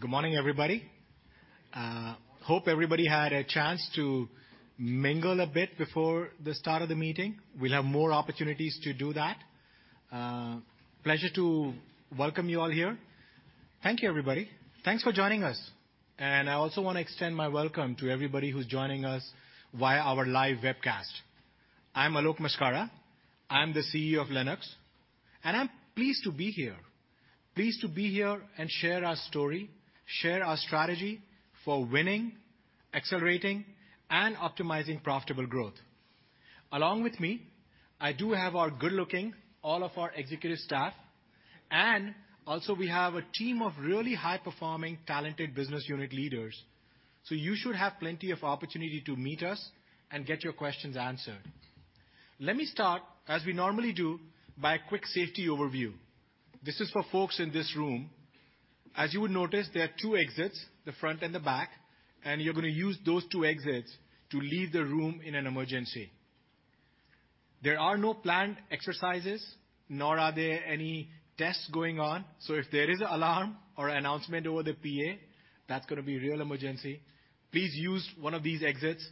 Good morning, everybody. Hope everybody had a chance to mingle a bit before the start of the meeting. We'll have more opportunities to do that. Pleasure to welcome you all here. Thank you, everybody. Thanks for joining us. I also wanna extend my welcome to everybody who's joining us via our live webcast. I'm Alok Maskara, I'm the CEO of Lennox, and I'm pleased to be here. Pleased to be here and share our story, share our strategy for winning, accelerating, and optimizing profitable growth. Along with me, I do have our good-looking, all of our executive staff, and also we have a team of really high-performing talented business unit leaders. You should have plenty of opportunity to meet us and get your questions answered. Let me start, as we normally do, by a quick safety overview. This is for folks in this room. As you would notice, there are two exits, the front and the back, you're gonna use those two exits to leave the room in an emergency. There are no planned exercises, nor are there any tests going on, if there is an alarm or announcement over the PA, that's gonna be real emergency. Please use one of these exits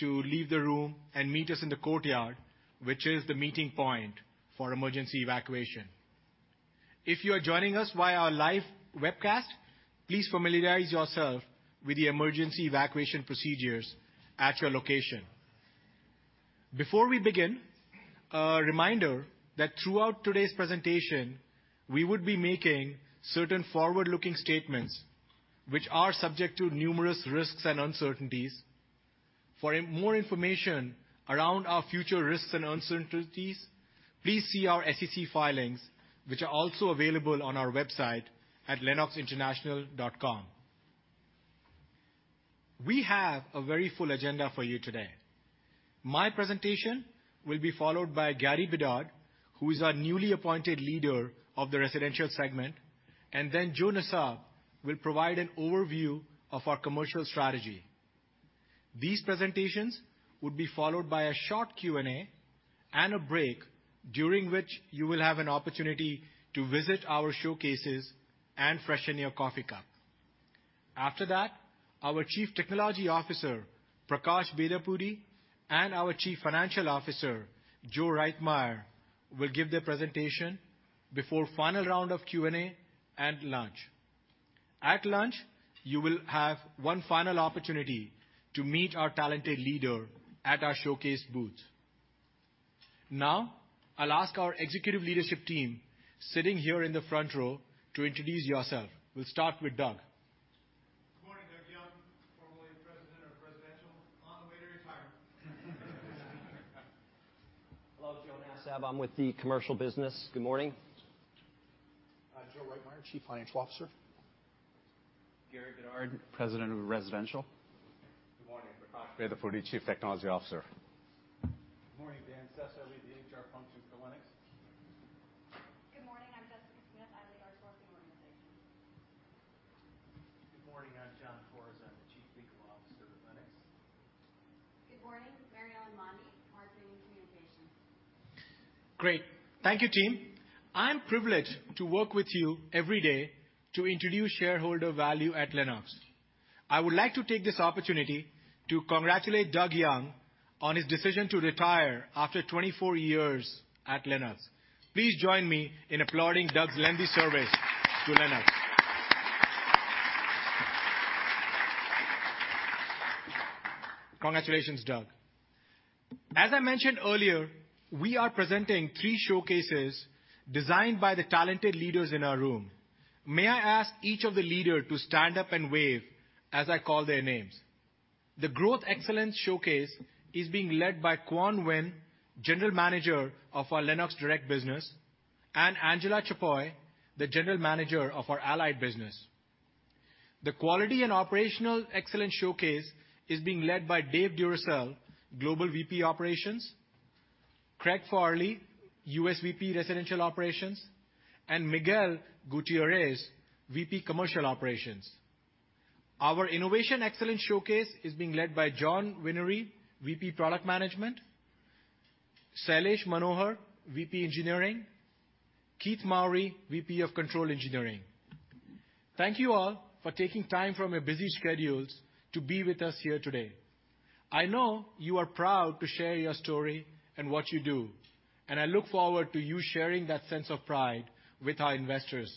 to leave the room and meet us in the courtyard, which is the meeting point for emergency evacuation. If you are joining us via our live webcast, please familiarize yourself with the emergency evacuation procedures at your location. Before we begin, a reminder that throughout today's presentation, we would be making certain forward-looking statements which are subject to numerous risks and uncertainties. For more information around our future risks and uncertainties, please see our SEC filings, which are also available on our website at lennoxinternational.com. We have a very full agenda for you today. My presentation will be followed by Gary Bedard, who is our newly appointed leader of the residential segment, and then Joe Nassab will provide an overview of our commercial strategy. These presentations would be followed by a short Q&A and a break, during which you will have an opportunity to visit our showcases and freshen your coffee cup. After that, our Chief Technology Officer, Prakash Bedapudi, and our Chief Financial Officer, Joe Reitmeier, will give their presentation before final round of Q&A and lunch. At lunch, you will have one final opportunity to meet our talented leader at our showcase booth. Now, I'll ask our executive leadership team sitting here in the front row to introduce yourself. We'll start with Doug. Good morning. Doug Young, formerly President of Residential, on the way to retirement. Hello. Joe Nassab. I'm with the commercial business. Good morning. Joe Reitmeier, Chief Financial Officer. Gary Bedard, President of Residential. Good morning. Prakash Bedapudi, Chief Technology Officer. Good morning. Daniel Sessa. I lead the AHRI function for Lennox. Good morning. I'm Jessica Smith. I lead our sourcing organization. Good morning. I'm John Torres. I'm the Chief Legal Officer with Lennox. Good morning. Mary Ellen Mondi, Marketing and Communications. Great. Thank you, team. I'm privileged to work with you every day to introduce shareholder value at Lennox. I would like to take this opportunity to congratulate Doug Young on his decision to retire after 24 years at Lennox. Please join me in applauding Doug's lengthy service to Lennox. Congratulations, Doug. As I mentioned earlier, we are presenting three showcases designed by the talented leaders in our room. May I ask each of the leader to stand up and wave as I call their names. The growth excellence showcase is being led by Quan Wynn, General Manager of our Lennox Direct business, and Angela Chapoy, the General Manager of our Allied business. The quality and operational excellence showcase is being led by Dave Duracell, Global VP Operations, Craig Fairley, U.S. VP Residential Operations, and Miguel Gutierrez, VP Commercial Operations. Our innovation excellence showcase is being led by John Whinery, VP Product Management, Sailesh Manohar, VP Engineering, Keith Mowery, VP of Control Engineering. Thank you all for taking time from your busy schedules to be with us here today. I know you are proud to share your story and what you do. I look forward to you sharing that sense of pride with our investors.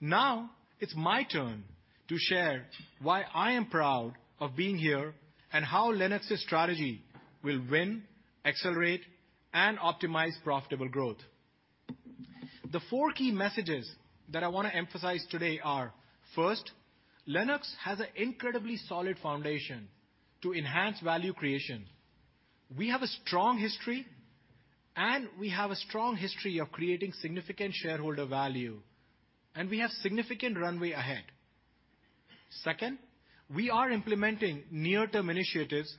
Now it's my turn to share why I am proud of being here and how Lennox's strategy will win, accelerate, and optimize profitable growth. The four key messages that I wanna emphasize today are, first, Lennox has a incredibly solid foundation to enhance value creation. We have a strong history of creating significant shareholder value, and we have significant runway ahead. Second, we are implementing near-term initiatives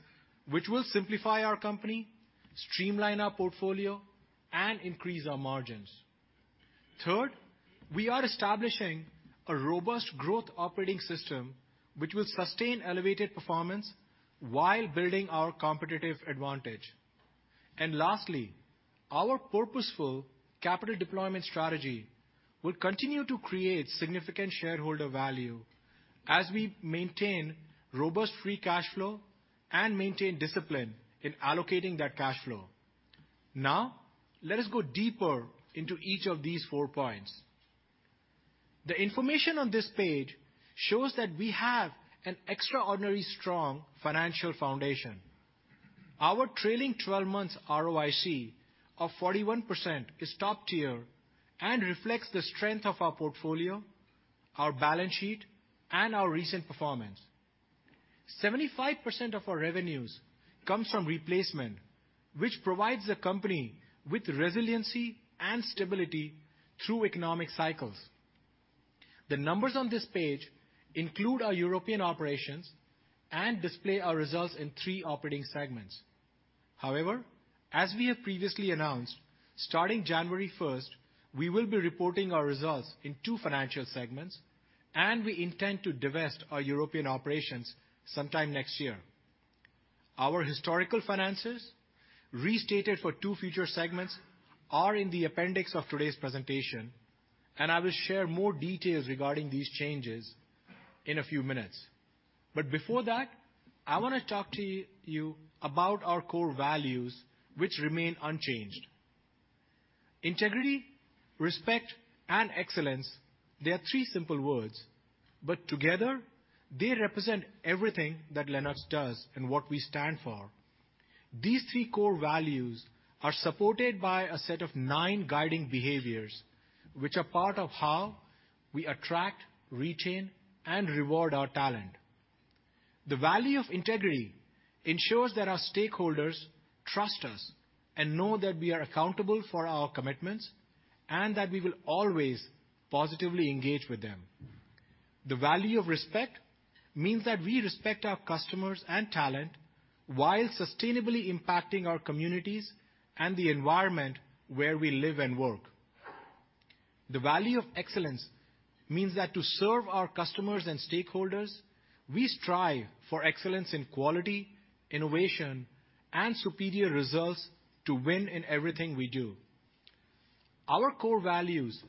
which will simplify our company, streamline our portfolio, and increase our margins. Third, we are establishing a robust growth operating system which will sustain elevated performance while building our competitive advantage. Lastly, our purposeful capital deployment strategy will continue to create significant shareholder value as we maintain robust free cash flow and maintain discipline in allocating that cash flow. Now, let us go deeper into each of these four points. The information on this page shows that we have an extraordinary strong financial foundation. Our trailing 12 months ROIC of 41% is top tier and reflects the strength of our portfolio, our balance sheet, and our recent performance. 75% of our revenues comes from replacement, which provides the company with resiliency and stability through economic cycles. The numbers on this page include our European operations and display our results in three operating segments. As we have previously announced, starting January 1st, we will be reporting our results in two financial segments, and we intend to divest our European operations sometime next year. Our historical finances, restated for two future segments, are in the appendix of today's presentation, and I will share more details regarding these changes in a few minutes. Before that, I wanna talk to you about our core values, which remain unchanged. Integrity, respect, and excellence. They are three simple words, but together they represent everything that Lennox does and what we stand for. These three core values are supported by a set of nine guiding behaviors, which are part of how we attract, retain, and reward our talent. The value of integrity ensures that our stakeholders trust us and know that we are accountable for our commitments, and that we will always positively engage with them. The value of respect means that we respect our customers and talent while sustainably impacting our communities and the environment where we live and work. The value of excellence means that to serve our customers and stakeholders, we strive for excellence in quality, innovation, and superior results to win in everything we do. Our core values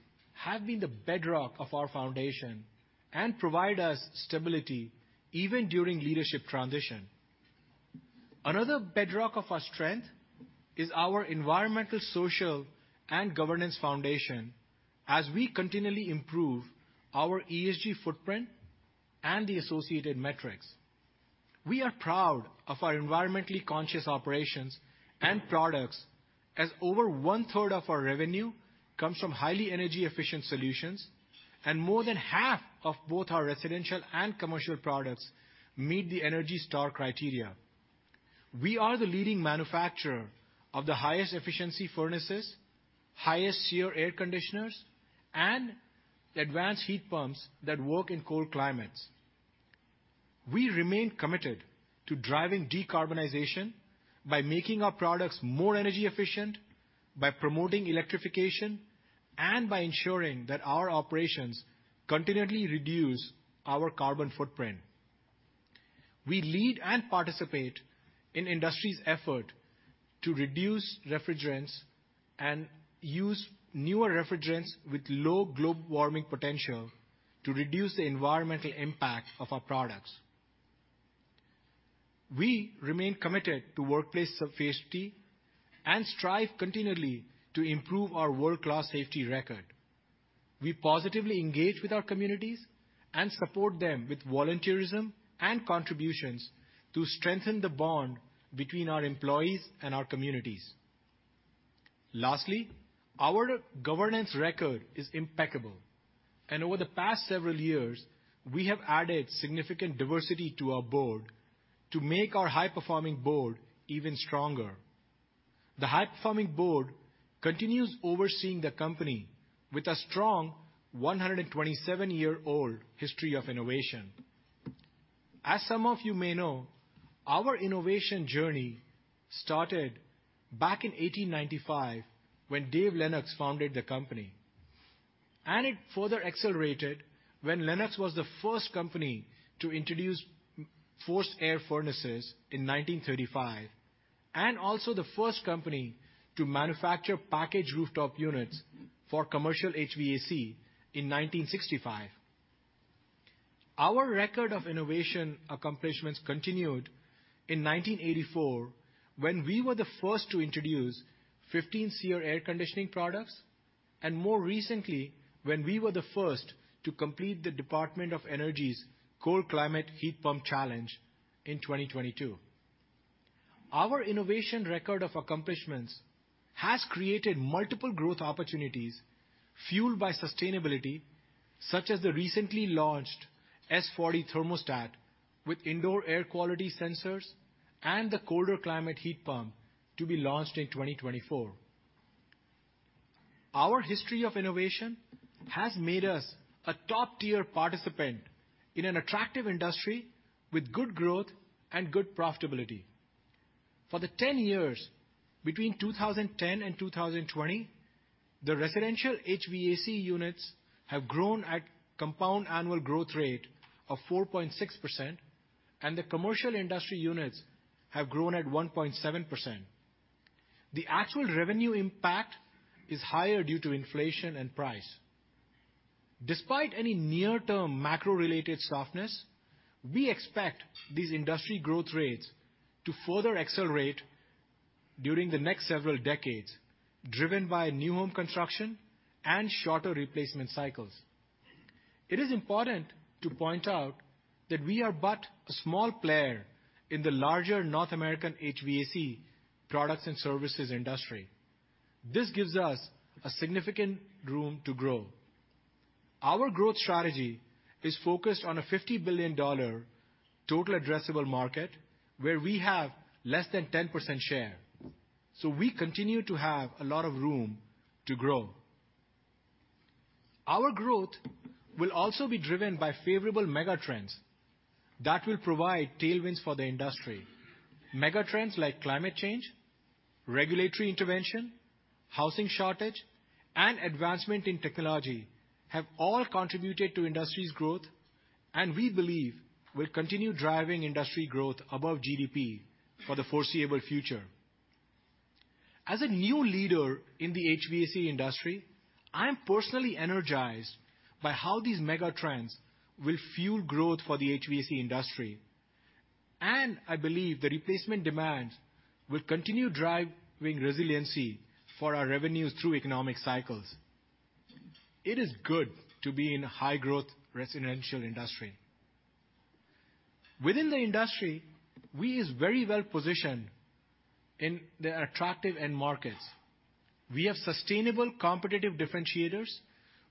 have been the bedrock of our foundation and provide us stability even during leadership transition. Another bedrock of our strength is our environmental, social, and governance foundation as we continually improve our ESG footprint and the associated metrics. We are proud of our environmentally conscious operations and products as over one-third of our revenue comes from highly energy efficient solutions, and more than half of both our residential and commercial products meet the ENERGY STAR criteria. We are the leading manufacturer of the highest efficiency furnaces, highest SEER air conditioners, and advanced heat pumps that work in cold climates. We remain committed to driving decarbonization by making our products more energy efficient, by promoting electrification, and by ensuring that our operations continually reduce our carbon footprint. We lead and participate in industry's effort to reduce refrigerants and use newer refrigerants with low global warming potential to reduce the environmental impact of our products. We remain committed to workplace safety and strive continually to improve our world-class safety record. We positively engage with our communities and support them with volunteerism and contributions to strengthen the bond between our employees and our communities. Our governance record is impeccable, and over the past several years, we have added significant diversity to our board to make our high-performing board even stronger. The high-performing board continues overseeing the company with a strong 127-year-old history of innovation. As some of you may know, our innovation journey started back in 1895 when Dave Lennox founded the company, and it further accelerated when Lennox was the first company to introduce forced air furnaces in 1935, and also the first company to manufacture packaged rooftop units for commercial HVAC in 1965. Our record of innovation accomplishments continued in 1984, when we were the first to introduce 15 SEER air conditioning products, and more recently when we were the first to complete the Department of Energy's Cold Climate Heat Pump Challenge in 2022. Our innovation record of accomplishments has created multiple growth opportunities fueled by sustainability, such as the recently launched S40 thermostat with indoor air quality sensors and the colder climate heat pump to be launched in 2024. Our history of innovation has made us a top-tier participant in an attractive industry with good growth and good profitability. For the 10 years between 2010-2020, the residential HVAC units have grown at compound annual growth rate of 4.6% and the commercial industry units have grown at 1.7%. The actual revenue impact is higher due to inflation and price. Despite any near-term macro-related softness, we expect these industry growth rates to further accelerate during the next several decades, driven by new home construction and shorter replacement cycles. It is important to point out that we are but a small player in the larger North American HVAC products and services industry. This gives us a significant room to grow. Our growth strategy is focused on a $50 billion total addressable market where we have less than 10% share. We continue to have a lot of room to grow. Our growth will also be driven by favorable megatrends that will provide tailwinds for the industry. Megatrends like climate change, regulatory intervention, housing shortage, and advancement in technology have all contributed to industry's growth, and we believe will continue driving industry growth above GDP for the foreseeable future. As a new leader in the HVAC industry, I am personally energized by how these megatrends will fuel growth for the HVAC industry, I believe the replacement demands will continue driving resiliency for our revenues through economic cycles. It is good to be in a high-growth residential industry. Within the industry, we is very well positioned in the attractive end markets. We have sustainable competitive differentiators,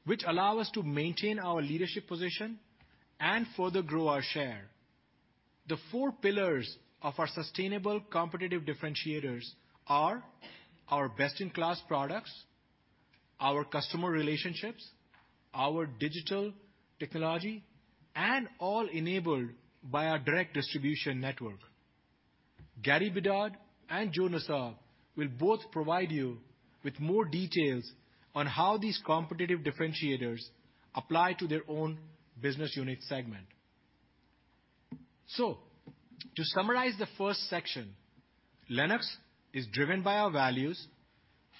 which allow us to maintain our leadership position and further grow our share. The four pillars of our sustainable competitive differentiators are our best-in-class products, our customer relationships, our digital technology, and all enabled by our direct distribution network. Gary Bedard and Joe Nassab will both provide you with more details on how these competitive differentiators apply to their own business unit segment. To summarize the first section, Lennox is driven by our values.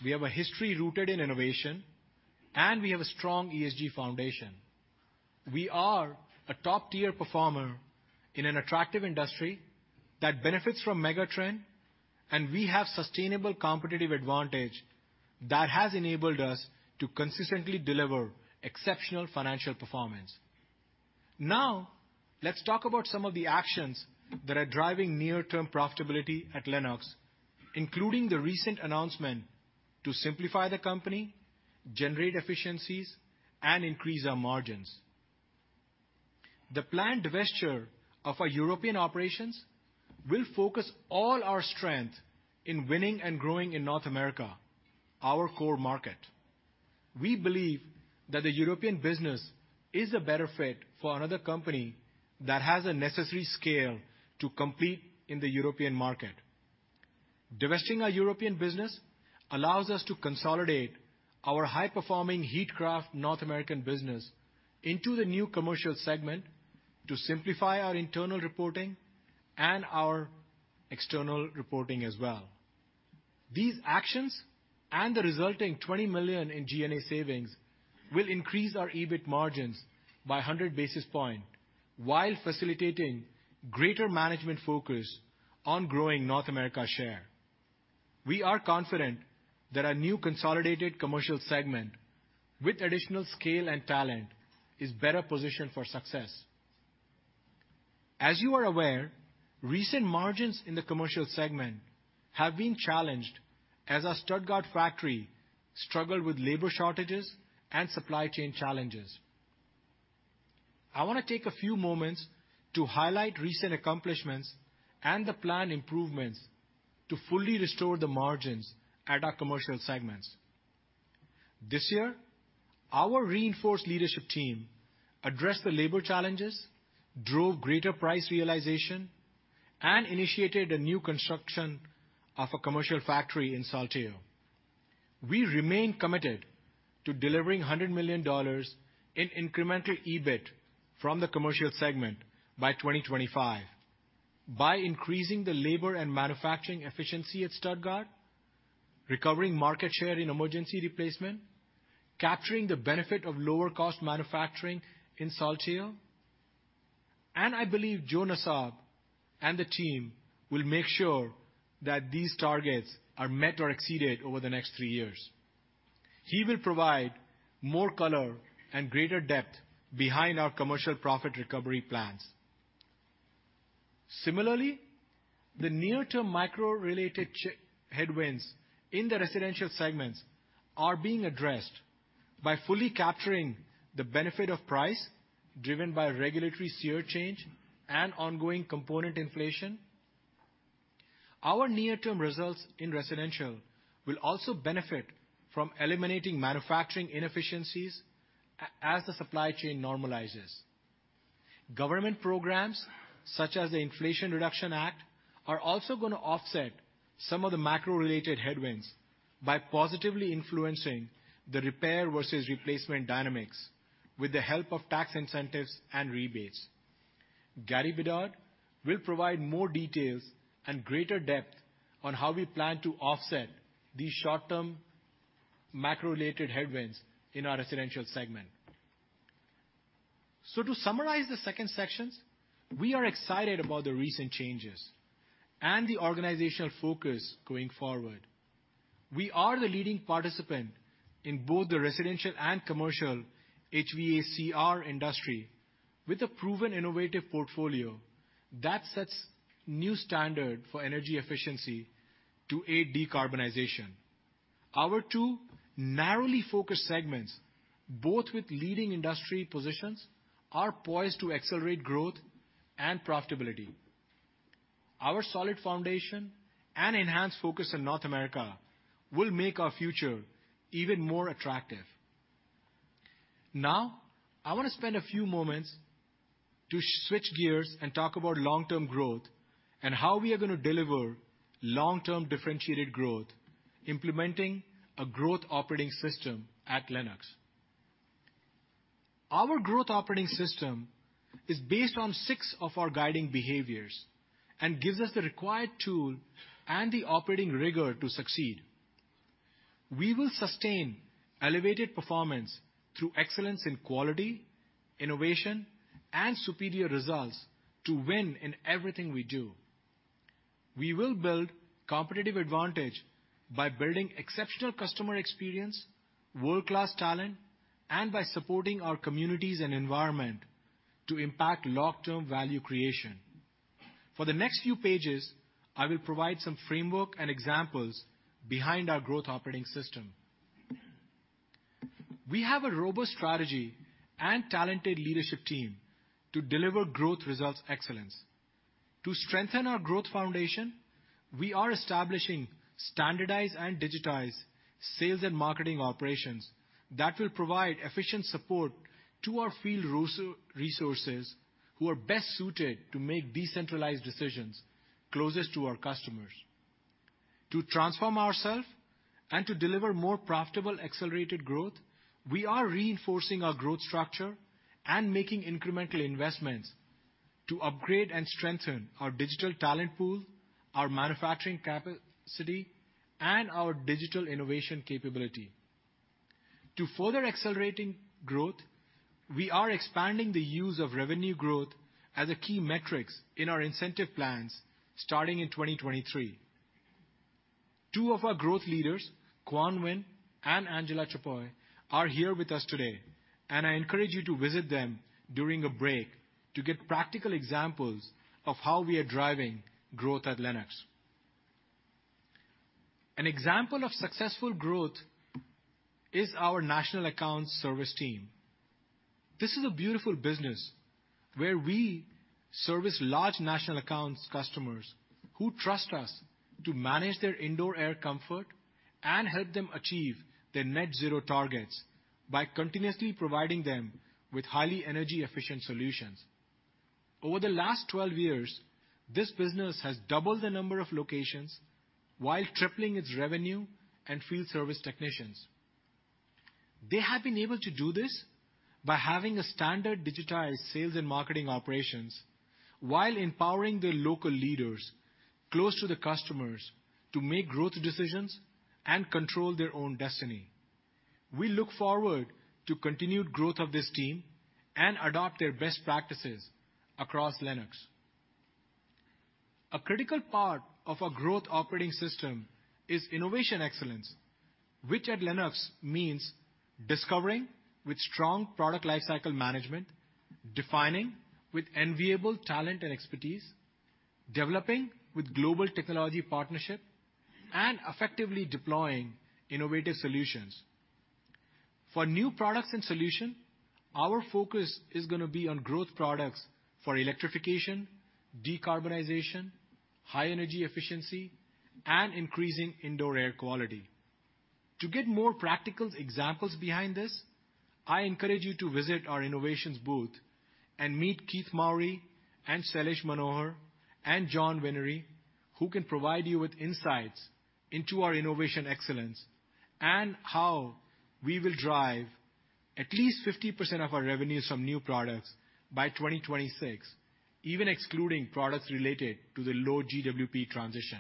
We have a history rooted in innovation, and we have a strong ESG foundation. We are a top-tier performer in an attractive industry that benefits from megatrend, and we have sustainable competitive advantage that has enabled us to consistently deliver exceptional financial performance. Let's talk about some of the actions that are driving near-term profitability at Lennox, including the recent announcement to simplify the company, generate efficiencies, and increase our margins. The planned divestiture of our European operations will focus all our strength in winning and growing in North America, our core market. We believe that the European business is a better fit for another company that has the necessary scale to compete in the European market. Divesting our European business allows us to consolidate our high-performing Heatcraft North American business into the new commercial segment to simplify our internal reporting and our external reporting as well. These actions and the resulting $20 million in SG&A savings will increase our EBIT margins by 100 basis points while facilitating greater management focus on growing North America share. We are confident that our new consolidated commercial segment with additional scale and talent is better positioned for success. As you are aware, recent margins in the commercial segment have been challenged as our Stuttgart factory struggled with labor shortages and supply chain challenges. I wanna take a few moments to highlight recent accomplishments and the planned improvements to fully restore the margins at our commercial segments. This year, our reinforced leadership team addressed the labor challenges, drove greater price realization, and initiated a new construction of a commercial factory in Saltillo. We remain committed to delivering $100 million in incremental EBIT from the commercial segment by 2025 by increasing the labor and manufacturing efficiency at Stuttgart, recovering market share in emergency replacement, capturing the benefit of lower cost manufacturing in Saltillo. I believe Joe Nassab and the team will make sure that these targets are met or exceeded over the next three years. He will provide more color and greater depth behind our commercial profit recovery plans. Similarly, the near-term micro related headwinds in the residential segments are being addressed by fully capturing the benefit of price driven by regulatory SEER change and ongoing component inflation. Our near-term results in residential will also benefit from eliminating manufacturing inefficiencies as the supply chain normalizes. Government programs, such as the Inflation Reduction Act, are also gonna offset some of the macro-related headwinds by positively influencing the repair versus replacement dynamics with the help of tax incentives and rebates. Gary Bedard will provide more details and greater depth on how we plan to offset these short-term macro-related headwinds in our residential segment. To summarize the second sections, we are excited about the recent changes and the organizational focus going forward. We are the leading participant in both the residential and commercial HVACR industry, with a proven innovative portfolio that sets new standard for energy efficiency to aid decarbonization. Our two narrowly focused segments, both with leading industry positions, are poised to accelerate growth and profitability. I wanna spend a few moments to switch gears and talk about long-term growth and how we are gonna deliver long-term differentiated growth, implementing a growth operating system at Lennox. Our growth operating system is based on 6 of our guiding behaviors and gives us the required tool and the operating rigor to succeed. We will sustain elevated performance through excellence in quality, innovation, and superior results to win in everything we do. We will build competitive advantage by building exceptional customer experience, world-class talent, and by supporting our communities and environment to impact long-term value creation. For the next few pages, I will provide some framework and examples behind our growth operating system. We have a robust strategy and talented leadership team to deliver growth results excellence. To strengthen our growth foundation, we are establishing standardized and digitized sales and marketing operations that will provide efficient support to our field resources who are best suited to make decentralized decisions closest to our customers. To transform ourself and to deliver more profitable, accelerated growth, we are reinforcing our growth structure and making incremental investments to upgrade and strengthen our digital talent pool, our manufacturing capacity, and our digital innovation capability. To further accelerating growth, we are expanding the use of revenue growth as a key metrics in our incentive plans starting in 2023. Two of our growth leaders, Quan Nguyen and Angela Chapoy, are here with us today, and I encourage you to visit them during a break to get practical examples of how we are driving growth at Lennox. An example of successful growth is our national account service team. This is a beautiful business where we service large national accounts customers who trust us to manage their indoor air comfort and help them achieve their net zero targets by continuously providing them with highly energy efficient solutions. Over the last 12 years, this business has doubled the number of locations while tripling its revenue and field service technicians. They have been able to do this by having a standard digitized sales and marketing operations while empowering their local leaders close to the customers to make growth decisions and control their own destiny. We look forward to continued growth of this team and adopt their best practices across Lennox. A critical part of our growth operating system is innovation excellence, which at Lennox means discovering with strong product life cycle management, defining with enviable talent and expertise, developing with global technology partnership, and effectively deploying innovative solutions. For new products and solution, our focus is gonna be on growth products for electrification, decarbonization, high energy efficiency, and increasing indoor air quality. To get more practical examples behind this, I encourage you to visit our innovations booth and meet Keith Mowery and Sailesh Manohar and John Whinery, who can provide you with insights into our innovation excellence and how we will drive at least 50% of our revenues from new products by 2026, even excluding products related to the low GWP transition.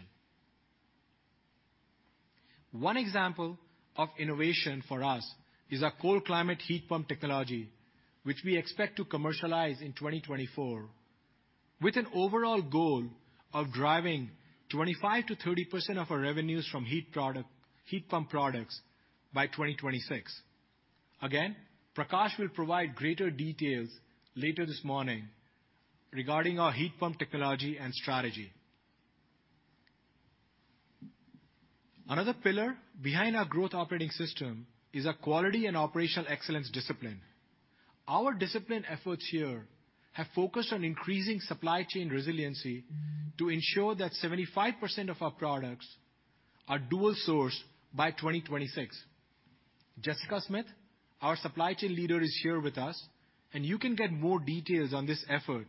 One example of innovation for us is our cold climate heat pump technology, which we expect to commercialize in 2024, with an overall goal of driving 25%-30% of our revenues from heat pump products by 2026. Prakash will provide greater details later this morning regarding our heat pump technology and strategy. Another pillar behind our growth operating system is our quality and operational excellence discipline. Our discipline efforts here have focused on increasing supply chain resiliency to ensure that 75% of our products are dual sourced by 2026. Jessica Smith, our supply chain leader, is here with us, and you can get more details on this effort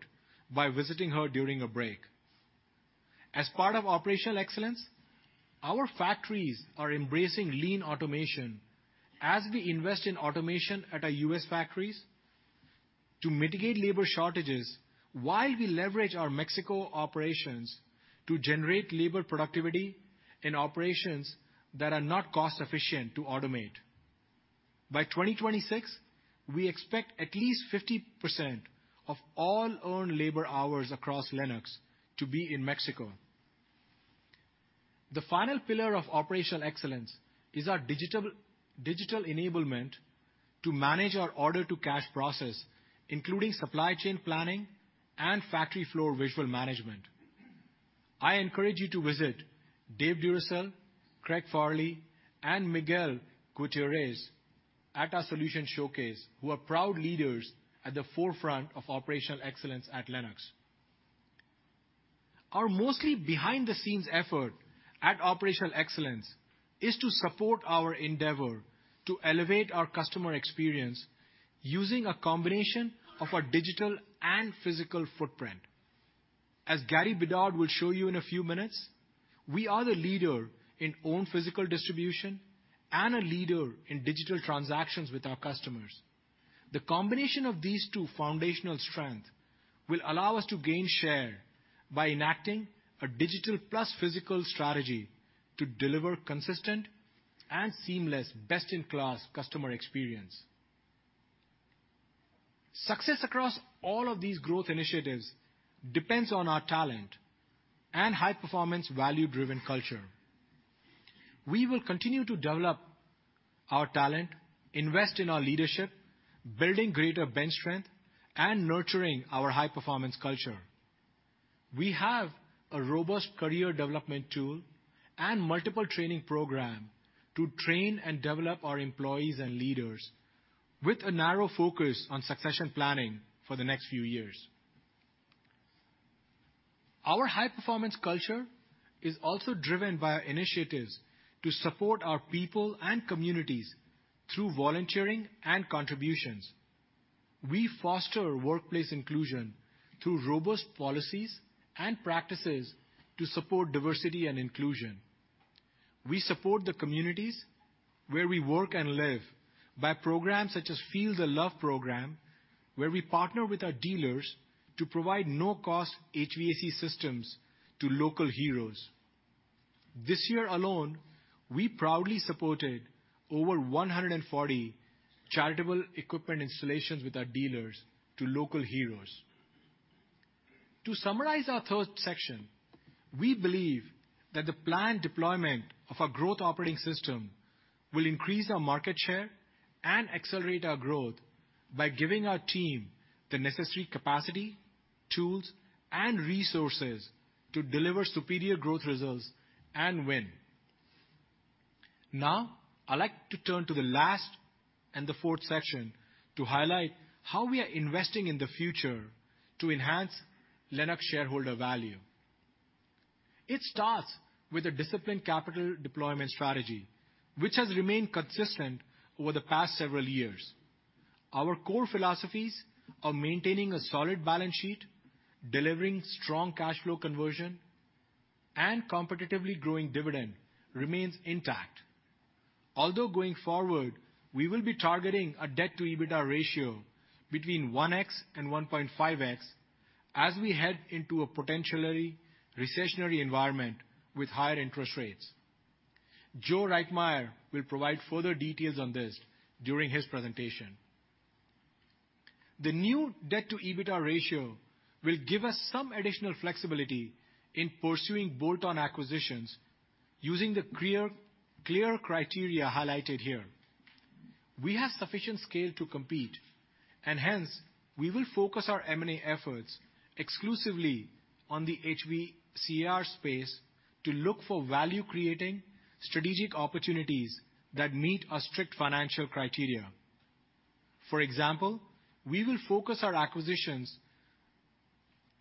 by visiting her during a break. As part of operational excellence, our factories are embracing lean automation as we invest in automation at our U.S. factories to mitigate labor shortages while we leverage our Mexico operations to generate labor productivity in operations that are not cost efficient to automate. By 2026, we expect at least 50% of all own labor hours across Lennox to be in Mexico. The final pillar of operational excellence is our digital enablement to manage our order-to-cash process, including supply chain planning and factory floor visual management. I encourage you to visit Dave Duriciel, Craig Fairley, and Miguel Gutierrez at our solution showcase, who are proud leaders at the forefront of operational excellence at Lennox. Our mostly behind-the-scenes effort at operational excellence is to support our endeavor to elevate our customer experience using a combination of our digital and physical footprint. As Gary Bedard will show you in a few minutes, we are the leader in own physical distribution and a leader in digital transactions with our customers. The combination of these two foundational strength will allow us to gain share by enacting a digital plus physical strategy to deliver consistent and seamless best-in-class customer experience. Success across all of these growth initiatives depends on our talent and high-performance, value-driven culture. We will continue to develop our talent, invest in our leadership, building greater bench strength, and nurturing our high-performance culture. We have a robust career development tool and multiple training program to train and develop our employees and leaders with a narrow focus on succession planning for the next few years. Our high-performance culture is also driven by our initiatives to support our people and communities through volunteering and contributions. We foster workplace inclusion through robust policies and practices to support diversity and inclusion. We support the communities where we work and live by programs such as Feel The Love program, where we partner with our dealers to provide no-cost HVAC systems to local heroes. This year alone, we proudly supported over 140 charitable equipment installations with our dealers to local heroes. To summarize our third section, we believe that the planned deployment of our growth operating system will increase our market share and accelerate our growth by giving our team the necessary capacity, tools, and resources to deliver superior growth results and win. I'd like to turn to the last and the fourth section to highlight how we are investing in the future to enhance Lennox shareholder value. It starts with a disciplined capital deployment strategy, which has remained consistent over the past several years. Our core philosophies of maintaining a solid balance sheet, delivering strong cash flow conversion, and competitively growing dividend remains intact. Going forward, we will be targeting a debt-to-EBITDA ratio between 1x and 1.5x as we head into a potentially recessionary environment with higher interest rates. Joe Reitmeier will provide further details on this during his presentation. The new debt-to-EBITDA ratio will give us some additional flexibility in pursuing bolt-on acquisitions using the clear criteria highlighted here. We have sufficient scale to compete and hence, we will focus our M&A efforts exclusively on the HVACR space to look for value-creating strategic opportunities that meet our strict financial criteria. For example, we will focus our acquisitions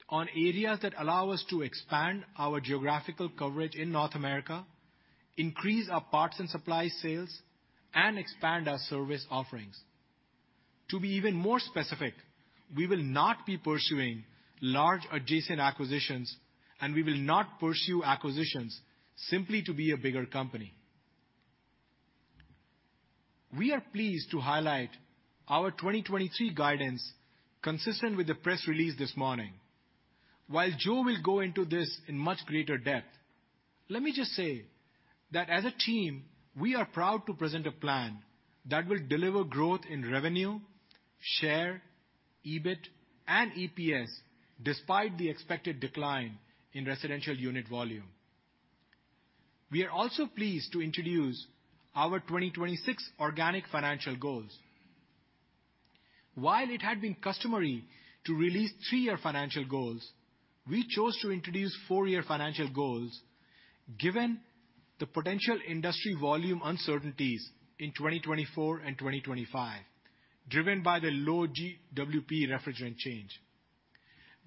on areas that allow us to expand our geographical coverage in North America, increase our parts and supply sales, and expand our service offerings. To be even more specific, we will not be pursuing large adjacent acquisitions, and we will not pursue acquisitions simply to be a bigger company. We are pleased to highlight our 2023 guidance consistent with the press release this morning. While Joe will go into this in much greater depth, let me just say that as a team, we are proud to present a plan that will deliver growth in revenue, share, EBIT, and EPS despite the expected decline in residential unit volume. We are also pleased to introduce our 2026 organic financial goals. While it had been customary to release three-year financial goals, we chose to introduce four-year financial goals given the potential industry volume uncertainties in 2024 and 2025 driven by the low GWP refrigerant change.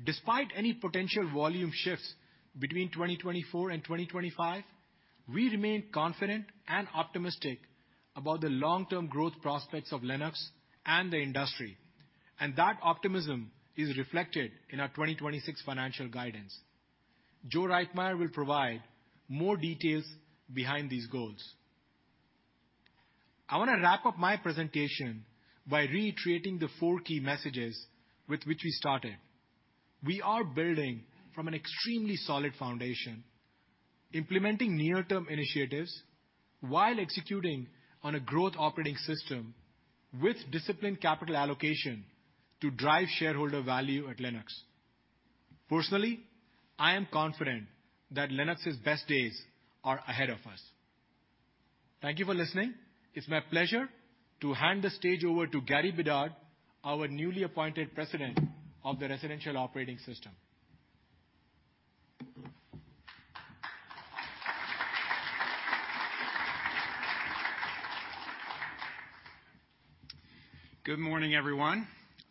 Despite any potential volume shifts between 2024 and 2025, we remain confident and optimistic about the long-term growth prospects of Lennox and the industry, and that optimism is reflected in our 2026 financial guidance. Joe Reitmeier will provide more details behind these goals. I wanna wrap up my presentation by reiterating the four key messages with which we started. We are building from an extremely solid foundation, implementing near-term initiatives while executing on a growth operating system with disciplined capital allocation to drive shareholder value at Lennox. Personally, I am confident that Lennox's best days are ahead of us. Thank you for listening. It's my pleasure to hand the stage over to Gary Bedard, our newly appointed President of the residential operating system. Good morning, everyone.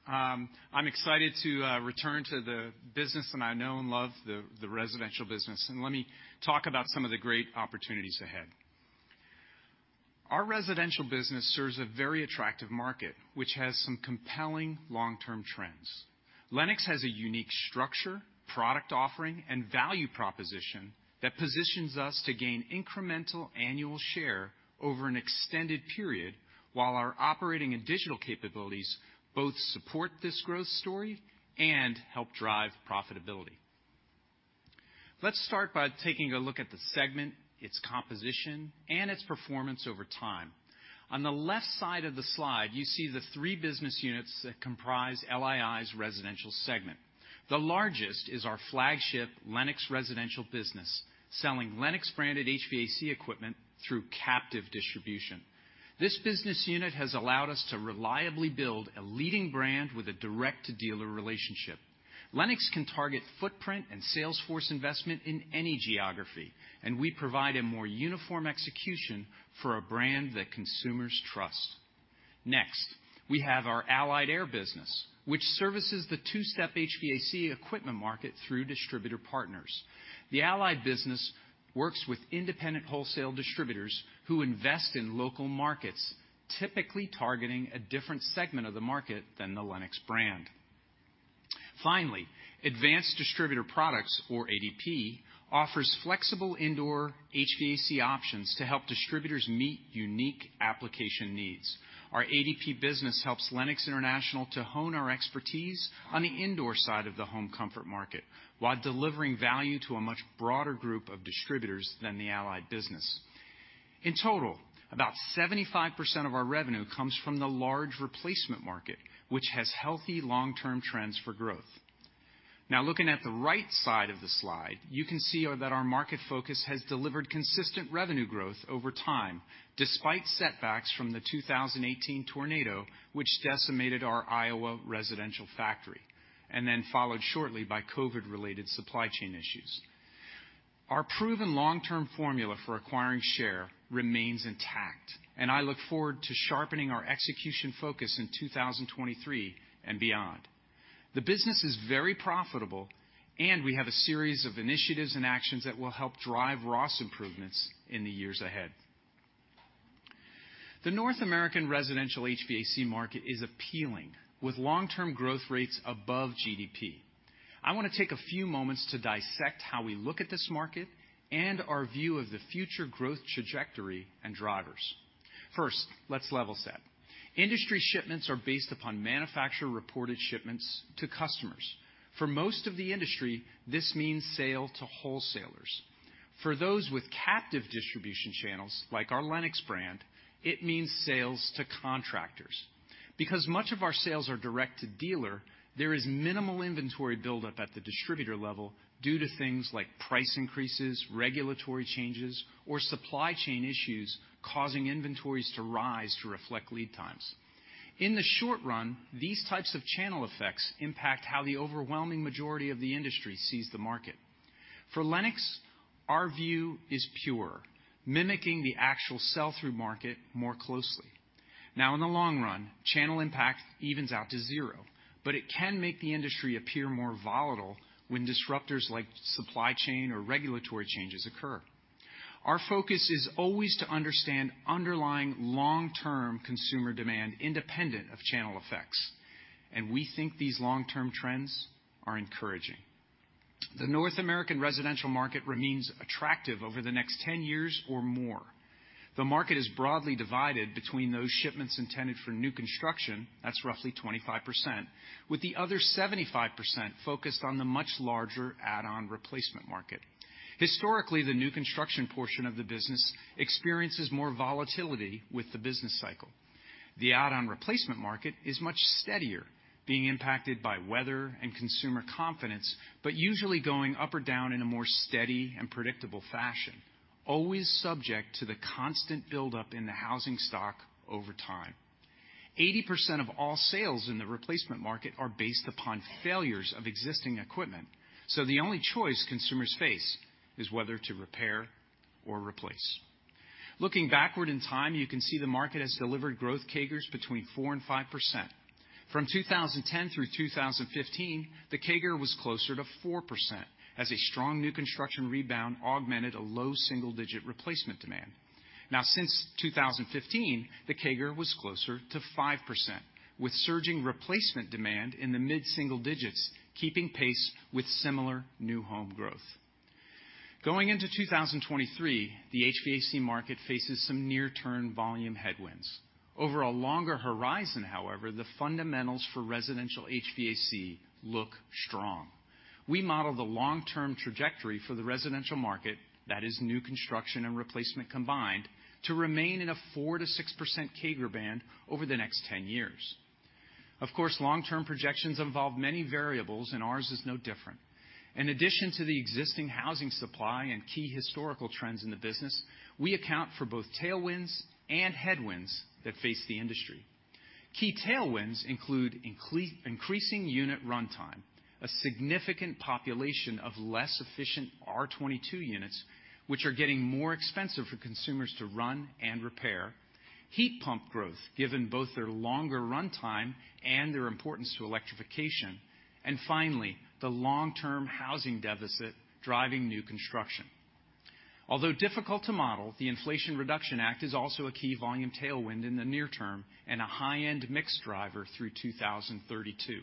I'm excited to return to the business that I know and love, the residential business. Let me talk about some of the great opportunities ahead. Our residential business serves a very attractive market, which has some compelling long-term trends. Lennox has a unique structure, product offering, and value proposition that positions us to gain incremental annual share over an extended period, while our operating and digital capabilities both support this growth story and help drive profitability. Let's start by taking a look at the segment, its composition, and its performance over time. On the left side of the slide, you see the three business units that comprise LII's residential segment. The largest is our flagship Lennox Residential Business, selling Lennox-branded HVAC equipment through captive distribution. This business unit has allowed us to reliably build a leading brand with a direct-to-dealer relationship. Lennox can target footprint and sales force investment in any geography. We provide a more uniform execution for a brand that consumers trust. Next, we have our Allied Air Business, which services the two-step HVAC equipment market through distributor partners. The Allied business works with independent wholesale distributors who invest in local markets, typically targeting a different segment of the market than the Lennox brand. Finally, Advanced Distributor Products, or ADP, offers flexible indoor HVAC options to help distributors meet unique application needs. Our ADP business helps Lennox International to hone our expertise on the indoor side of the home comfort market, while delivering value to a much broader group of distributors than the Allied business. In total, about 75% of our revenue comes from the large replacement market, which has healthy long-term trends for growth. Now looking at the right side of the slide, you can see that our market focus has delivered consistent revenue growth over time despite setbacks from the 2018 tornado, which decimated our Iowa residential factory, and then followed shortly by COVID-related supply chain issues. Our proven long-term formula for acquiring share remains intact, and I look forward to sharpening our execution focus in 2023 and beyond. The business is very profitable, and we have a series of initiatives and actions that will help drive ROS improvements in the years ahead. The North American residential HVAC market is appealing, with long-term growth rates above GDP. I wanna take a few moments to dissect how we look at this market and our view of the future growth trajectory and drivers. First, let's level set. Industry shipments are based upon manufacturer-reported shipments to customers. For most of the industry, this means sale to wholesalers. For those with captive distribution channels, like our Lennox brand, it means sales to contractors. Because much of our sales are direct to dealer, there is minimal inventory buildup at the distributor level due to things like price increases, regulatory changes, or supply chain issues causing inventories to rise to reflect lead times. In the short run, these types of channel effects impact how the overwhelming majority of the industry sees the market. For Lennox, our view is pure, mimicking the actual sell-through market more closely. Now in the long run, channel impact evens out to zero, but it can make the industry appear more volatile when disruptors like supply chain or regulatory changes occur. Our focus is always to understand underlying long-term consumer demand independent of channel effects, and we think these long-term trends are encouraging. The North American residential market remains attractive over the next 10 years or more. The market is broadly divided between those shipments intended for new construction, that's roughly 25%, with the other 75% focused on the much larger add-on replacement market. Historically, the new construction portion of the business experiences more volatility with the business cycle. The add-on replacement market is much steadier, being impacted by weather and consumer confidence, but usually going up or down in a more steady and predictable fashion, always subject to the constant buildup in the housing stock over time. 80% of all sales in the replacement market are based upon failures of existing equipment, the only choice consumers face is whether to repair or replace. Looking backward in time, you can see the market has delivered growth CAGRs between 4% and 5%. From 2010 through 2015, the CAGR was closer to 4% as a strong new construction rebound augmented a low single-digit replacement demand. Since 2015, the CAGR was closer to 5%, with surging replacement demand in the mid-single digits, keeping pace with similar new home growth. Going into 2023, the HVAC market faces some near-term volume headwinds. Over a longer horizon, however, the fundamentals for residential HVAC look strong. We model the long-term trajectory for the residential market, that is new construction and replacement combined, to remain in a 4%-6% CAGR band over the next 10 years. Of course, long-term projections involve many variables, and ours is no different. In addition to the existing housing supply and key historical trends in the business, we account for both tailwinds and headwinds that face the industry. Key tailwinds include increasing unit runtime, a significant population of less efficient R22 units, which are getting more expensive for consumers to run and repair, heat pump growth, given both their longer runtime and their importance to electrification, and finally, the long-term housing deficit driving new construction. Although difficult to model, the Inflation Reduction Act is also a key volume tailwind in the near term and a high-end mix driver through 2032.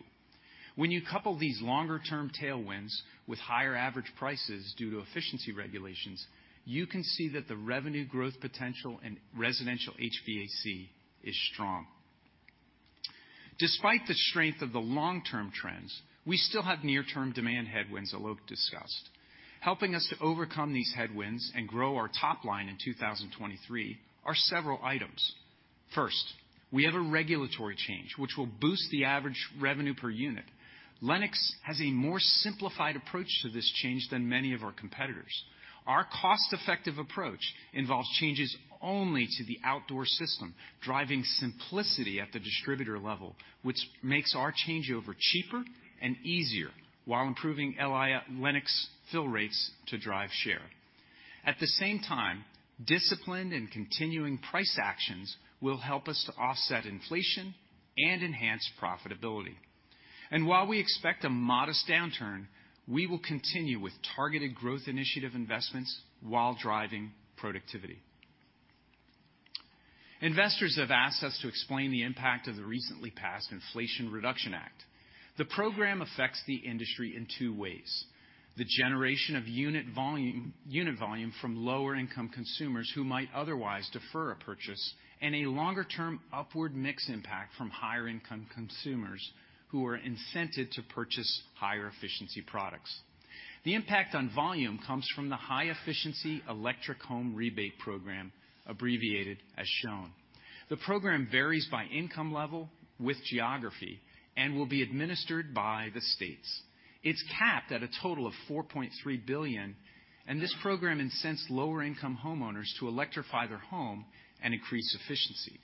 When you couple these longer-term tailwinds with higher average prices due to efficiency regulations, you can see that the revenue growth potential in residential HVAC is strong. Despite the strength of the long-term trends, we still have near-term demand headwinds Alok discussed. Helping us to overcome these headwinds and grow our top line in 2023 are several items. First, we have a regulatory change which will boost the average revenue per unit. Lennox has a more simplified approach to this change than many of our competitors. Our cost-effective approach involves changes only to the outdoor system, driving simplicity at the distributor level, which makes our changeover cheaper and easier while improving Lennox fill rates to drive share. At the same time, disciplined and continuing price actions will help us to offset inflation and enhance profitability. While we expect a modest downturn, we will continue with targeted growth initiative investments while driving productivity. Investors have asked us to explain the impact of the recently passed Inflation Reduction Act. The program affects the industry in two ways, the generation of unit volume, unit volume from lower-income consumers who might otherwise defer a purchase, and a longer-term upward mix impact from higher-income consumers who are incented to purchase higher-efficiency products. The impact on volume comes from the High Efficiency Electric Home Rebate program, abbreviated as shown. The program varies by income level with geography and will be administered by the states. It's capped at a total of $4.3 billion, this program incents lower-income homeowners to electrify their home and increase efficiency.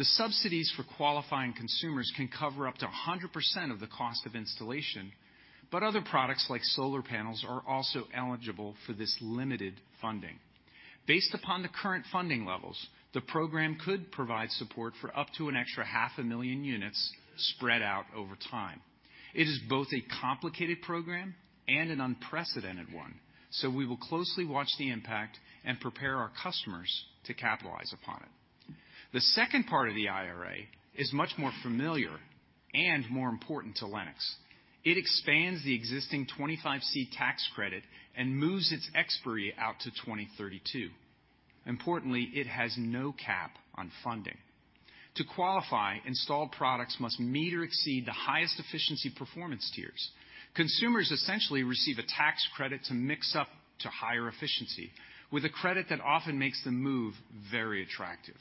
The subsidies for qualifying consumers can cover up to 100% of the cost of installation, other products like solar panels are also eligible for this limited funding. Based upon the current funding levels, the program could provide support for up to an extra half a million units spread out over time. It is both a complicated program and an unprecedented one, so we will closely watch the impact and prepare our customers to capitalize upon it. The second part of the IRA is much more familiar and more important to Lennox. It expands the existing 25C tax credit and moves its expiry out to 2032. Importantly, it has no cap on funding. To qualify, installed products must meet or exceed the highest efficiency performance tiers. Consumers essentially receive a tax credit to mix up to higher efficiency with a credit that often makes the move very attractive.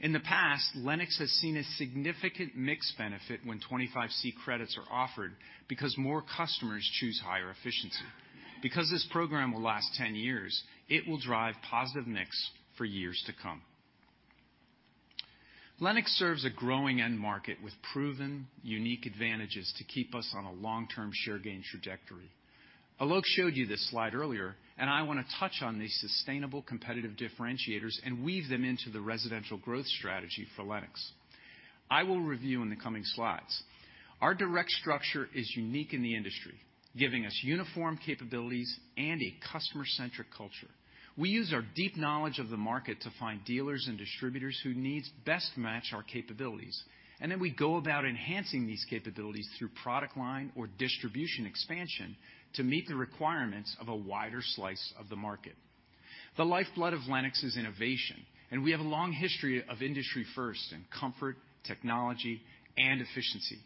In the past, Lennox has seen a significant mix benefit when 25C credits are offered because more customers choose higher efficiency. This program will last 10 years, it will drive positive mix for years to come. Lennox serves a growing end market with proven unique advantages to keep us on a long-term share gain trajectory. Alok showed you this slide earlier, and I wanna touch on the sustainable competitive differentiators and weave them into the residential growth strategy for Lennox. I will review in the coming slides. Our direct structure is unique in the industry, giving us uniform capabilities and a customer-centric culture. We use our deep knowledge of the market to find dealers and distributors whose needs best match our capabilities, and then we go about enhancing these capabilities through product line or distribution expansion to meet the requirements of a wider slice of the market. The lifeblood of Lennox is innovation. We have a long history of industry firsts in comfort, technology, and efficiency.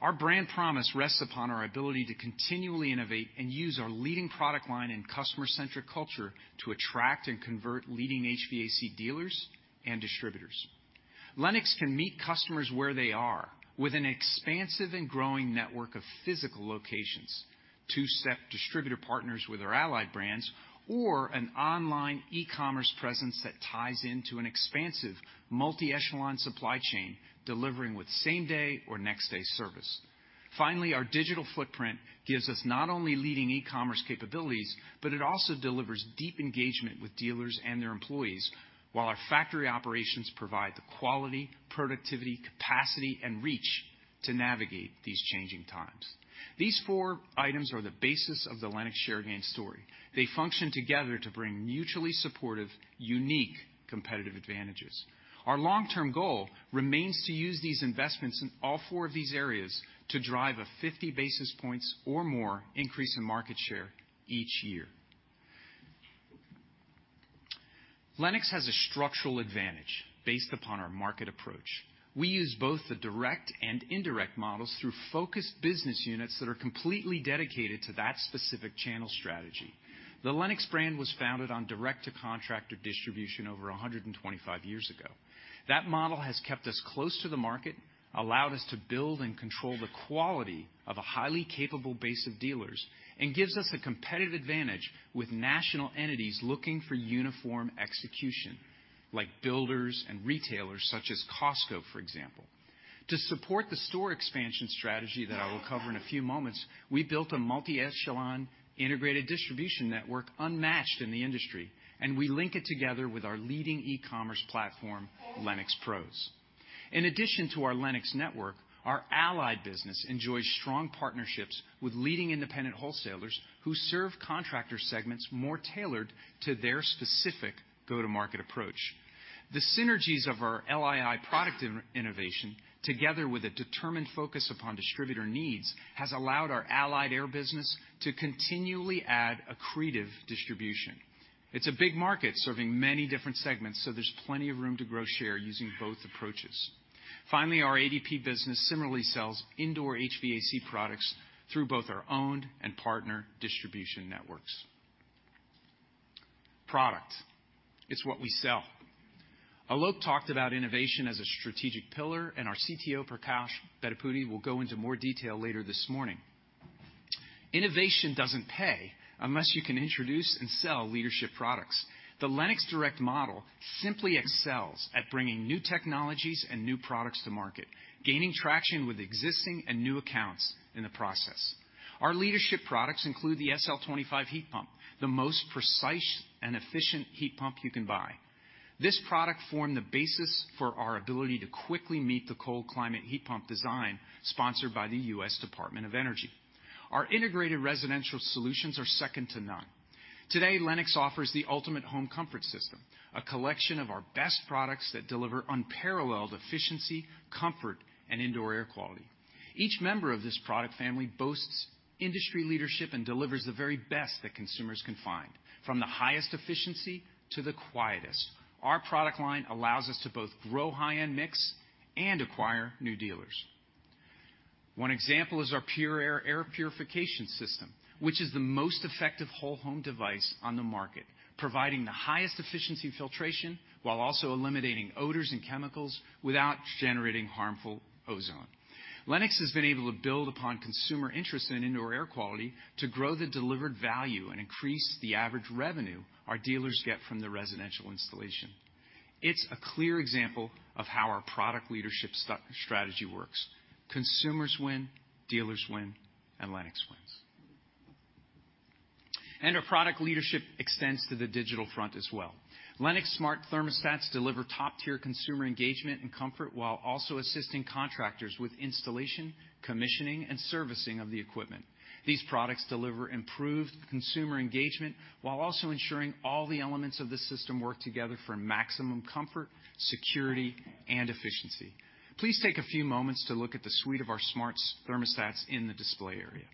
Our brand promise rests upon our ability to continually innovate and use our leading product line and customer-centric culture to attract and convert leading HVAC dealers and distributors. Lennox can meet customers where they are with an expansive and growing network of physical locations to set distributor partners with our Allied brands or an online e-commerce presence that ties into an expansive multi-echelon supply chain, delivering with same day or next day service. Finally, our digital footprint gives us not only leading e-commerce capabilities, but it also delivers deep engagement with dealers and their employees, while our factory operations provide the quality, productivity, capacity, and reach to navigate these changing times. These four items are the basis of the Lennox share gain story. They function together to bring mutually supportive, unique competitive advantages. Our long-term goal remains to use these investments in all four of these areas to drive a 50 basis points or more increase in market share each year. Lennox has a structural advantage based upon our market approach. We use both the direct and indirect models through focused business units that are completely dedicated to that specific channel strategy. The Lennox brand was founded on direct-to-contractor distribution over 125 years ago. That model has kept us close to the market, allowed us to build and control the quality of a highly capable base of dealers, and gives us a competitive advantage with national entities looking for uniform execution, like builders and retailers such as Costco, for example. To support the store expansion strategy that I will cover in a few moments, we built a multi-echelon integrated distribution network unmatched in the industry, and we link it together with our leading e-commerce platform, LennoxPROs. In addition to our Lennox network, our Allied business enjoys strong partnerships with leading independent wholesalers who serve contractor segments more tailored to their specific go-to-market approach. The synergies of our LII product in-innovation together with a determined focus upon distributor needs, has allowed our Allied Air business to continually add accretive distribution. It's a big market serving many different segments, so there's plenty of room to grow share using both approaches. Finally, our ADP business similarly sells indoor HVAC products through both our owned and partner distribution networks. Product. It's what we sell. Alok talked about innovation as a strategic pillar. Our CTO, Prakash Bedapudi, will go into more detail later this morning. Innovation doesn't pay unless you can introduce and sell leadership products. The Lennox Direct model simply excels at bringing new technologies and new products to market, gaining traction with existing and new accounts in the process. Our leadership products include the SL25 heat pump, the most precise and efficient heat pump you can buy. This product formed the basis for our ability to quickly meet the cold climate heat pump design sponsored by the U.S. Department of Energy. Our integrated residential solutions are second to none. Today, Lennox offers the ultimate home comfort system, a collection of our best products that deliver unparalleled efficiency, comfort, and indoor air quality. Each member of this product family boasts industry leadership and delivers the very best that consumers can find, from the highest efficiency to the quietest. Our product line allows us to both grow high-end mix and acquire new dealers. One example is our PureAir air purification system, which is the most effective whole home device on the market, providing the highest efficiency filtration while also eliminating odors and chemicals without generating harmful ozone. Lennox has been able to build upon consumer interest in indoor air quality to grow the delivered value and increase the average revenue our dealers get from the residential installation. It's a clear example of how our product leadership strategy works. Consumers win, dealers win, Lennox wins. Our product leadership extends to the digital front as well. Lennox smart thermostats deliver top-tier consumer engagement and comfort while also assisting contractors with installation, commissioning, and servicing of the equipment. These products deliver improved consumer engagement while also ensuring all the elements of the system work together for maximum comfort, security, and efficiency. Please take a few moments to look at the suite of our smart thermostats in the display area.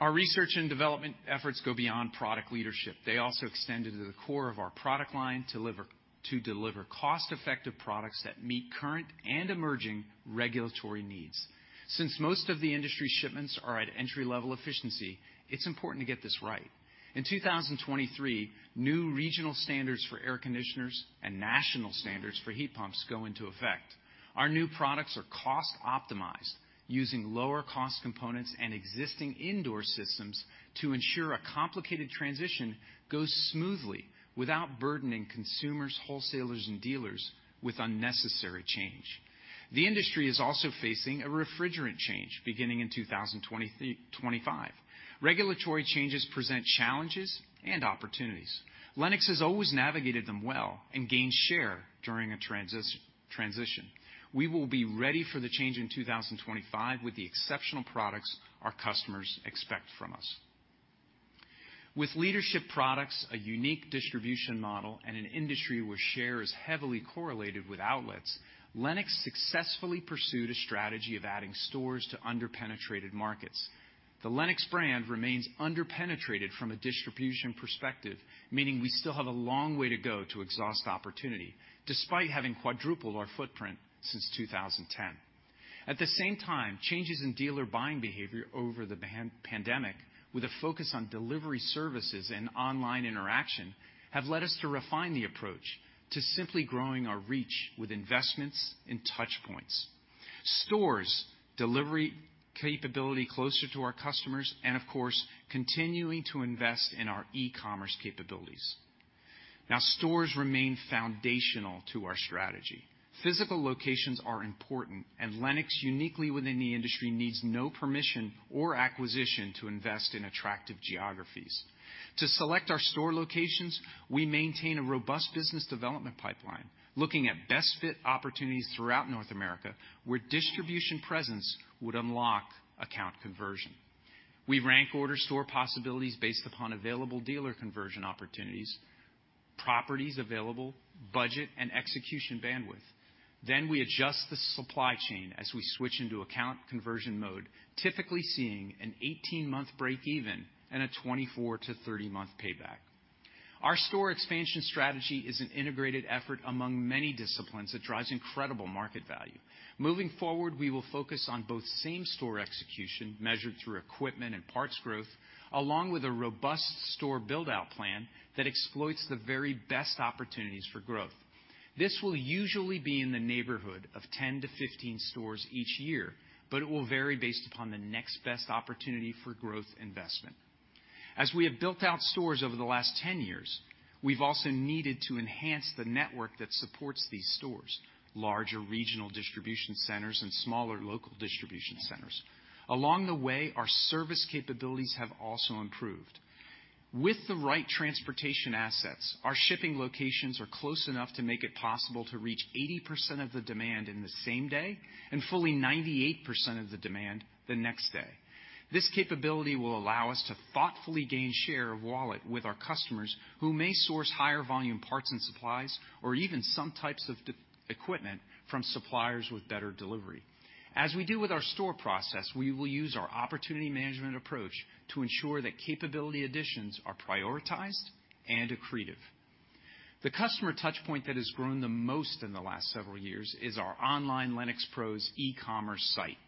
Our research and development efforts go beyond product leadership. They also extend into the core of our product line to deliver cost-effective products that meet current and emerging regulatory needs. Since most of the industry shipments are at entry-level efficiency, it's important to get this right. In 2023, new regional standards for air conditioners and national standards for heat pumps go into effect. Our new products are cost optimized using lower cost components and existing indoor systems to ensure a complicated transition goes smoothly without burdening consumers, wholesalers, and dealers with unnecessary change. The industry is also facing a refrigerant change beginning in 2025. Regulatory changes present challenges and opportunities. Lennox has always navigated them well and gained share during a transition. We will be ready for the change in 2025 with the exceptional products our customers expect from us. With leadership products, a unique distribution model, and an industry where share is heavily correlated with outlets, Lennox successfully pursued a strategy of adding stores to under-penetrated markets. The Lennox brand remains under-penetrated from a distribution perspective, meaning we still have a long way to go to exhaust opportunity despite having quadrupled our footprint since 2010. At the same time, changes in dealer buying behavior over the pan-pandemic with a focus on delivery services and online interaction have led us to refine the approach to simply growing our reach with investments in touch points. Stores, delivery capability closer to our customers, and of course, continuing to invest in our e-commerce capabilities. Stores remain foundational to our strategy. Physical locations are important, and Lennox, uniquely within the industry, needs no permission or acquisition to invest in attractive geographies. To select our store locations, we maintain a robust business development pipeline, looking at best fit opportunities throughout North America, where distribution presence would unlock account conversion. We rank order store possibilities based upon available dealer conversion opportunities, properties available, budget, and execution bandwidth. We adjust the supply chain as we switch into account conversion mode, typically seeing an 18-month break even and a 24-30-month payback. Our store expansion strategy is an integrated effort among many disciplines that drives incredible market value. Moving forward, we will focus on both same-store execution measured through equipment and parts growth, along with a robust store build-out plan that exploits the very best opportunities for growth. This will usually be in the neighborhood of 10-15 stores each year, but it will vary based upon the next best opportunity for growth investment. As we have built out stores over the last 10 years, we've also needed to enhance the network that supports these stores, larger regional distribution centers and smaller local distribution centers. Along the way, our service capabilities have also improved. With the right transportation assets, our shipping locations are close enough to make it possible to reach 80% of the demand in the same day and fully 98% of the demand the next day. This capability will allow us to thoughtfully gain share of wallet with our customers who may source higher volume parts and supplies or even some types of equipment from suppliers with better delivery. As we do with our store process, we will use our opportunity management approach to ensure that capability additions are prioritized and accretive. The customer touch point that has grown the most in the last several years is our online Lennox Pros e-commerce site.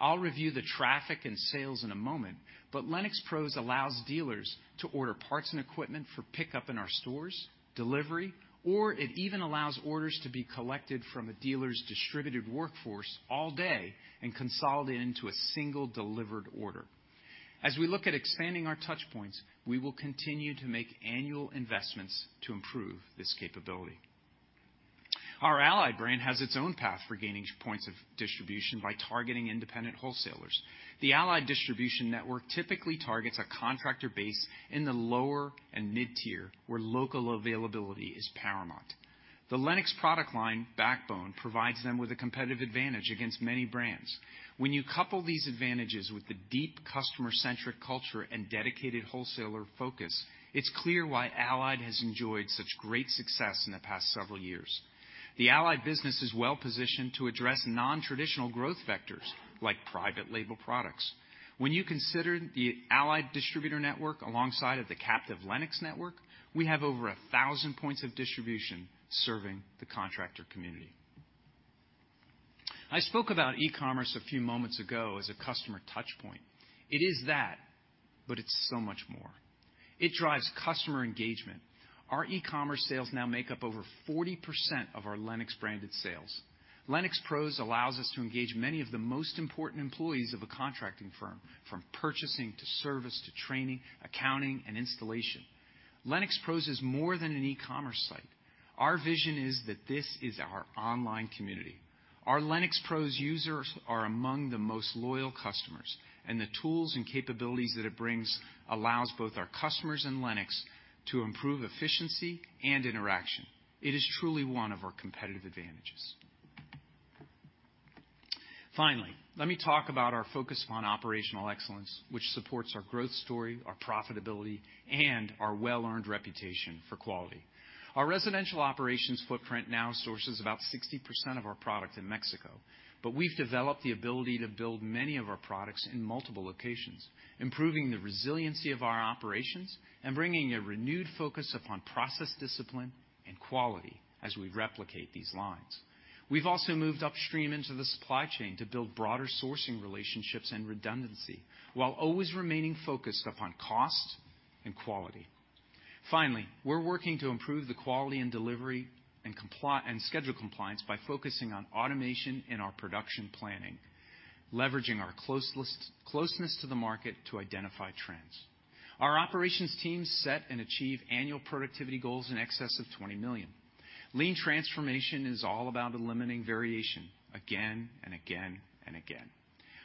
I'll review the traffic and sales in a moment, but LennoxPROs allows dealers to order parts and equipment for pickup in our stores, delivery, or it even allows orders to be collected from a dealer's distributed workforce all day and consolidated into a single delivered order. As we look at expanding our touch points, we will continue to make annual investments to improve this capability. Our Allied brand has its own path for gaining points of distribution by targeting independent wholesalers. The Allied distribution network typically targets a contractor base in the lower and mid-tier, where local availability is paramount. The Lennox product line backbone provides them with a competitive advantage against many brands. When you couple these advantages with the deep customer-centric culture and dedicated wholesaler focus, it's clear why Allied has enjoyed such great success in the past several years. The Allied business is well positioned to address nontraditional growth vectors like private label products. When you consider the Allied distributor network alongside of the captive Lennox network, we have over 1,000 points of distribution serving the contractor community. I spoke about e-commerce a few moments ago as a customer touch point. It is that, but it's so much more. It drives customer engagement. Our e-commerce sales now make up over 40% of our Lennox branded sales. Lennox Pros allows us to engage many of the most important employees of a contracting firm, from purchasing to service to training, accounting, and installation. Lennox Pros is more than an e-commerce site. Our vision is that this is our online community. Our Lennox Pros users are among the most loyal customers, and the tools and capabilities that it brings allows both our customers and Lennox to improve efficiency and interaction. It is truly one of our competitive advantages. Finally, let me talk about our focus on operational excellence, which supports our growth story, our profitability, and our well-earned reputation for quality. Our residential operations footprint now sources about 60% of our product in Mexico, but we've developed the ability to build many of our products in multiple locations, improving the resiliency of our operations and bringing a renewed focus upon process discipline and quality as we replicate these lines. We've also moved upstream into the supply chain to build broader sourcing relationships and redundancy while always remaining focused upon cost and quality. Finally, we're working to improve the quality and delivery and schedule compliance by focusing on automation in our production planning, leveraging our closeness to the market to identify trends. Our operations teams set and achieve annual productivity goals in excess of $20 million. Lean transformation is all about eliminating variation again and again and again.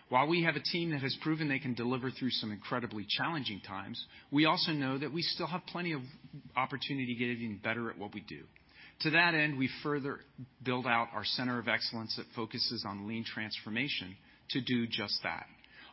While we have a team that has proven they can deliver through some incredibly challenging times, we also know that we still have plenty of opportunity to get even better at what we do. To that end, we further build out our center of excellence that focuses on lean transformation to do just that.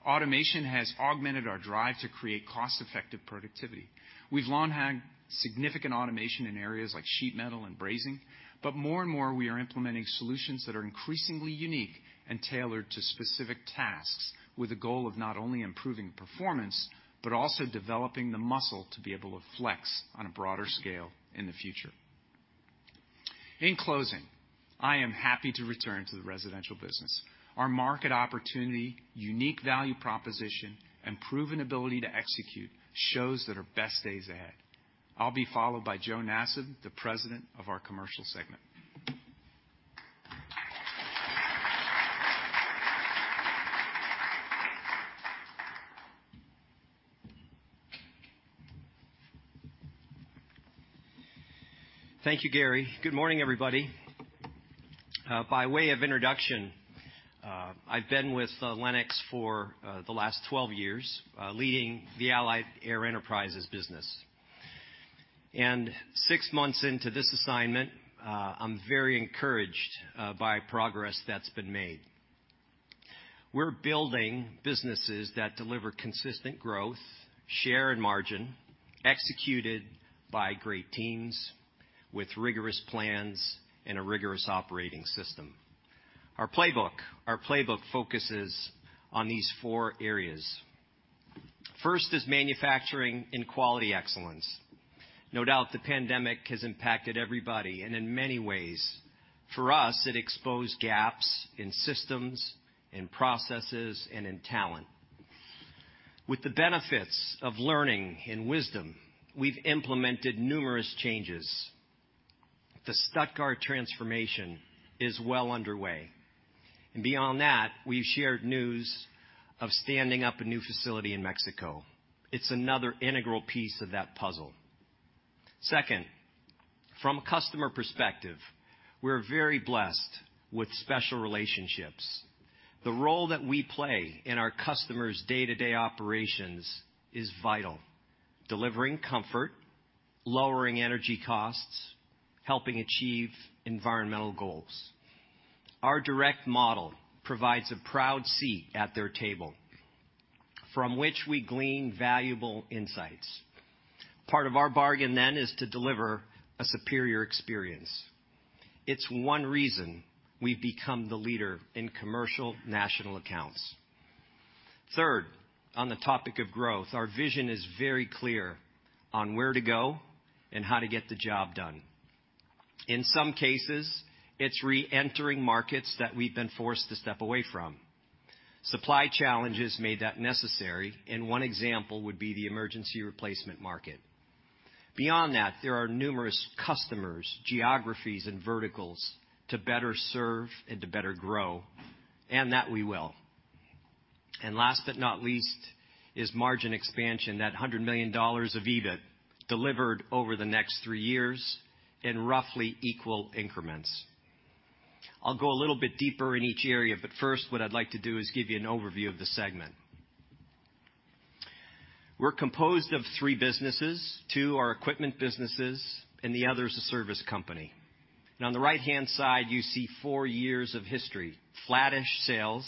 Automation has augmented our drive to create cost-effective productivity. We've long had significant automation in areas like sheet metal and brazing, but more and more we are implementing solutions that are increasingly unique and tailored to specific tasks, with a goal of not only improving performance, but also developing the muscle to be able to flex on a broader scale in the future. In closing, I am happy to return to the Residential Business. Our market opportunity, unique value proposition, and proven ability to execute shows that our best days ahead. I'll be followed by Joe Nassab, the President of our commercial segment. Thank you, Gary. Good morning, everybody. By way of introduction, I've been with Lennox for the last 12 years, leading the Allied Air Enterprises business. Six months into this assignment, I'm very encouraged by progress that's been made. We're building businesses that deliver consistent growth, share, and margin, executed by great teams with rigorous plans and a rigorous operating system. Our playbook. Our playbook focuses on these four areas. First is manufacturing and quality excellence. No doubt, the pandemic has impacted everybody, and in many ways, for us, it exposed gaps in systems, in processes, and in talent. With the benefits of learning and wisdom, we've implemented numerous changes. The Stuttgart transformation is well underway. Beyond that, we've shared news of standing up a new facility in Mexico. It's another integral piece of that puzzle. Second, from a customer perspective, we're very blessed with special relationships. The role that we play in our customers' day-to-day operations is vital. Delivering comfort, lowering energy costs, helping achieve environmental goals. Our direct model provides a proud seat at their table from which we glean valuable insights. Part of our bargain then is to deliver a superior experience. It's one reason we've become the leader in commercial National Accounts. Third, on the topic of growth, our vision is very clear on where to go and how to get the job done. In some cases, it's reentering markets that we've been forced to step away from. Supply challenges made that necessary, and one example would be the emergency replacement market. Beyond that, there are numerous customers, geographies, and verticals to better serve and to better grow, and that we will. Last but not least is margin expansion. That $100 million of EBIT delivered over the next three years in roughly equal increments. I'll go a little bit deeper in each area, but first, what I'd like to do is give you an overview of the segment. We're composed of three businesses. Two are equipment businesses, and the other is a service company. On the right-hand side, you see four years of history, flattish sales,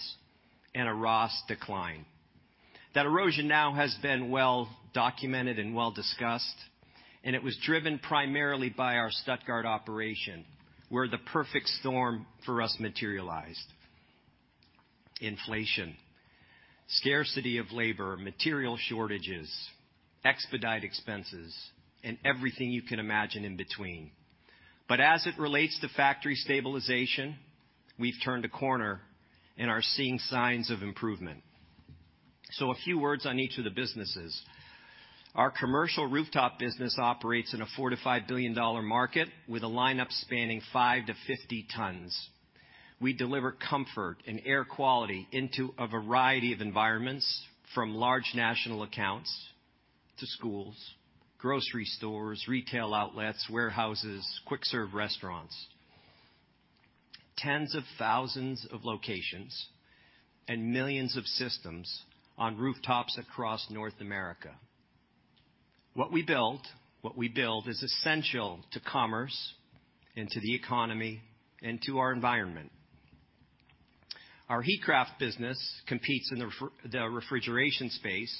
and a rawest decline. That erosion now has been well documented and well discussed, and it was driven primarily by our Stuttgart operation, where the perfect storm for us materialized. Inflation, scarcity of labor, material shortages, expedite expenses, and everything you can imagine in between. As it relates to factory stabilization, we've turned a corner and are seeing signs of improvement. A few words on each of the businesses. Our commercial rooftop business operates in a $4 billion-5 billion market with a lineup spanning five to 50 tons. We deliver comfort and air quality into a variety of environments, from large national accounts to schools, grocery stores, retail outlets, warehouses, quick serve restaurants. Tens of thousands of locations and millions of systems on rooftops across North America. What we build is essential to commerce and to the economy and to our environment. Our Heatcraft business competes in the refrigeration space.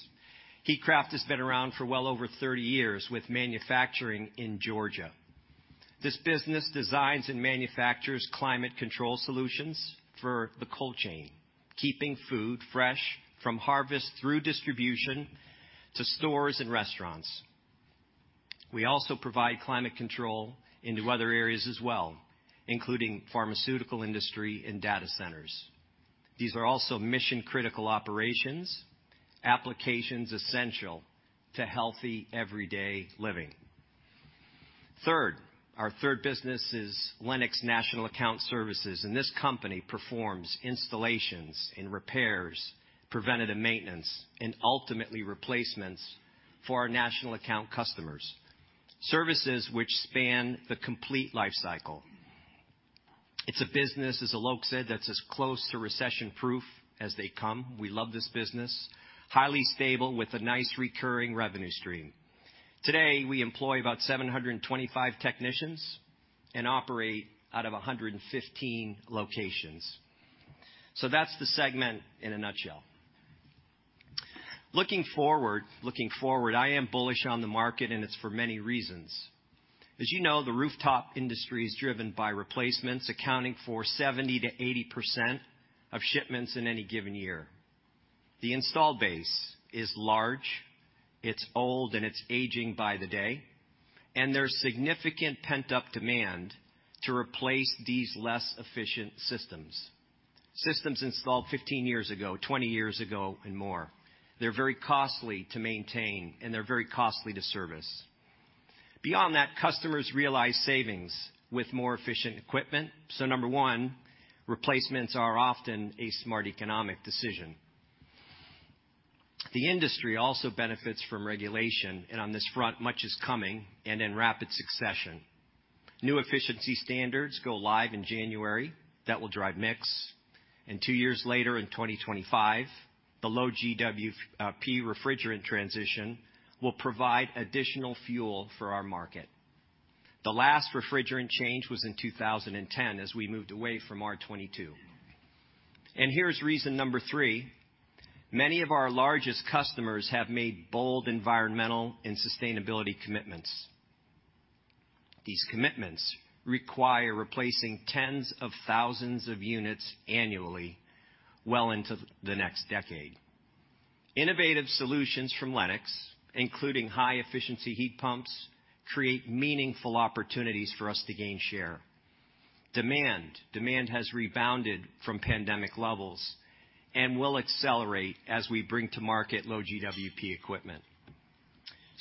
Heatcraft has been around for well over 30 years with manufacturing in Georgia. This business designs and manufactures climate control solutions for the cold chain, keeping food fresh from harvest through distribution to stores and restaurants. We also provide climate control into other areas as well, including pharmaceutical industry and data centers. These are also mission-critical operations, applications essential to healthy everyday living. Third, our third business is Lennox National Account Services. This company performs installations and repairs, preventative maintenance, and ultimately replacements for our national account customers. Services which span the complete life cycle. It's a business, as Alok said, that's as close to recession-proof as they come. We love this business. Highly stable with a nice recurring revenue stream. Today, we employ about 725 technicians and operate out of 115 locations. That's the segment in a nutshell. Looking forward, I am bullish on the market. It's for many reasons. As you know, the rooftop industry is driven by replacements, accounting for 70%-80% of shipments in any given year. The install base is large, it's old, and it's aging by the day. There's significant pent-up demand to replace these less efficient systems. Systems installed 15 years ago, 20 years ago and more. They're very costly to maintain. They're very costly to service. Beyond that, customers realize savings with more efficient equipment. Number one, replacements are often a smart economic decision. The industry also benefits from regulation. On this front, much is coming and in rapid succession. New efficiency standards go live in January that will drive mix. Two years later, in 2025, the low GWP refrigerant transition will provide additional fuel for our market. The last refrigerant change was in 2010 as we moved away from R22. Here's reason number three. Many of our largest customers have made bold environmental and sustainability commitments. These commitments require replacing tens of thousands of units annually well into the next decade. Innovative solutions from Lennox, including high-efficiency heat pumps, create meaningful opportunities for us to gain share. Demand has rebounded from pandemic levels and will accelerate as we bring to market low GWP equipment.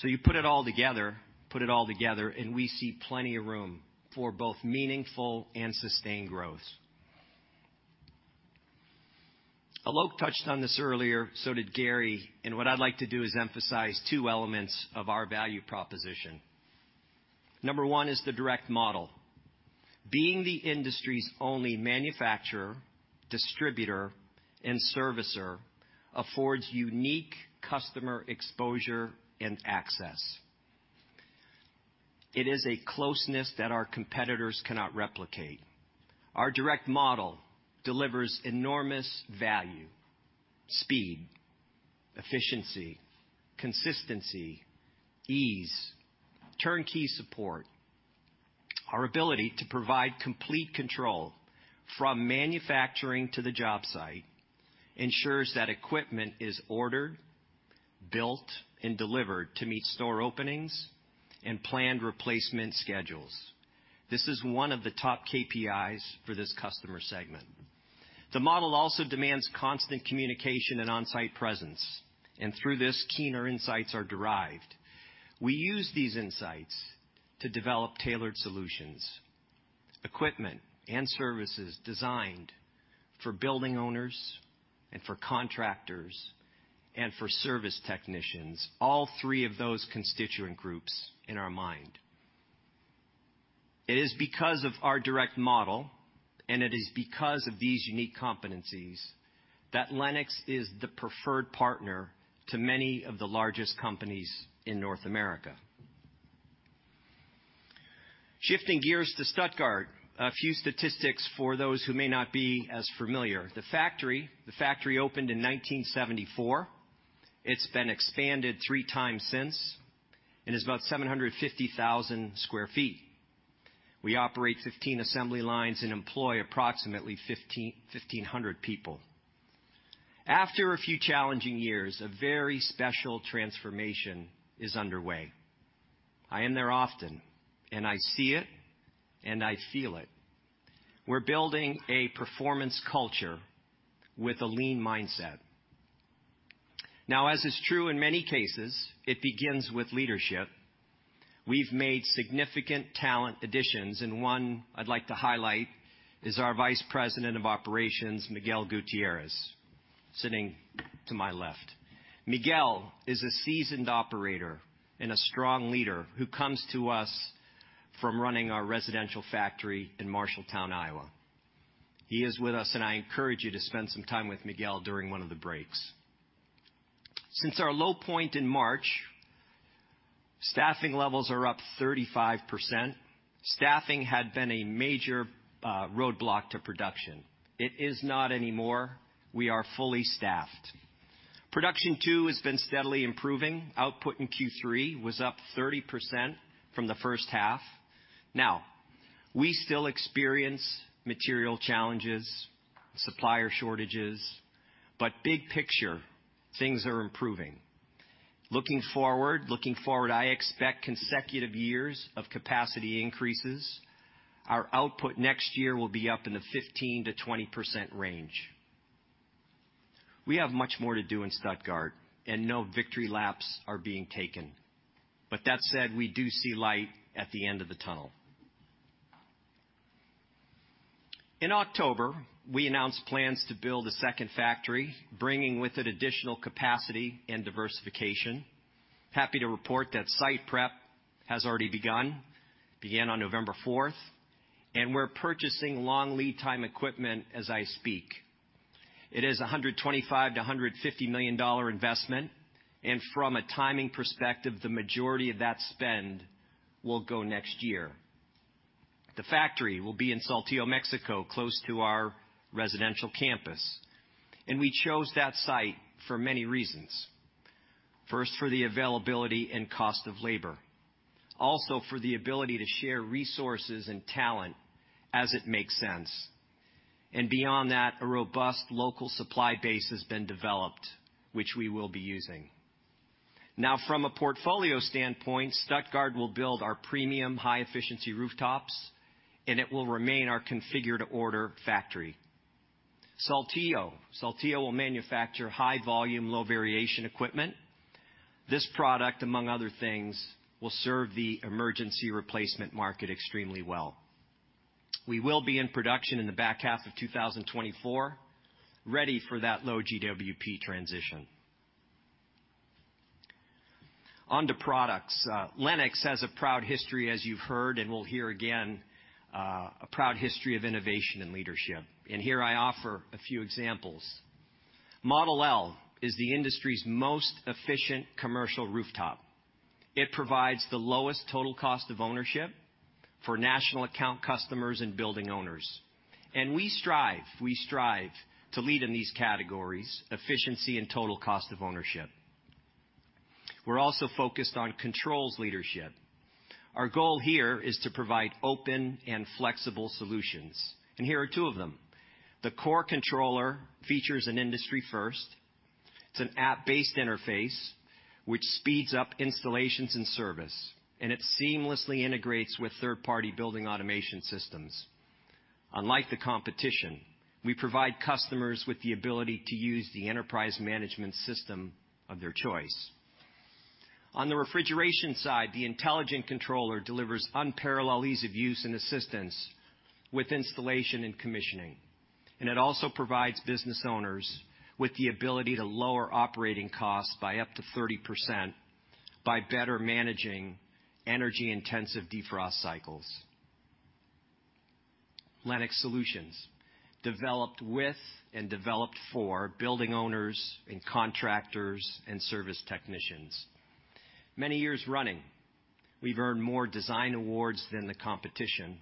You put it all together, and we see plenty of room for both meaningful and sustained growth. Alok touched on this earlier, so did Gary, and what I'd like to do is emphasize two elements of our value proposition. Number one is the direct model. Being the industry's only manufacturer, distributor, and servicer affords unique customer exposure and access. It is a closeness that our competitors cannot replicate. Our direct model delivers enormous value, speed, efficiency, consistency, ease, turnkey support. Our ability to provide complete control from manufacturing to the job site ensures that equipment is ordered, built, and delivered to meet store openings and planned replacement schedules. This is one of the top KPIs for this customer segment. The model also demands constant communication and on-site presence. Through this, keener insights are derived. We use these insights to develop tailored solutions, equipment, and services designed for building owners and for contractors and for service technicians, all three of those constituent groups in our mind. It is because of our direct model, and it is because of these unique competencies that Lennox is the preferred partner to many of the largest companies in North America. Shifting gears to Stuttgart. A few statistics for those who may not be as familiar. The factory opened in 1974. It's been expanded 3 times since and is about 750,000 sq ft. We operate 15 assembly lines and employ approximately 1,500 people. After a few challenging years, a very special transformation is underway. I am there often. I see it, and I feel it. We're building a performance culture with a lean mindset. As is true in many cases, it begins with leadership. We've made significant talent additions. One I'd like to highlight is our Vice President of Operations, Miguel Gutierrez, sitting to my left. Miguel is a seasoned operator and a strong leader who comes to us from running our residential factory in Marshalltown, Iowa. He is with us. I encourage you to spend some time with Miguel during one of the breaks. Since our low point in March, staffing levels are up 35%. Staffing had been a major roadblock to production. It is not anymore. We are fully staffed. Production, too, has been steadily improving. Output in Q3 was up 30% from the H1. We still experience material challenges, supplier shortages, but big picture, things are improving. Looking forward, I expect consecutive years of capacity increases. Our output next year will be up in the 15%-20% range. We have much more to do in Stuttgart, and no victory laps are being taken. That said, we do see light at the end of the tunnel. In October, we announced plans to build a second factory, bringing with it additional capacity and diversification. Happy to report that site prep has already begun, began on November 4. We're purchasing long lead time equipment as I speak. It is a $125 million-$150 million investment. From a timing perspective, the majority of that spend will go next year. The factory will be in Saltillo, Mexico, close to our residential campus. We chose that site for many reasons. First, for the availability and cost of labor. Also for the ability to share resources and talent as it makes sense. Beyond that, a robust local supply base has been developed, which we will be using. Now, from a portfolio standpoint, Stuttgart will build our premium high efficiency rooftops, and it will remain our configure-to-order factory. Saltillo will manufacture high volume, low variation equipment. This product, among other things, will serve the emergency replacement market extremely well. We will be in production in the back half of 2024, ready for that low GWP transition. On to products. Lennox has a proud history, as you've heard, and will hear again, a proud history of innovation and leadership. Here I offer a few examples. Model L is the industry's most efficient commercial rooftop. It provides the lowest total cost of ownership for national account customers and building owners. We strive to lead in these categories, efficiency and total cost of ownership. We're also focused on controls leadership. Our goal here is to provide open and flexible solutions. Here are two of them. The core controller features an industry first. It's an app-based interface which speeds up installations and service, and it seamlessly integrates with third-party building automation systems. Unlike the competition, we provide customers with the ability to use the enterprise management system of their choice. On the refrigeration side, the intelligent controller delivers unparalleled ease of use and assistance with installation and commissioning. It also provides business owners with the ability to lower operating costs by up to 30% by better managing energy-intensive defrost cycles. Lennox Solutions, developed with and developed for building owners and contractors and service technicians. Many years running, we've earned more design awards than the competition.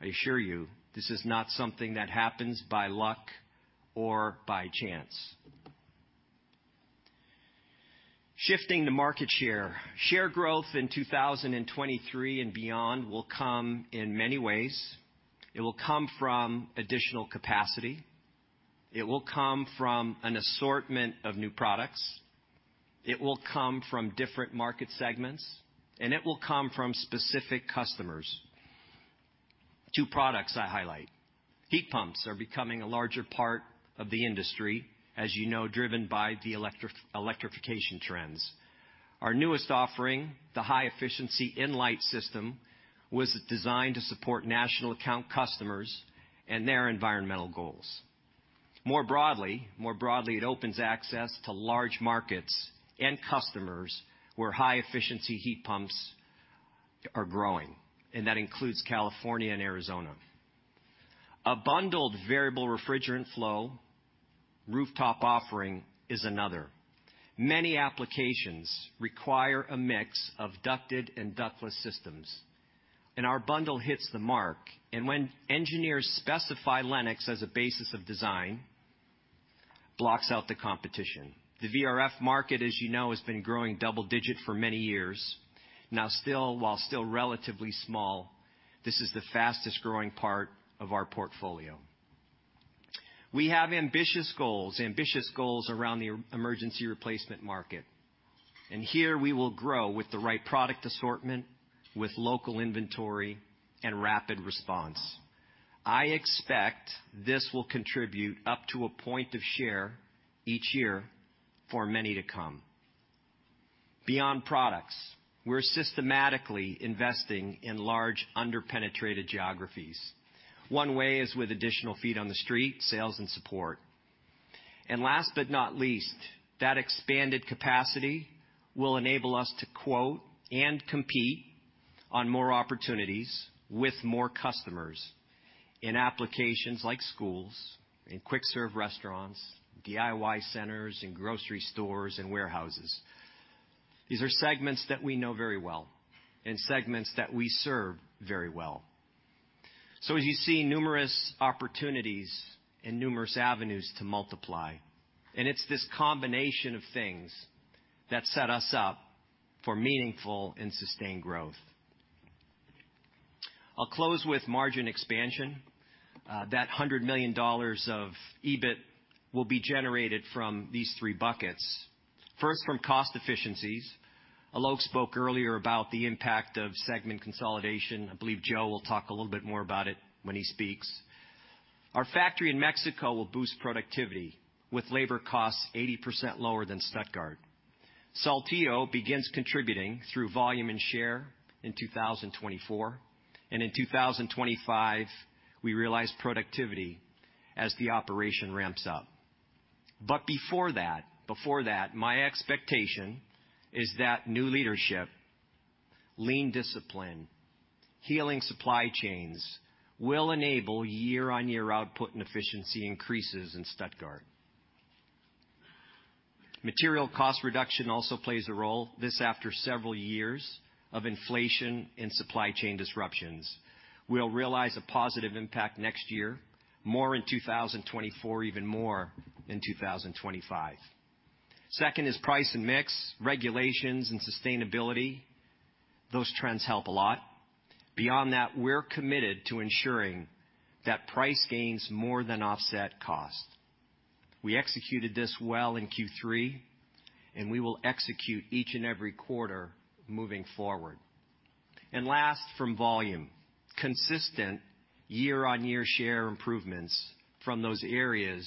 I assure you this is not something that happens by luck or by chance. Shifting to market share. Share growth in 2023 and beyond will come in many ways. It will come from additional capacity. It will come from an assortment of new products. It will come from different market segments, and it will come from specific customers. Two products I highlight. Heat pumps are becoming a larger part of the industry, as you know, driven by the electrification trends. Our newest offering, the high efficiency Enlight system, was designed to support national account customers and their environmental goals. More broadly, it opens access to large markets and customers where high efficiency heat pumps are growing, and that includes California and Arizona. A bundled variable refrigerant flow rooftop offering is another. Many applications require a mix of ducted and ductless systems, and our bundle hits the mark. When engineers specify Lennox as a basis of design, blocks out the competition. The VRF market, as you know, has been growing double-digit for many years. While still relatively small, this is the fastest growing part of our portfolio. We have ambitious goals around the emergency replacement market. Here we will grow with the right product assortment, with local inventory and rapid response. I expect this will contribute up to a point of share each year for many to come. Beyond products, we're systematically investing in large under-penetrated geographies. One way is with additional feet on the street, sales and support. Last but not least, that expanded capacity will enable us to quote and compete on more opportunities with more customers in applications like schools and quick serve restaurants, DIY centers, in grocery stores and warehouses. These are segments that we know very well and segments that we serve very well. As you see numerous opportunities and numerous avenues to multiply, and it's this combination of things that set us up for meaningful and sustained growth. I'll close with margin expansion. That $100 million of EBIT will be generated from these three buckets. First, from cost efficiencies. Alok spoke earlier about the impact of segment consolidation. I believe Joe will talk a little bit more about it when he speaks. Our factory in Mexico will boost productivity with labor costs 80% lower than Stuttgart. Saltillo begins contributing through volume and share in 2024. In 2025, we realize productivity as the operation ramps up. Before that, my expectation is that new leadership Lean discipline, healing supply chains will enable year-on-year output and efficiency increases in Stuttgart. Material cost reduction also plays a role. This after several years of inflation and supply chain disruptions. We'll realize a positive impact next year, more in 2024, even more in 2025. Second is price and mix, regulations and sustainability. Those trends help a lot. Beyond that, we're committed to ensuring that price gains more than offset cost. We executed this well in Q3, we will execute each and every quarter moving forward. Last, from volume. Consistent year-on-year share improvements from those areas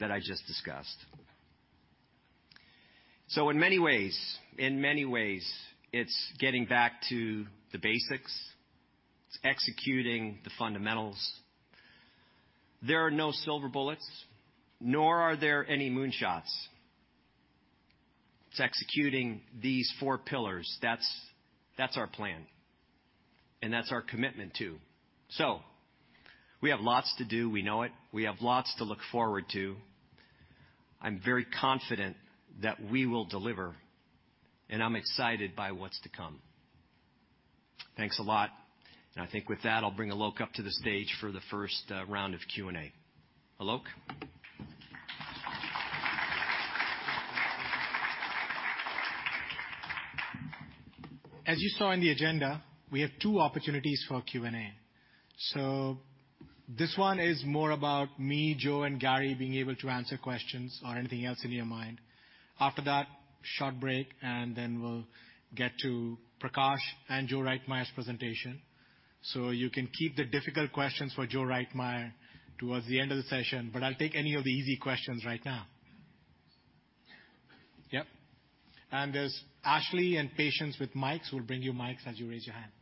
that I just discussed. In many ways, it's getting back to the basics. It's executing the fundamentals. There are no silver bullets, nor are there any moonshots. It's executing these four pillars. That's our plan. That's our commitment too. We have lots to do. We know it. We have lots to look forward to. I'm very confident that we will deliver, and I'm excited by what's to come. Thanks a lot. I think with that, I'll bring Alok up to the stage for the first round of Q&A. Alok. As you saw in the agenda, we have two opportunities for Q&A. This one is more about me, Joe, and Gary being able to answer questions or anything else in your mind. After that, short break, we'll get to Prakash and Joe Reitmeier's presentation. You can keep the difficult questions for Joe Reitmeier towards the end of the session, I'll take any of the easy questions right now. Yep. There's Ashley and Patience with mics. We'll bring you mics as you raise your hand.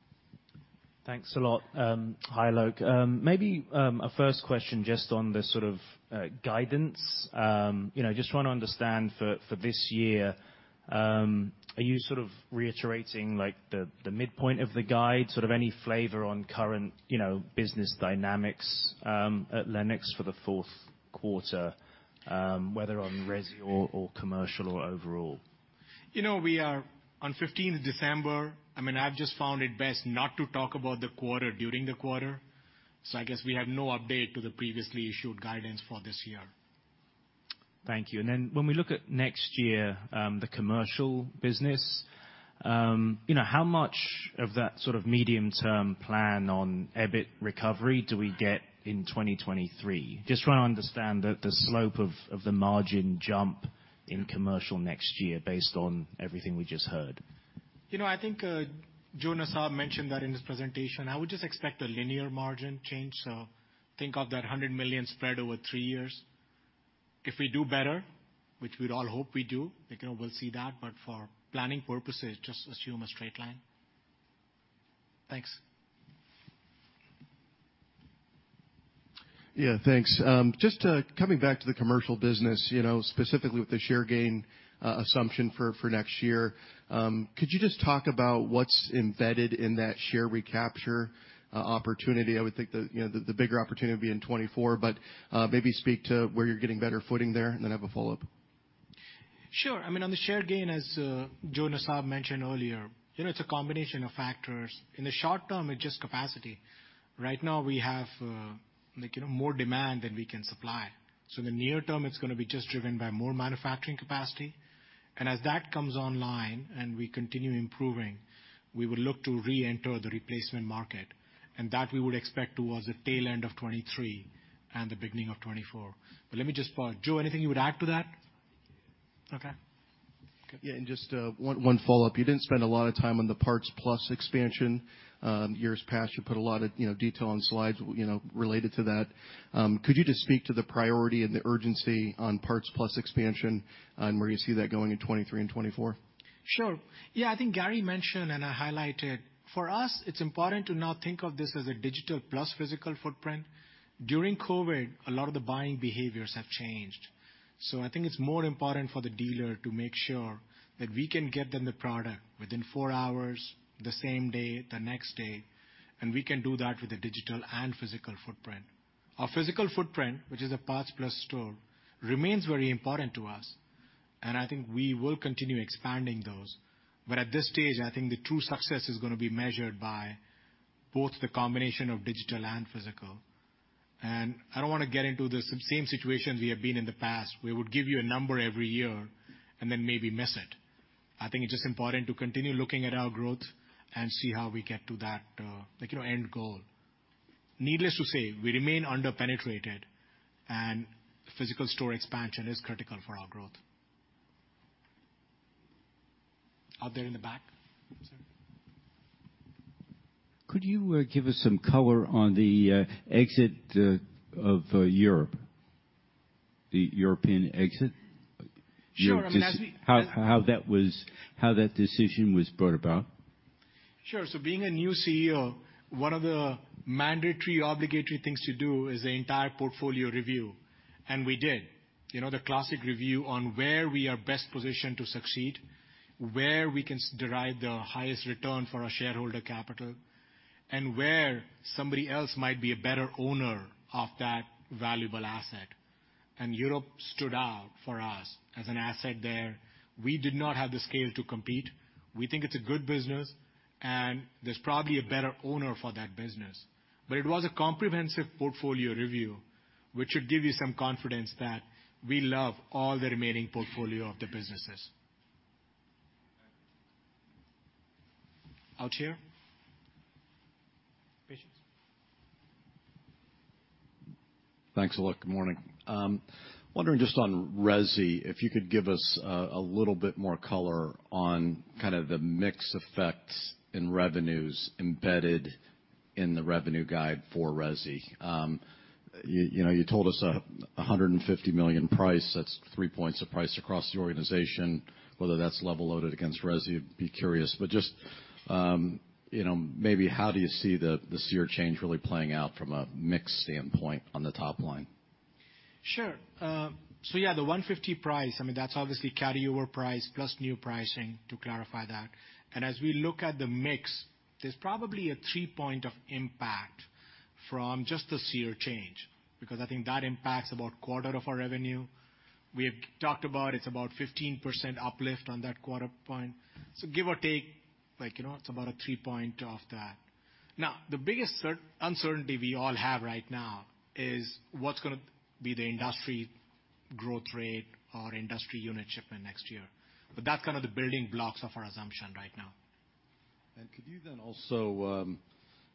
Thanks a lot. Hi, Alok. Maybe a first question just on the sort of guidance. You know, just trying to understand for this year, are you sort of reiterating, like, the midpoint of the guide, sort of any flavor on current, you know, business dynamics at Lennox for the Q4, whether on resi or commercial or overall? You know, we are on fifteenth December. I mean, I've just found it best not to talk about the quarter during the quarter. I guess we have no update to the previously issued guidance for this year. Thank you. When we look at next year, the commercial business, you know, how much of that sort of medium-term plan on EBIT recovery do we get in 2023? Just trying to understand the slope of the margin jump in commercial next year based on everything we just heard. You know, I think, Joe Nassab mentioned that in his presentation. I would just expect a linear margin change. Think of that $100 million spread over 3 years. If we do better, which we'd all hope we do, you know, we'll see that. For planning purposes, just assume a straight line. Thanks. Yeah, thanks. Just coming back to the commercial business, you know, specifically with the share gain assumption for next year, could you just talk about what's embedded in that share recapture opportunity? I would think the, you know, the bigger opportunity would be in 2024, but maybe speak to where you're getting better footing there. I have a follow-up. Sure. I mean, on the share gain, as Joe Nassab mentioned earlier, you know, it's a combination of factors. In the short term, it's just capacity. Right now, we have, like, you know, more demand than we can supply. In the near term, it's gonna be just driven by more manufacturing capacity. As that comes online and we continue improving, we will look to reenter the replacement market. That we would expect towards the tail end of 2023 and the beginning of 2024. Let me just pause. Joe, anything you would add to that? Okay. Yeah, just one follow-up. You didn't spend a lot of time on the PartsPlus expansion. Years past, you put a lot of, you know, detail on slides, you know, related to that. Could you just speak to the priority and the urgency on PartsPlus expansion and where you see that going in 2023 and 2024? Sure. Yeah, I think Gary mentioned and I highlighted, for us, it's important to now think of this as a digital plus physical footprint. During COVID, a lot of the buying behaviors have changed. I think it's more important for the dealer to make sure that we can get them the product within four hours, the same day, the next day, and we can do that with a digital and physical footprint. Our physical footprint, which is a PartsPlus store, remains very important to us, and I think we will continue expanding those. At this stage, I think the true success is gonna be measured by both the combination of digital and physical. I don't wanna get into the same situations we have been in the past, where we'd give you a number every year and then maybe miss it. I think it's just important to continue looking at our growth and see how we get to that, like, you know, end goal. Needless to say, we remain under-penetrated, and physical store expansion is critical for our growth. Out there in the back. Could you give us some color on the exit of Europe? The European exit? Sure. I mean, as. How that was, how that decision was brought about. Sure. Being a new CEO, one of the mandatory obligatory things to do is the entire portfolio review. We did. You know, the classic review on where we are best positioned to succeed, where we can derive the highest return for our shareholder capital, and where somebody else might be a better owner of that valuable asset. Europe stood out for us as an asset there. We did not have the scale to compete. We think it's a good business, and there's probably a better owner for that business. It was a comprehensive portfolio review, which should give you some confidence that we love all the remaining portfolio of the businesses. Out here. Patience. Thanks a lot. Good morning. Wondering just on resi, if you could give us a little bit more color on kind of the mix effects in revenues embedded in the revenue guide for resi. You know, you told us $150 million price. That's three points of price across the organization. Whether that's level loaded against resi, I'd be curious. But just, you know, maybe how do you see the, this year change really playing out from a mix standpoint on the top line? Sure. yeah, the $150 price, I mean that's obviously carryover price plus new pricing, to clarify that. As we look at the mix, there's probably a three points of impact from just the SEER change, because I think that impacts about quarter of our revenue. We have talked about, it's about 15% uplift on that quarter point. give or take, like, you know, it's about a three points of that. The biggest uncertainty we all have right now is what's gonna be the industry growth rate or industry unit shipment next year. That's kind of the building blocks of our assumption right now. Could you then also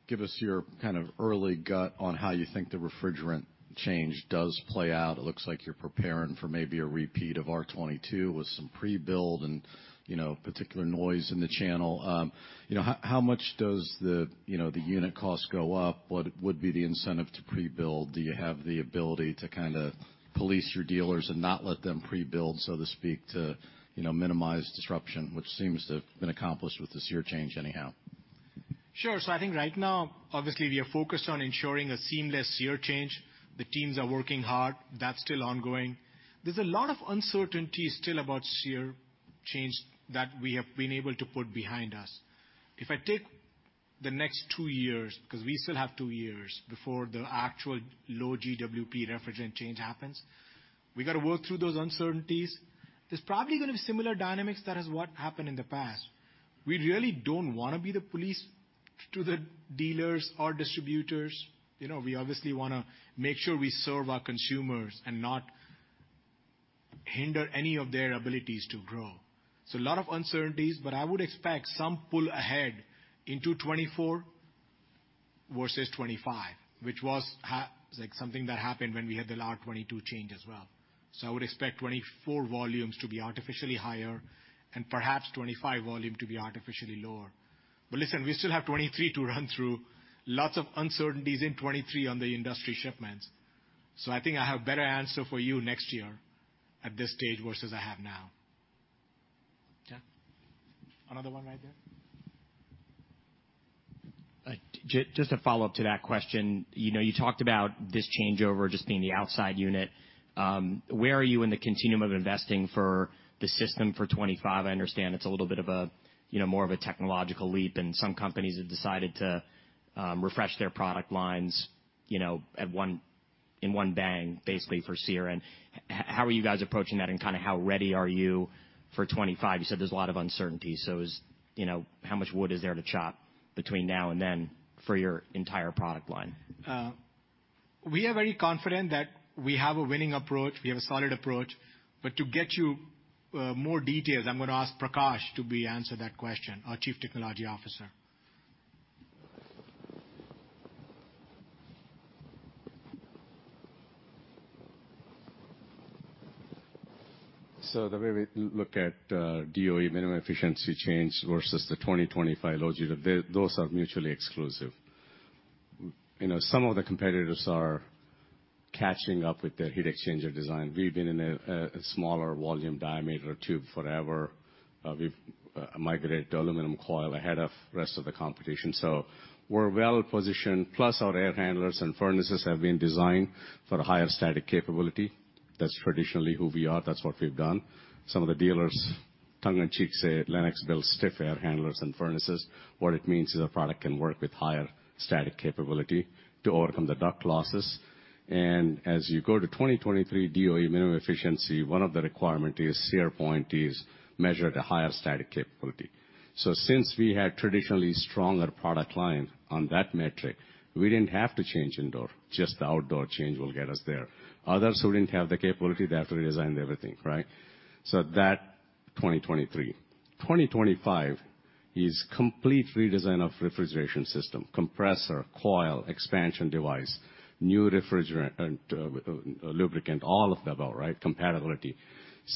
give us your kind of early gut on how you think the refrigerant change does play out? It looks like you're preparing for maybe a repeat of R22 with some pre-build and, you know, particular noise in the channel. You know, how much does the, you know, the unit cost go up? What would be the incentive to pre-build? Do you have the ability to kinda police your dealers and not let them pre-build, so to speak, to, you know, minimize disruption, which seems to have been accomplished with the SEER change anyhow? Sure. I think right now, obviously, we are focused on ensuring a seamless SEER change. The teams are working hard. That's still ongoing. There's a lot of uncertainty still about SEER change that we have been able to put behind us. If I take the next two years, because we still have two years before the actual low GWP refrigerant change happens, we've got to work through those uncertainties. There's probably gonna be similar dynamics that has what happened in the past. We really don't wanna be the police to the dealers or distributors. You know, we obviously wanna make sure we serve our consumers and not hinder any of their abilities to grow. A lot of uncertainties, but I would expect some pull ahead into 2024 versus 2025, which was like something that happened when we had the R22 change as well. I would expect 2024 volumes to be artificially higher and perhaps 2025 volume to be artificially lower. Listen, we still have 2023 to run through. Lots of uncertainties in 2023 on the industry shipments. I think I have better answer for you next year at this stage versus I have now. Yeah. Another one right there. Just a follow-up to that question. You know, you talked about this changeover just being the outside unit. Where are you in the continuum of investing for the system for 2025? I understand it's a little bit of a, you know, more of a technological leap, and some companies have decided to refresh their product lines, you know, at one, in one bang, basically, for SEER. How are you guys approaching that, and kind of how ready are you for 2025? You said there's a lot of uncertainty. Is, you know, how much wood is there to chop between now and then for your entire product line? We are very confident that we have a winning approach, we have a solid approach. To get you more details, I'm gonna ask Prakash to be answer that question, our Chief Technology Officer. The way we look at DOE minimum efficiency change versus the 2025 logic, those are mutually exclusive. You know, some of the competitors are catching up with their heat exchanger design. We've been in a smaller volume diameter tube forever. We've migrated to aluminum coil ahead of rest of the competition. We're well positioned, plus our air handlers and furnaces have been designed for higher static capability. That's traditionally who we are. That's what we've done. Some of the dealers, tongue in cheek, say Lennox builds stiff air handlers and furnaces. What it means is our product can work with higher static capability to overcome the duct losses. As you go to 2023 DOE minimum efficiency, one of the requirement is SEER point is measure the higher static capability. Since we had traditionally stronger product line on that metric, we didn't have to change indoor, just the outdoor change will get us there. Others who didn't have the capability, they have to redesign everything, right? That 2023. 2025 is complete redesign of refrigeration system: compressor, coil, expansion device, new refrigerant, lubricant, all of the above, right? Compatibility.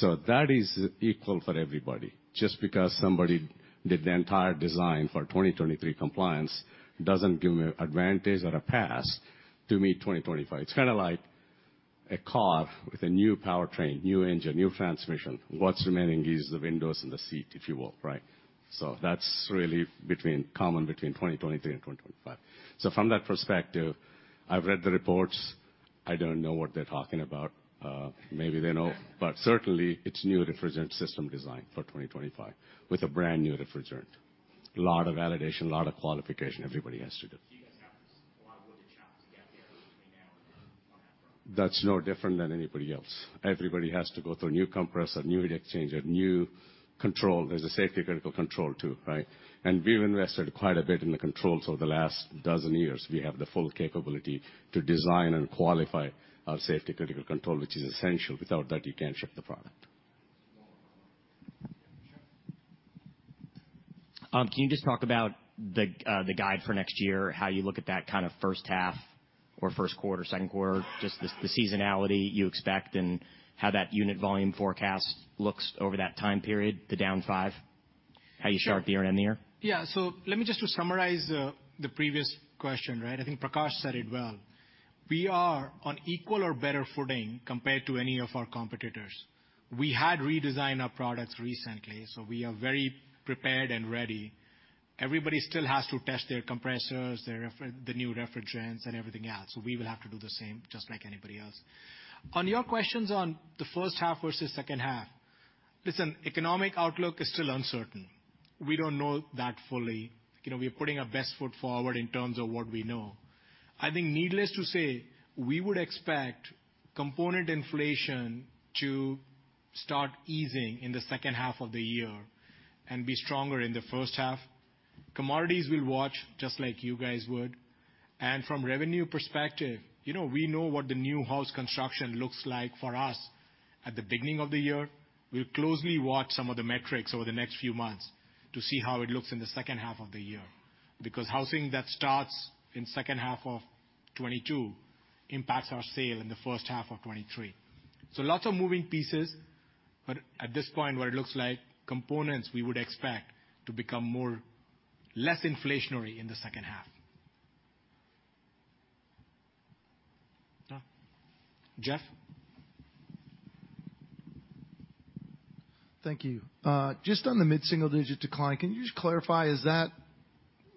That is equal for everybody. Just because somebody did the entire design for 2023 compliance doesn't give them advantage or a pass to meet 2025. It's kind of like a car with a new powertrain, new engine, new transmission. What's remaining is the windows and the seat, if you will, right? That's really between, common between 2023 and 2025. From that perspective, I've read the reports. I don't know what they're talking about. Maybe they know. Certainly, it's new refrigerant system design for 2025 with a brand-new refrigerant. A lot of validation, a lot of qualification everybody has to do. You guys have a lot of work and challenge to get there between now and then on that front. That's no different than anybody else. Everybody has to go through a new compressor, new heat exchange, a new control. There's a safety critical control too, right? We've invested quite a bit in the controls over the last dozen years. We have the full capability to design and qualify our safety critical control, which is essential. Without that, you can't ship the product. Can you just talk about the guide for next year, how you look at that kind of H1 or Q1, Q2, just the seasonality you expect and how that unit volume forecast looks over that time period, the down five, how you shape the year end there? Let me just to summarize the previous question, right? I think Prakash said it well. We are on equal or better footing compared to any of our competitors. We had redesigned our products recently, so we are very prepared and ready. Everybody still has to test their compressors, the new refrigerants and everything else. We will have to do the same just like anybody else. On your questions on the H1 versus H2, listen, economic outlook is still uncertain. We don't know that fully. You know, we are putting our best foot forward in terms of what we know. I think needless to say, we would expect component inflation to start easing in the H2 of the year and be stronger in the H1. Commodities will watch just like you guys would. From revenue perspective, you know, we know what the new house construction looks like for us at the beginning of the year. We'll closely watch some of the metrics over the next few months to see how it looks in the H2 of the year, because housing that starts in H2 of 2022 impacts our sale in the H1 of 2023. Lots of moving pieces, but at this point, what it looks like, components we would expect to become more less inflationary in the H2. Jeff? Thank you. Just on the mid-single digit decline, can you just clarify, is that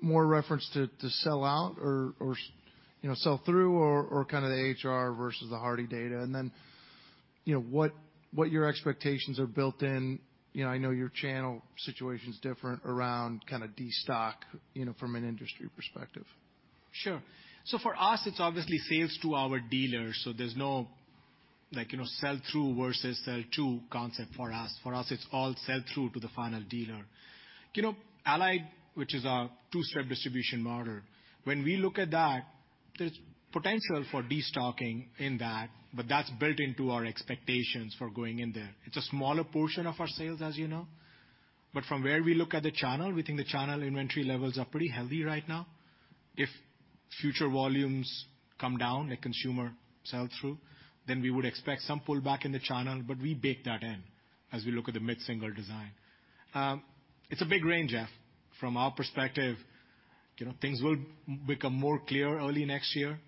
more reference to sell out or, you know, sell through or kinda the AHRI versus the HARDI data? Then, you know, what your expectations are built in. You know, I know your channel situation is different around kinda destock, you know, from an industry perspective. Sure. For us, it's obviously sales to our dealers, so there's no, like, you know, sell through versus sell to concept for us. For us, it's all sell through to the final dealer. You know, Allied, which is our two-step distribution model, when we look at that, there's potential for destocking in that, but that's built into our expectations for going in there. It's a smaller portion of our sales, as you know. From where we look at the channel, we think the channel inventory levels are pretty healthy right now. If future volumes come down at consumer sell-through, then we would expect some pullback in the channel, but we bake that in as we look at the mid-single design. It's a big range, Jeff. From our perspective, you know, things will become more clear early next year.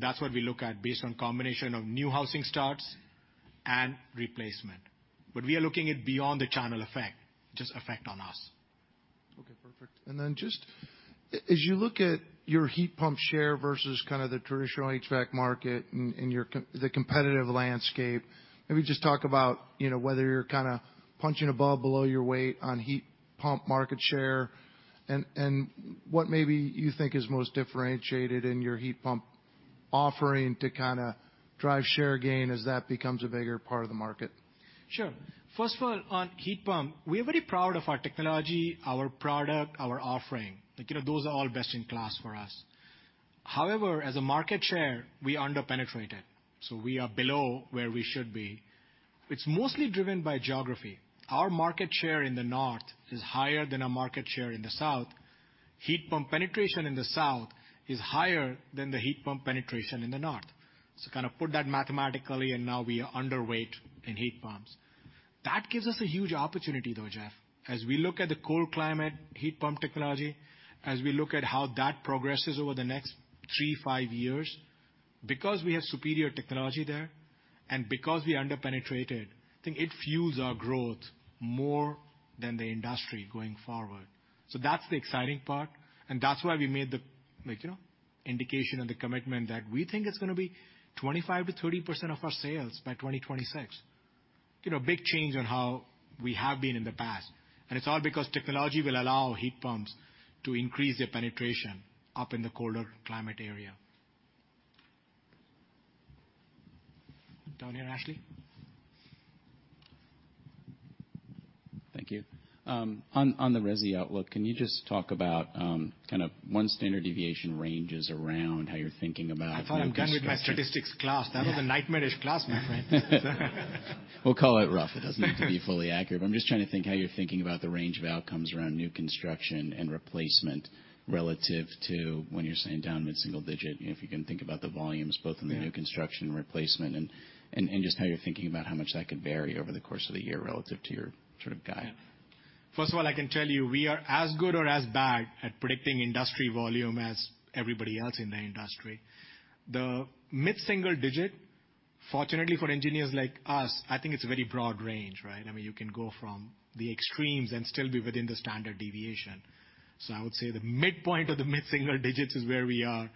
That's what we look at based on combination of new housing starts and replacement. We are looking at beyond the channel effect, just effect on us. Okay, perfect. Then just as you look at your heat pump share versus kinda the traditional HVAC market and your competitive landscape, maybe just talk about, you know, whether you're kinda punching above, below your weight on heat pump market share and what maybe you think is most differentiated in your heat pump offering to kinda drive share gain as that becomes a bigger part of the market. Sure. First of all, on heat pump, we are very proud of our technology, our product, our offering. Like, you know, those are all best in class for us. As a market share, we under penetrate it, so we are below where we should be. It's mostly driven by geography. Our market share in the north is higher than our market share in the south. Heat pump penetration in the south is higher than the heat pump penetration in the north. Kinda put that mathematically, now we are underweight in heat pumps. That gives us a huge opportunity, though, Jeff. As we look at the Cold Climate Heat Pump Technology, as we look at how that progresses over the next three, five years, because we have superior technology there and because we under penetrated, I think it fuels our growth more than the industry going forward. That's the exciting part, and that's why we made the, like, you know, indication and the commitment that we think it's gonna be 25%-30% of our sales by 2026. You know, big change on how we have been in the past. It's all because technology will allow heat pumps to increase their penetration up in the colder climate area. Down here, Ashley. Thank you. On the resi outlook, can you just talk about kind of one standard deviation ranges around how you're thinking about. I thought I'm done with my statistics class. That was a nightmare-ish class, my friend. We'll call it rough. It doesn't have to be fully accurate, but I'm just trying to think how you're thinking about the range of outcomes around new construction and replacement relative to when you're saying down mid-single digit, you know, if you can think about the volumes both in the new construction and replacement and just how you're thinking about how much that could vary over the course of the year relative to your sort of guide. First of all, I can tell you, we are as good or as bad at predicting industry volume as everybody else in the industry. Fortunately for engineers like us, I think it's a very broad range, right? I mean, you can go from the extremes and still be within the standard deviation. I would say the midpoint of the mid-single digits is where we are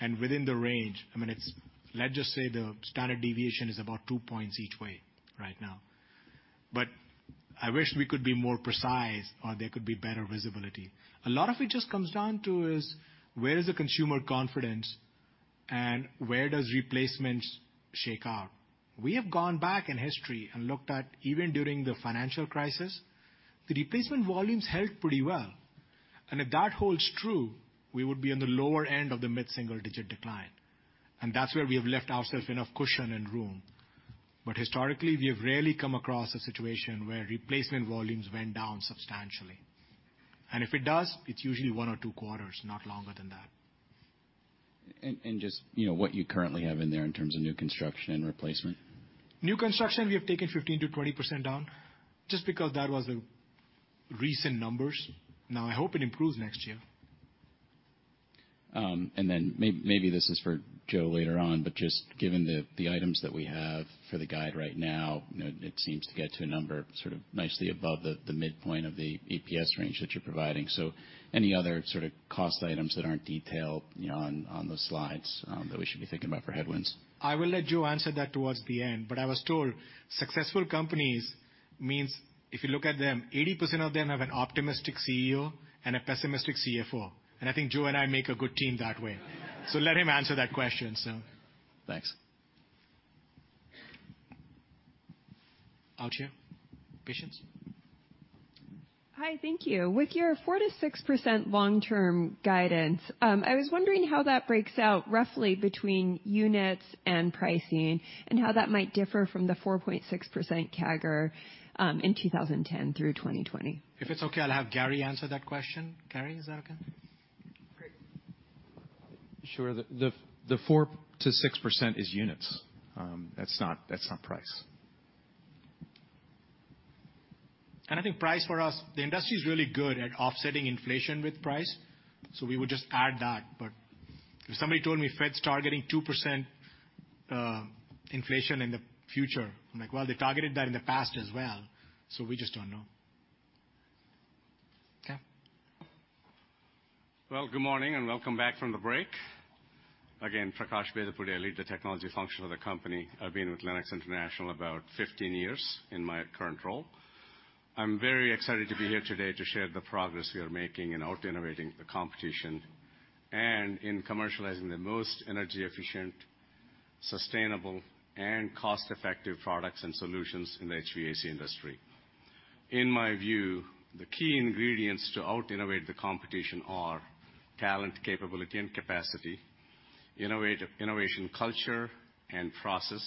and within the range. I mean, let's just say the standard deviation is about two points each way right now. I wish we could be more precise or there could be better visibility. A lot of it just comes down to is where is the consumer confidence and where does replacements shake out? We have gone back in history and looked at even during the financial crisis, the replacement volumes held pretty well. If that holds true, we would be on the lower end of the mid-single digit decline. That's where we have left ourselves enough cushion and room. Historically, we have rarely come across a situation where replacement volumes went down substantially. If it does, it's usually one or two quarters, not longer than that. Just, you know, what you currently have in there in terms of new construction and replacement. New construction, we have taken 15%-20% down just because that was the recent numbers. Now I hope it improves next year. Maybe this is for Joe later on, but just given the items that we have for the guide right now, you know, it seems to get to a number sort of nicely above the midpoint of the EPS range that you're providing. Any other sort of cost items that aren't detailed, you know, on the slides, that we should be thinking about for headwinds? I will let Joe answer that towards the end. I was told successful companies means if you look at them, 80% of them have an optimistic CEO and a pessimistic CFO. I think Joe and I make a good team that way. Let him answer that question. Thanks. Out here. Patience. Hi. Thank you. With your 4%-6% long-term guidance, I was wondering how that breaks out roughly between units and pricing and how that might differ from the 4.6% CAGR in 2010 through 2020. If it's okay, I'll have Gary answer that question. Gary, is that okay? Great. Sure. The 4%-6% is units. That's not price. I think price for us, the industry is really good at offsetting inflation with price. We would just add that. If somebody told me Fed's targeting 2% inflation in the future, I'm like, "Well, they targeted that in the past as well." We just don't know. Okay. Well, good morning and welcome back from the break. Again, Prakash Bedapudi. I lead the technology function of the company. I've been with Lennox International about 15 years in my current role. I'm very excited to be here today to share the progress we are making in out-innovating the competition and in commercializing the most energy efficient, sustainable, and cost-effective products and solutions in the HVAC industry. In my view, the key ingredients to out-innovate the competition are talent, capability, and capacity, innovation, culture, and process,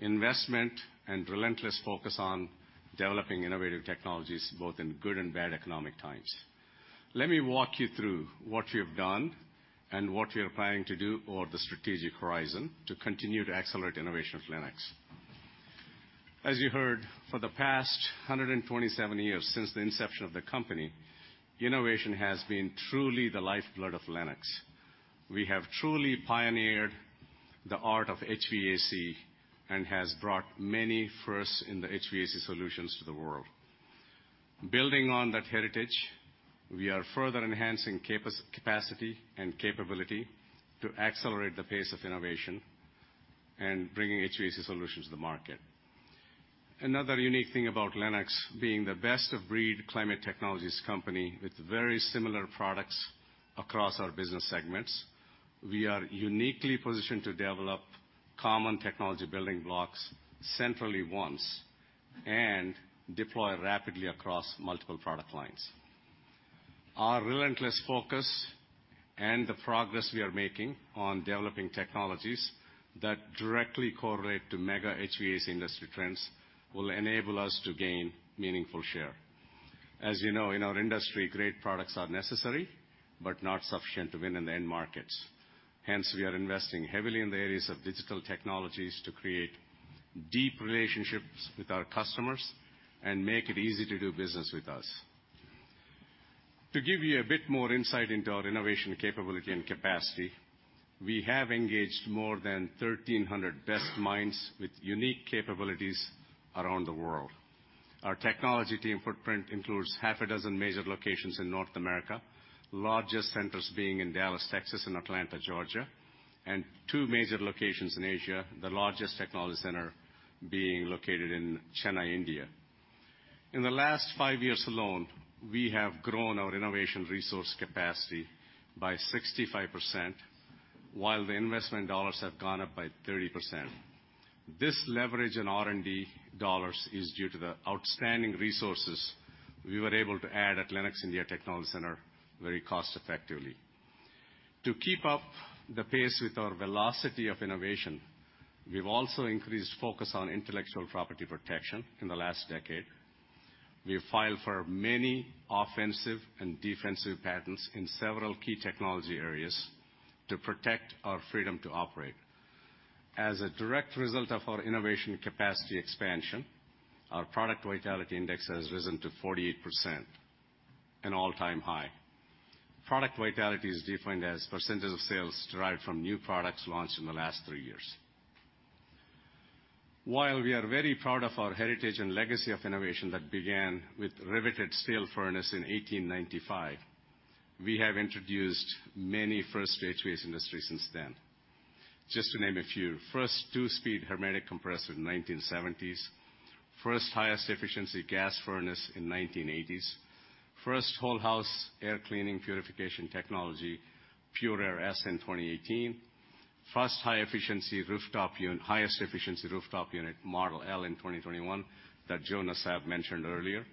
investment, and relentless focus on developing innovative technologies both in good and bad economic times. Let me walk you through what we have done and what we are planning to do over the strategic horizon to continue to accelerate innovation with Lennox. As you heard, for the past 127 years since the inception of the company, innovation has been truly the lifeblood of Lennox. We have truly pioneered the art of HVAC and has brought many firsts in the HVAC solutions to the world. Building on that heritage, we are further enhancing capacity and capability to accelerate the pace of innovation and bringing HVAC solutions to the market. Unique thing about Lennox being the best of breed climate technologies company with very similar products across our business segments, we are uniquely positioned to develop common technology building blocks centrally once and deploy rapidly across multiple product lines. Our relentless focus and the progress we are making on developing technologies that directly correlate to mega HVAC industry trends will enable us to gain meaningful share. As you know, in our industry, great products are necessary but not sufficient to win in the end markets. Hence, we are investing heavily in the areas of digital technologies to create deep relationships with our customers and make it easy to do business with us. To give you a bit more insight into our innovation capability and capacity, we have engaged more than 1,300 best minds with unique capabilities around the world. Our technology team footprint includes half a dozen major locations in North America, largest centers being in Dallas, Texas, and Atlanta, Georgia, and two major locations in Asia, the largest technology center being located in Chennai, India. In the last five years alone, we have grown our innovation resource capacity by 65%, while the investment dollars have gone up by 30%. This leverage in R&D dollars is due to the outstanding resources we were able to add at Lennox India Technology Centre very cost-effectively. To keep up the pace with our velocity of innovation, we've also increased focus on intellectual property protection in the last decade. We have filed for many offensive and defensive patents in several key technology areas to protect our freedom to operate. As a direct result of our innovation capacity expansion, our product vitality index has risen to 48%, an all-time high. Product vitality is defined as % of sales derived from new products launched in the last three years. While we are very proud of our heritage and legacy of innovation that began with riveted steel furnace in 1895, we have introduced many firsts to HVAC industry since then. Just to name a few, first two-speed hermetic compressor in 1970s, first highest efficiency gas furnace in 1980s, first whole house air cleaning purification technology, PureAir S in 2018, first highest efficiency rooftop unit, Model L in 2021 that Jonas have mentioned earlier.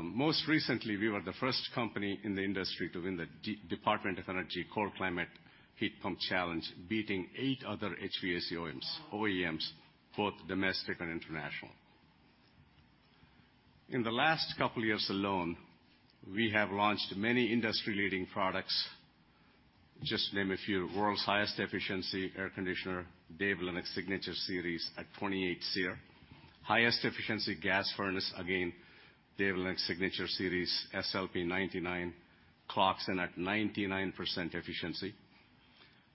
Most recently, we were the first company in the industry to win the Department of Energy Cold Climate Heat Pump Challenge, beating eight other HVAC OEMs, both domestic and international. In the last couple of years alone, we have launched many industry-leading products. Just to name a few, world's highest efficiency air conditioner, Dave Lennox Signature Series at 28 SEER. Highest efficiency gas furnace, again, Dave Lennox Signature Series, SLP99 clocks in at 99% efficiency.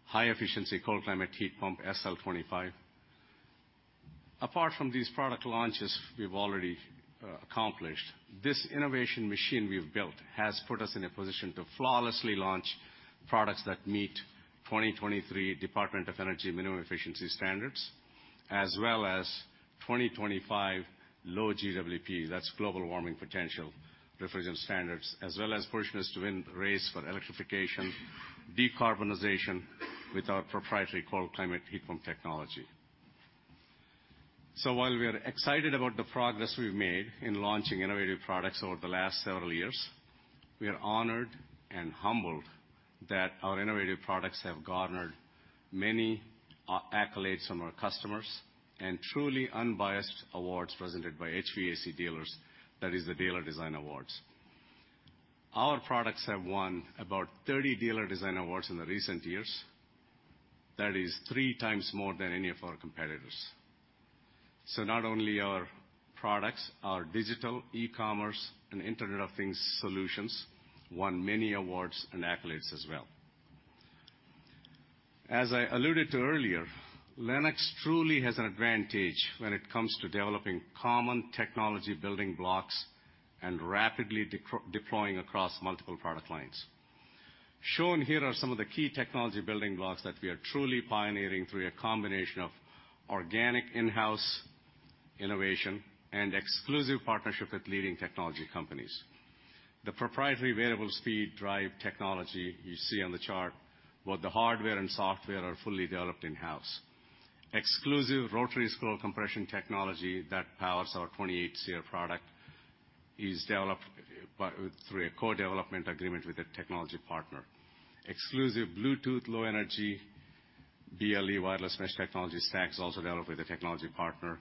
High efficiency cold climate heat pump, SL25. Apart from these product launches we've already accomplished, this innovation machine we've built has put us in a position to flawlessly launch products that meet 2023 Department of Energy minimum efficiency standards, as well as 2025 low GWP, that's global warming potential, refrigerant standards, as well as position us to win the race for electrification, decarbonization with our proprietary cold climate heat pump technology. While we are excited about the progress we've made in launching innovative products over the last several years, we are honored and humbled that our innovative products have garnered many accolades from our customers and truly unbiased awards presented by HVAC dealers, that is the Dealer Design Awards. Our products have won about 30 Dealer Design Awards in the recent years. That is three times more than any of our competitors. Not only our products, our digital, e-commerce, and Internet of Things solutions won many awards and accolades as well. As I alluded to earlier, Lennox truly has an advantage when it comes to developing common technology building blocks and rapidly deploying across multiple product lines. Shown here are some of the key technology building blocks that we are truly pioneering through a combination of organic in-house innovation and exclusive partnership with leading technology companies. The proprietary variable speed drive technology you see on the chart, both the hardware and software are fully developed in-house. Exclusive rotary scroll compression technology that powers our 28 SEER product is developed through a core development agreement with a technology partner. Exclusive Bluetooth Low Energy, BLE, wireless mesh technology stack is also developed with a technology partner.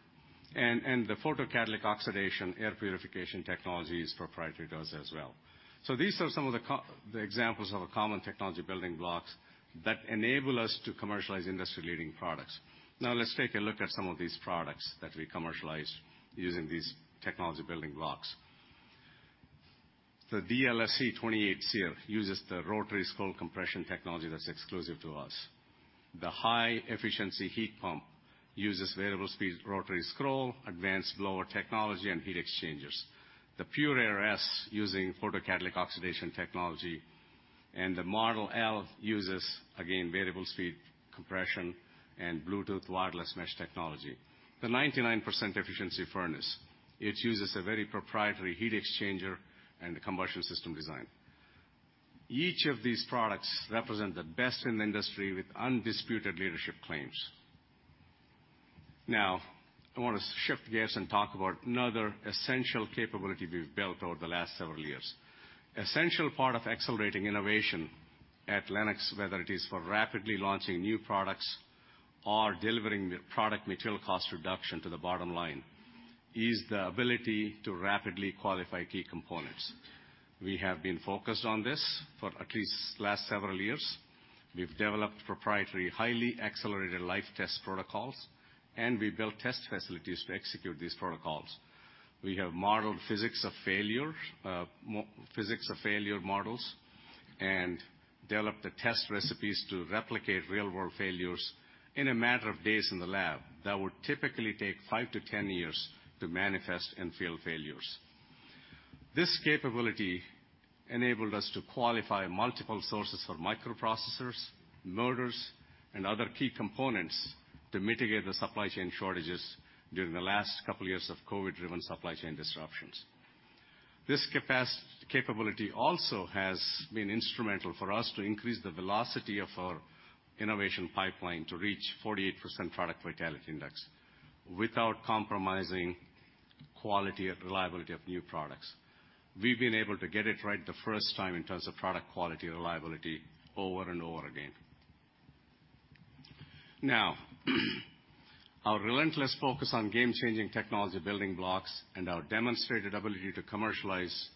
The photocatalytic oxidation air purification technology is proprietary to us as well. These are some of the examples of a common technology building blocks that enable us to commercialize industry-leading products. Let's take a look at some of these products that we commercialize using these technology building blocks. The DLSC 28 SEER uses the rotary scroll compression technology that's exclusive to us. The high efficiency heat pump uses variable speed rotary scroll, advanced blower technology, and heat exchangers. The PureAir S using photocatalytic oxidation technology, and the Model L uses, again, variable speed compression and Bluetooth wireless mesh technology. The 99% efficiency furnace, it uses a very proprietary heat exchanger and combustion system design. Each of these products represent the best in the industry with undisputed leadership claims. I want to shift gears and talk about another essential capability we've built over the last several years. Essential part of accelerating innovation at Lennox, whether it is for rapidly launching new products or delivering the product material cost reduction to the bottom line, is the ability to rapidly qualify key components. We have been focused on this for at least last several years. We've developed proprietary, highly accelerated life test protocols, and we built test facilities to execute these protocols. We have modeled physics of failure, physics of failure models, and developed the test recipes to replicate real-world failures in a matter of days in the lab that would typically take five to 10 years to manifest in field failures. This capability enabled us to qualify multiple sources for microprocessors, motors, and other key components to mitigate the supply chain shortages during the last couple of years of COVID-driven supply chain disruptions. Capability also has been instrumental for us to increase the velocity of our innovation pipeline to reach 48% product vitality index without compromising quality and reliability of new products. We've been able to get it right the first time in terms of product quality and reliability over and over again. Our relentless focus on game-changing technology building blocks and our demonstrated ability to commercialize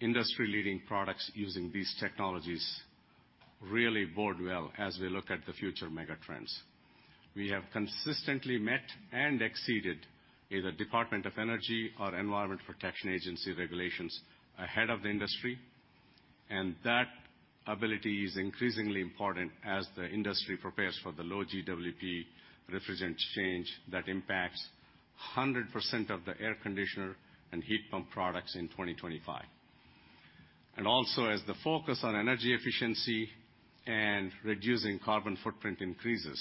industry-leading products using these technologiesReally bode well as we look at the future megatrends. We have consistently met and exceeded either Department of Energy or Environmental Protection Agency regulations ahead of the industry, and that ability is increasingly important as the industry prepares for the low GWP refrigerant change that impacts 100% of the air conditioner and heat pump products in 2025. Also, as the focus on energy efficiency and reducing carbon footprint increases,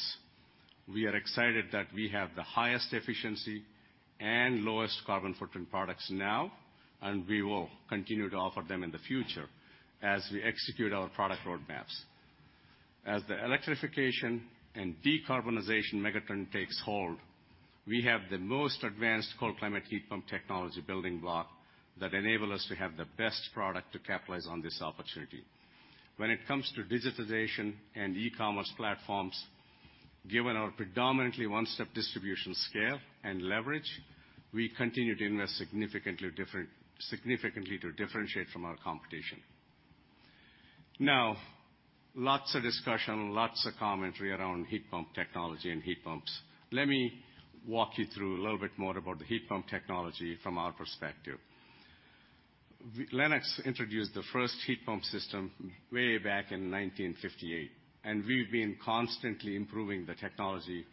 we are excited that we have the highest efficiency and lowest carbon footprint products now, and we will continue to offer them in the future as we execute our product roadmaps. As the electrification and decarbonization megatrend takes hold, we have the most advanced cold climate heat pump technology building block that enable us to have the best product to capitalize on this opportunity. When it comes to digitization and e-commerce platforms, given our predominantly one-step distribution scale and leverage, we continue to invest significantly to differentiate from our competition. Lots of discussion, lots of commentary around heat pump technology and heat pumps. Let me walk you through a little bit more about the heat pump technology from our perspective. Lennox introduced the first heat pump system way back in 1958. We've been constantly improving the technology.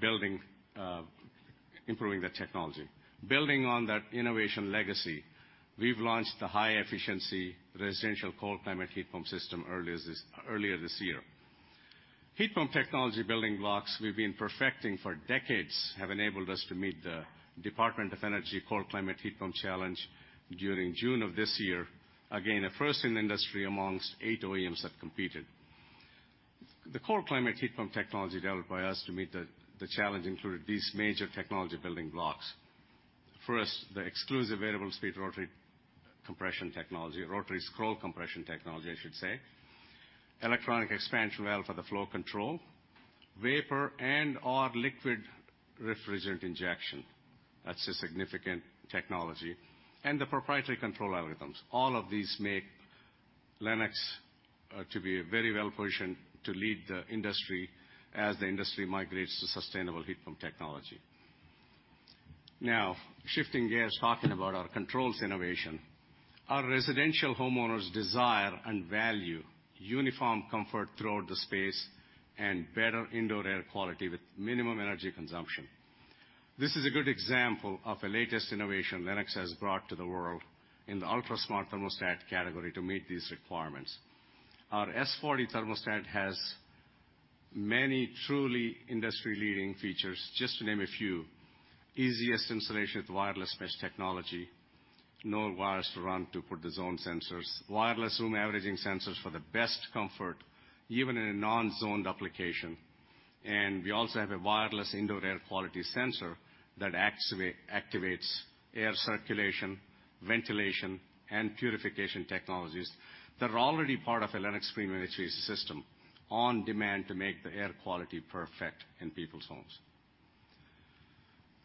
Building on that innovation legacy, we've launched the high efficiency residential cold climate heat pump system earlier this year. Heat pump technology building blocks we've been perfecting for decades have enabled us to meet the Department of Energy Cold Climate Heat Pump Technology Challenge during June of this year. Again, a first in industry amongst eight OEMs that competed. The cold climate heat pump technology developed by us to meet the challenge included these major technology building blocks. First, the exclusive variable speed rotary compression technology, rotary scroll compression technology, I should say. Electronic expansion valve for the flow control. Vapor and/or liquid refrigerant injection. That's a significant technology. The proprietary control algorithms. All of these make Lennox to be very well-positioned to lead the industry as the industry migrates to sustainable heat pump technology. Shifting gears, talking about our controls innovation. Our residential homeowners desire and value uniform comfort throughout the space and better indoor air quality with minimum energy consumption. This is a good example of the latest innovation Lennox has brought to the world in the ultra-smart thermostat category to meet these requirements. Our S40 thermostat has many truly industry-leading features, just to name a few. Easiest installation with wireless mesh technology. No wires to run to put the zone sensors. Wireless room averaging sensors for the best comfort, even in a non-zoned application. We also have a wireless indoor air quality sensor that activates air circulation, ventilation, and purification technologies that are already part of a Lennox Premium efficiency system on demand to make the air quality perfect in people's homes.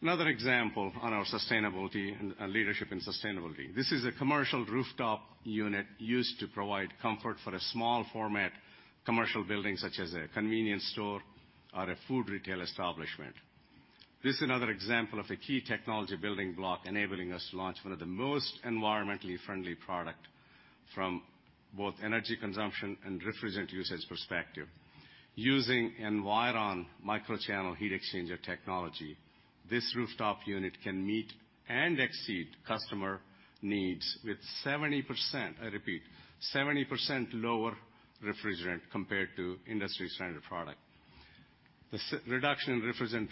Another example on our sustainability and leadership in sustainability. This is a commercial rooftop unit used to provide comfort for a small format commercial building, such as a convenience store or a food retail establishment. This is another example of a key technology building block enabling us to launch one of the most environmentally friendly product from both energy consumption and refrigerant usage perspective. Using Environ microchannel heat exchanger technology, this rooftop unit can meet and exceed customer needs with 70%, I repeat, 70% lower refrigerant compared to industry standard product. The reduction in refrigerant,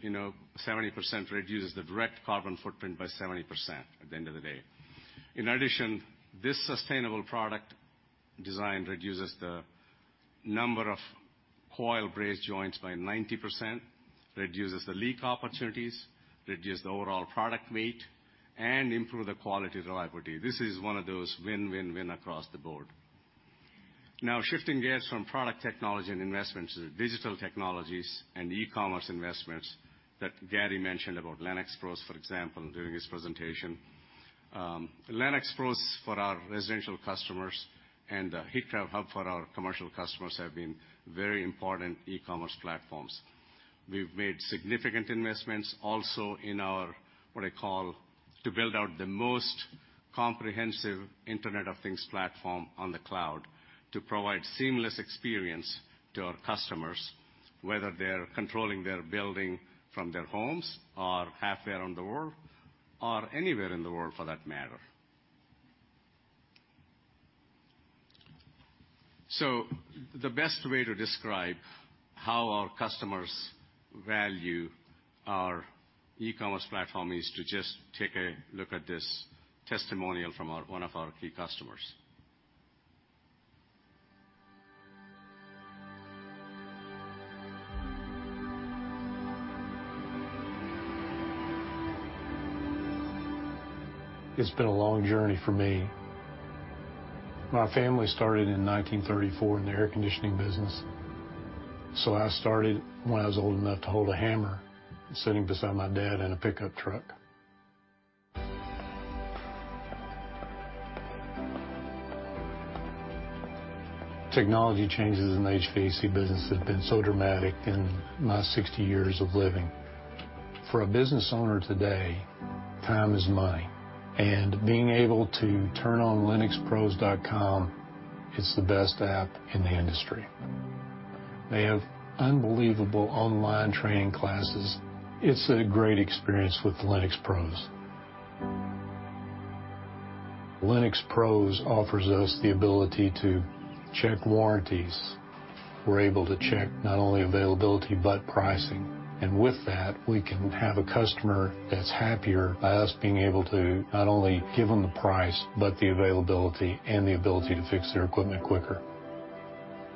you know, 70% reduces the direct carbon footprint by 70% at the end of the day. In addition, this sustainable product design reduces the number of coil braze joints by 90%, reduces the leak opportunities, reduces the overall product weight, and improve the quality reliability. This is one of those win-win-win across the board. Shifting gears from product technology and investments to the digital technologies and e-commerce investments that Gary mentioned about LennoxPROs, for example, during his presentation. LennoxPROs for our residential customers and Heatcraft Hub for our commercial customers have been very important e-commerce platforms. We've made significant investments also in our, what I call, to build out the most comprehensive Internet of Things platform on the cloud to provide seamless experience to our customers, whether they're controlling their building from their homes or halfway around the world or anywhere in the world, for that matter. The best way to describe how our customers value our e-commerce platform is to just take a look at this testimonial from one of our key customers. It's been a long journey for me. My family started in 1934 in the air conditioning business. I started when I was old enough to hold a hammer, sitting beside my dad in a pickup truck. Technology changes in the HVAC business have been so dramatic in my 60 years of living. For a business owner today, time is money, and being able to turn on LennoxPROs.com, it's the best app in the industry. They have unbelievable online training classes. It's a great experience with Lennox Pros. Lennox Pros offers us the ability to check warranties. We're able to check not only availability but pricing, and with that, we can have a customer that's happier by us being able to not only give them the price, but the availability and the ability to fix their equipment quicker.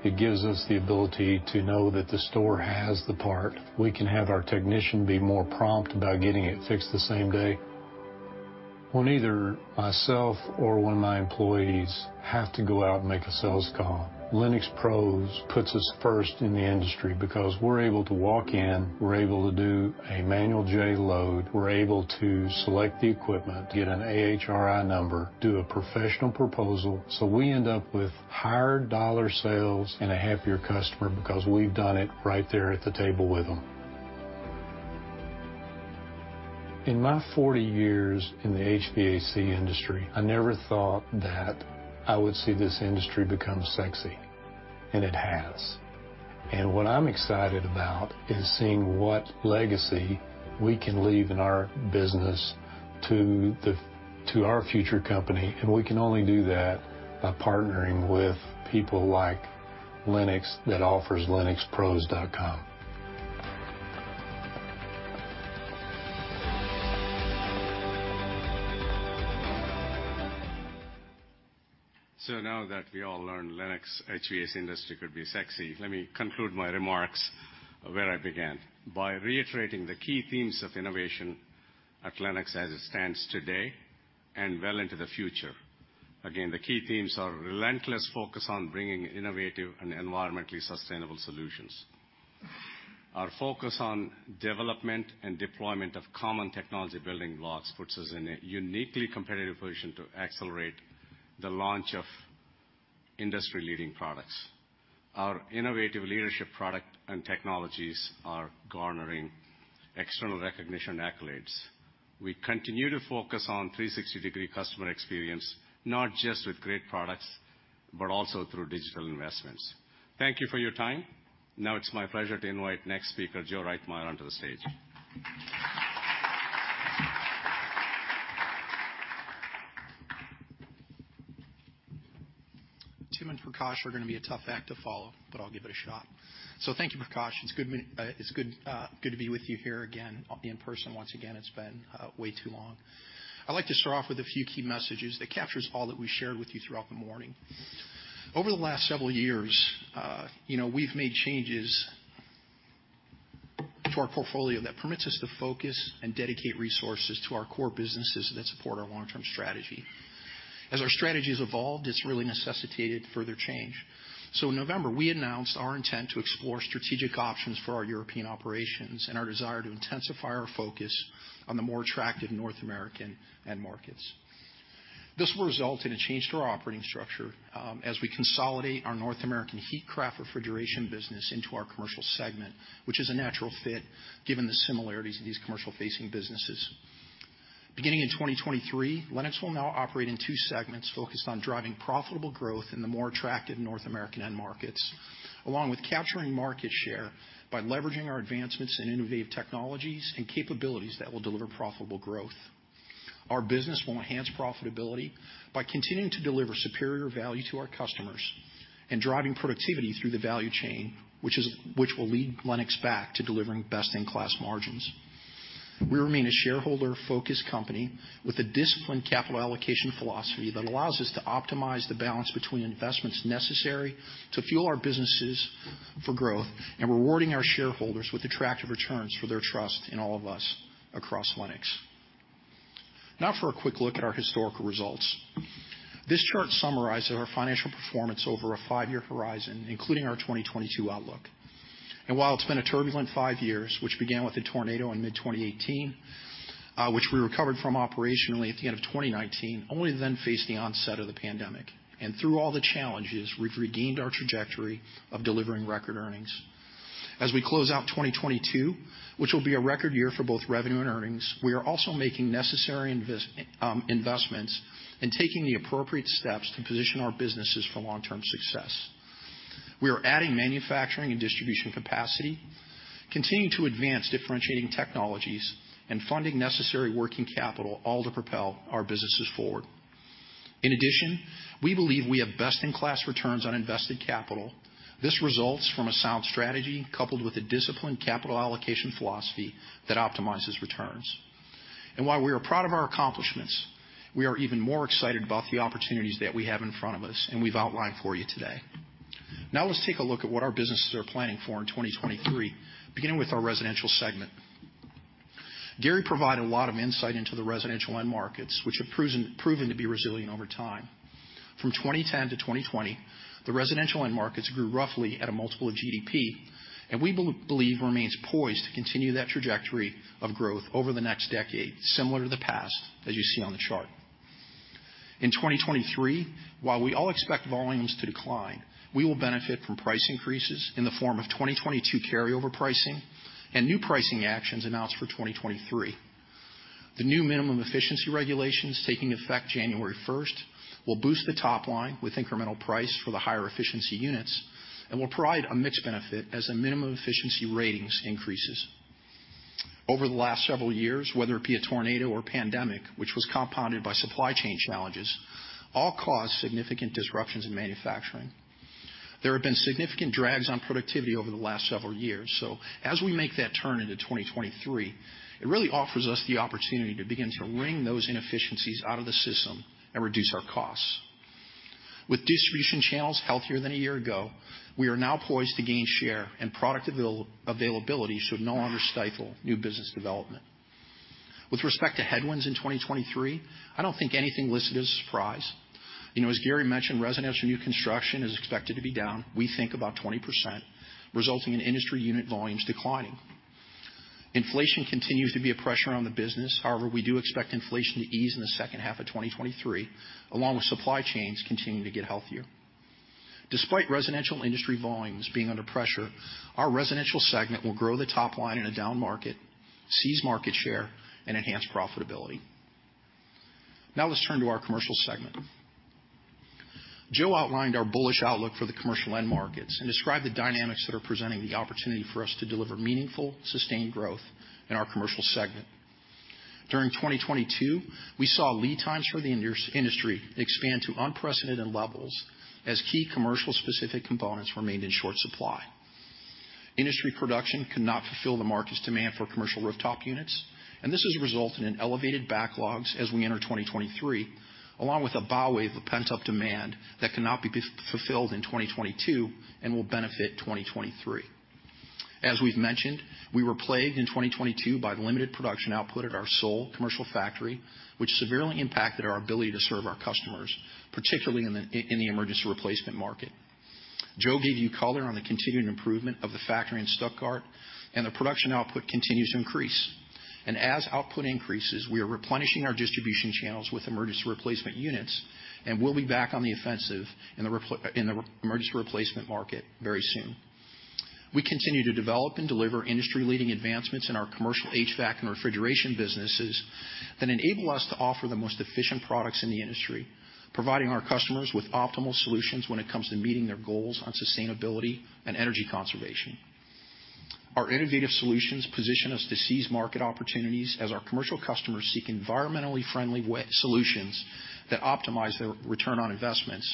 It gives us the ability to know that the store has the part. We can have our technician be more prompt about getting it fixed the same day. When either myself or one of my employees have to go out and make a sales call, LennoxPros puts us first in the industry because we're able to walk in, we're able to do a Manual J load, we're able to select the equipment, get an AHRI number, do a professional proposal. We end up with higher dollar sales and a happier customer because we've done it right there at the table with them. In my 40 years in the HVAC industry, I never thought that I would see this industry become sexy, and it has. What I'm excited about is seeing what legacy we can leave in our business to our future company. We can only do that by partnering with people like Lennox that offers LennoxPROs.com. Now that we all learn Lennox HVAC industry could be sexy, let me conclude my remarks where I began by reiterating the key themes of innovation at Lennox as it stands today and well into the future. The key themes are relentless focus on bringing innovative and environmentally sustainable solutions. Our focus on development and deployment of common technology building blocks puts us in a uniquely competitive position to accelerate the launch of industry-leading products. Our innovative leadership product and technologies are garnering external recognition accolades. We continue to focus on 360-degree customer experience, not just with great products, but also through digital investments. Thank you for your time. It's my pleasure to invite next speaker, Joe Reitmeier, onto the stage. Tim and Prakash are gonna be a tough act to follow, but I'll give it a shot. Thank you, Prakash. It's good to be with you here again, in person once again. It's been way too long. I'd like to start off with a few key messages that captures all that we shared with you throughout the morning. Over the last several years, you know, we've made changes to our portfolio that permits us to focus and dedicate resources to our core businesses that support our long-term strategy. As our strategy has evolved, it's really necessitated further change. In November, we announced our intent to explore strategic options for our European operations and our desire to intensify our focus on the more attractive North American end markets. This will result in a change to our operating structure, as we consolidate our North American Heatcraft Refrigeration business into our commercial segment, which is a natural fit given the similarities of these commercial-facing businesses. Beginning in 2023, Lennox will now operate in two segments focused on driving profitable growth in the more attractive North American end markets, along with capturing market share by leveraging our advancements in innovative technologies and capabilities that will deliver profitable growth. Our business will enhance profitability by continuing to deliver superior value to our customers and driving productivity through the value chain, which will lead Lennox back to delivering best-in-class margins. We remain a shareholder-focused company with a disciplined capital allocation philosophy that allows us to optimize the balance between investments necessary to fuel our businesses for growth and rewarding our shareholders with attractive returns for their trust in all of us across Lennox. Now for a quick look at our historical results. This chart summarizes our financial performance over a five-year horizon, including our 2022 outlook. While it's been a turbulent five years, which began with a tornado in mid-2018, which we recovered from operationally at the end of 2019, only then faced the onset of the pandemic. Through all the challenges, we've regained our trajectory of delivering record earnings. As we close out 2022, which will be a record year for both revenue and earnings, we are also making necessary investments and taking the appropriate steps to position our businesses for long-term success. We are adding manufacturing and distribution capacity, continuing to advance differentiating technologies, and funding necessary working capital all to propel our businesses forward. In addition, we believe we have best-in-class returns on invested capital. This results from a sound strategy coupled with a disciplined capital allocation philosophy that optimizes returns. While we are proud of our accomplishments, we are even more excited about the opportunities that we have in front of us and we've outlined for you today. Let's take a look at what our businesses are planning for in 2023, beginning with our residential segment. Gary provided a lot of insight into the residential end markets, which have proven to be resilient over time. From 2010-2020, the residential end markets grew roughly at a multiple of GDP, we believe remains poised to continue that trajectory of growth over the next decade, similar to the past, as you see on the chart. In 2023, while we all expect volumes to decline, we will benefit from price increases in the form of 2022 carryover pricing and new pricing actions announced for 2023. The new minimum efficiency regulations taking effect January 1st will boost the top line with incremental price for the higher efficiency units and will provide a mixed benefit as the minimum efficiency ratings increases. Over the last several years, whether it be a tornado or pandemic, which was compounded by supply chain challenges, all caused significant disruptions in manufacturing. There have been significant drags on productivity over the last several years. As we make that turn into 2023, it really offers us the opportunity to begin to wring those inefficiencies out of the system and reduce our costs. With distribution channels healthier than a year ago, we are now poised to gain share and product availability should no longer stifle new business development. With respect to headwinds in 2023, I don't think anything listed is a surprise. You know, as Gary mentioned, residential new construction is expected to be down, we think about 20%, resulting in industry unit volumes declining. Inflation continues to be a pressure on the business. However, we do expect inflation to ease in the H2 of 2023, along with supply chains continuing to get healthier. Despite residential industry volumes being under pressure, our residential segment will grow the top line in a down market, seize market share, and enhance profitability. Let's turn to our commercial segment. Joe outlined our bullish outlook for the commercial end markets and described the dynamics that are presenting the opportunity for us to deliver meaningful, sustained growth in our commercial segment. During 2022, we saw lead times for the industry expand to unprecedented levels as key commercial-specific components remained in short supply. Industry production could not fulfill the market's demand for commercial rooftop units, this has resulted in elevated backlogs as we enter 2023, along with a bow wave of pent-up demand that cannot be fulfilled in 2022 and will benefit 2023. As we've mentioned, we were plagued in 2022 by the limited production output at our sole commercial factory, which severely impacted our ability to serve our customers, particularly in the emergency replacement market. Joe gave you color on the continuing improvement of the factory in Stuttgart. The production output continues to increase. As output increases, we are replenishing our distribution channels with emergency replacement units, and we'll be back on the offensive in the emergency replacement market very soon. We continue to develop and deliver industry-leading advancements in our commercial HVAC and refrigeration businesses that enable us to offer the most efficient products in the industry, providing our customers with optimal solutions when it comes to meeting their goals on sustainability and energy conservation. Our innovative solutions position us to seize market opportunities as our commercial customers seek environmentally friendly solutions that optimize their return on investments.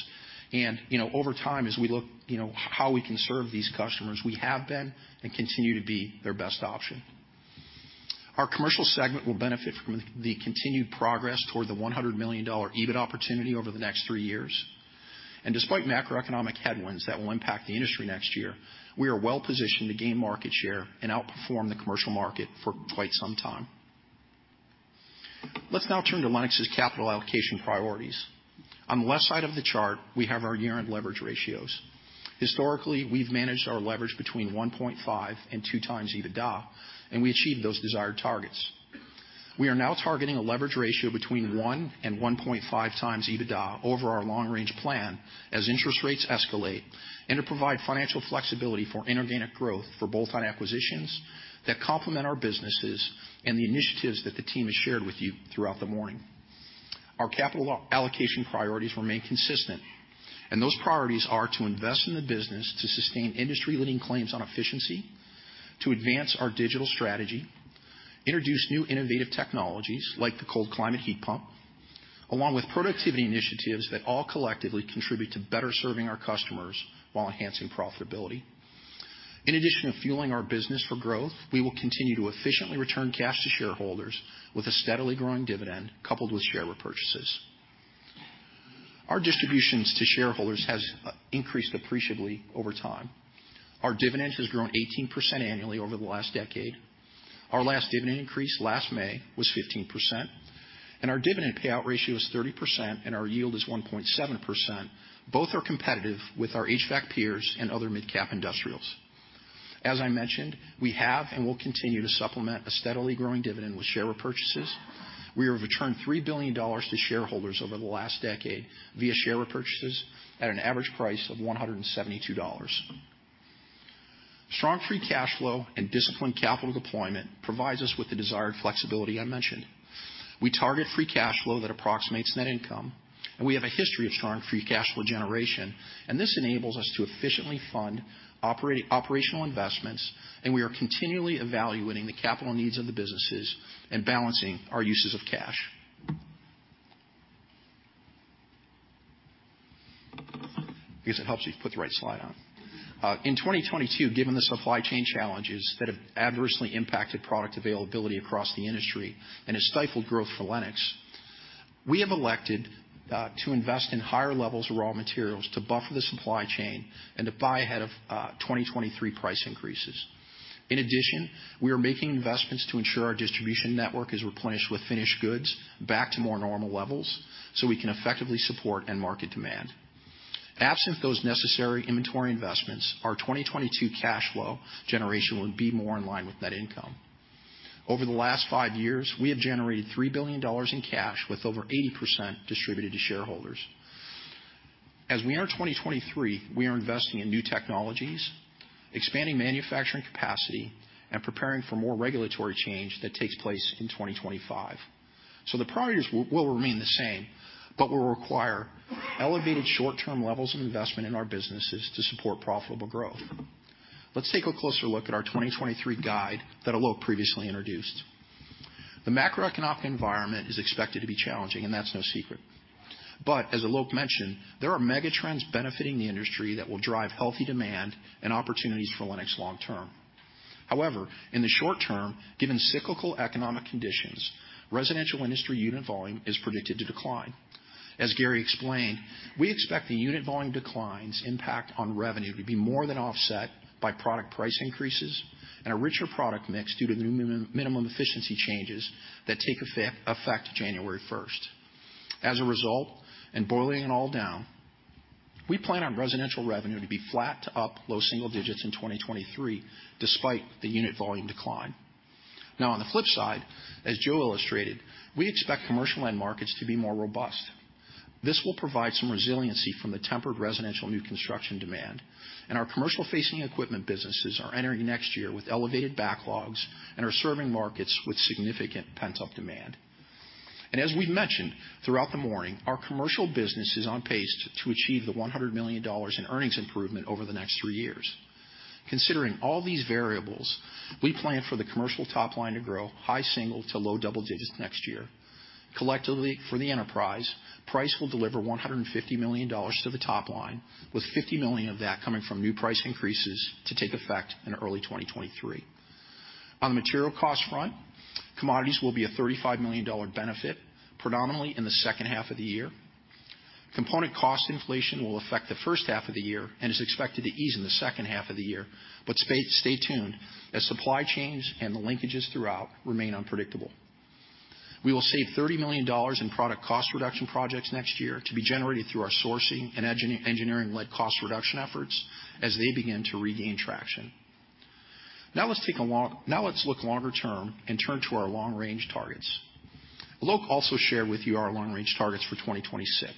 You know, over time, as we look, you know, how we can serve these customers, we have been and continue to be their best option. Our commercial segment will benefit from the continued progress toward the $100 million EBIT opportunity over the next three years. Despite macroeconomic headwinds that will impact the industry next year, we are well positioned to gain market share and outperform the commercial market for quite some time. Let's now turn to Lennox's capital allocation priorities. On the left side of the chart, we have our year-end leverage ratios. Historically, we've managed our leverage between 1.5 and two times EBITDA, and we achieved those desired targets. We are now targeting a leverage ratio between 1 and 1.5 times EBITDA over our long-range plan as interest rates escalate and to provide financial flexibility for inorganic growth for bolt-on acquisitions that complement our businesses and the initiatives that the team has shared with you throughout the morning. Our capital allocation priorities remain consistent, and those priorities are to invest in the business to sustain industry-leading claims on efficiency, to advance our digital strategy, introduce new innovative technologies like the cold climate heat pump, along with productivity initiatives that all collectively contribute to better serving our customers while enhancing profitability. In addition to fueling our business for growth, we will continue to efficiently return cash to shareholders with a steadily growing dividend coupled with share repurchases. Our distributions to shareholders has increased appreciably over time. Our dividend has grown 18% annually over the last decade. Our last dividend increase last May was 15%, and our dividend payout ratio is 30%, and our yield is 1.7%. Both are competitive with our HVAC peers and other midcap industrials. As I mentioned, we have and will continue to supplement a steadily growing dividend with share repurchases. We have returned $3 billion to shareholders over the last decade via share repurchases at an average price of $172. Strong free cash flow and disciplined capital deployment provides us with the desired flexibility I mentioned. We target free cash flow that approximates net income, and we have a history of strong free cash flow generation, and this enables us to efficiently fund operational investments, and we are continually evaluating the capital needs of the businesses and balancing our uses of cash. I guess it helps if you put the right slide on. In 2022, given the supply chain challenges that have adversely impacted product availability across the industry and has stifled growth for Lennox, we have elected to invest in higher levels of raw materials to buffer the supply chain and to buy ahead of 2023 price increases. We are making investments to ensure our distribution network is replenished with finished goods back to more normal levels so we can effectively support end market demand. Absent those necessary inventory investments, our 2022 cash flow generation would be more in line with net income. Over the last five years, we have generated $3 billion in cash, with over 80% distributed to shareholders. As we enter 2023, we are investing in new technologies, expanding manufacturing capacity, and preparing for more regulatory change that takes place in 2025. The priorities will remain the same, but will require elevated short-term levels of investment in our businesses to support profitable growth. Let's take a closer look at our 2023 guide that Alok previously introduced. The macroeconomic environment is expected to be challenging, and that's no secret. As Alok mentioned, there are megatrends benefiting the industry that will drive healthy demand and opportunities for Lennox long term. However, in the short term, given cyclical economic conditions, residential industry unit volume is predicted to decline. As Gary explained, we expect the unit volume decline's impact on revenue to be more than offset by product price increases and a richer product mix due to minimum efficiency changes that take effect January 1st. Boiling it all down, we plan on residential revenue to be flat to up low single digits in 2023, despite the unit volume decline. On the flip side, as Joe illustrated, we expect commercial end markets to be more robust. This will provide some resiliency from the tempered residential new construction demand, our commercial-facing equipment businesses are entering next year with elevated backlogs and are serving markets with significant pent-up demand. As we've mentioned throughout the morning, our commercial business is on pace to achieve the $100 million in earnings improvement over the next three years. Considering all these variables, we plan for the commercial top line to grow high single to low double digits next year. Collectively, for the enterprise, price will deliver $150 million to the top line, with $50 million of that coming from new price increases to take effect in early 2023. On the material cost front, commodities will be a $35 million benefit, predominantly in the H2 of the year. Component cost inflation will affect the H1 of the year and is expected to ease in the H2 of the year. Stay tuned, as supply chains and the linkages throughout remain unpredictable. We will save $30 million in product cost reduction projects next year to be generated through our sourcing and engineering-led cost reduction efforts as they begin to regain traction. Let's look longer term and turn to our long-range targets. Alok Maskara also shared with you our long-range targets for 2026.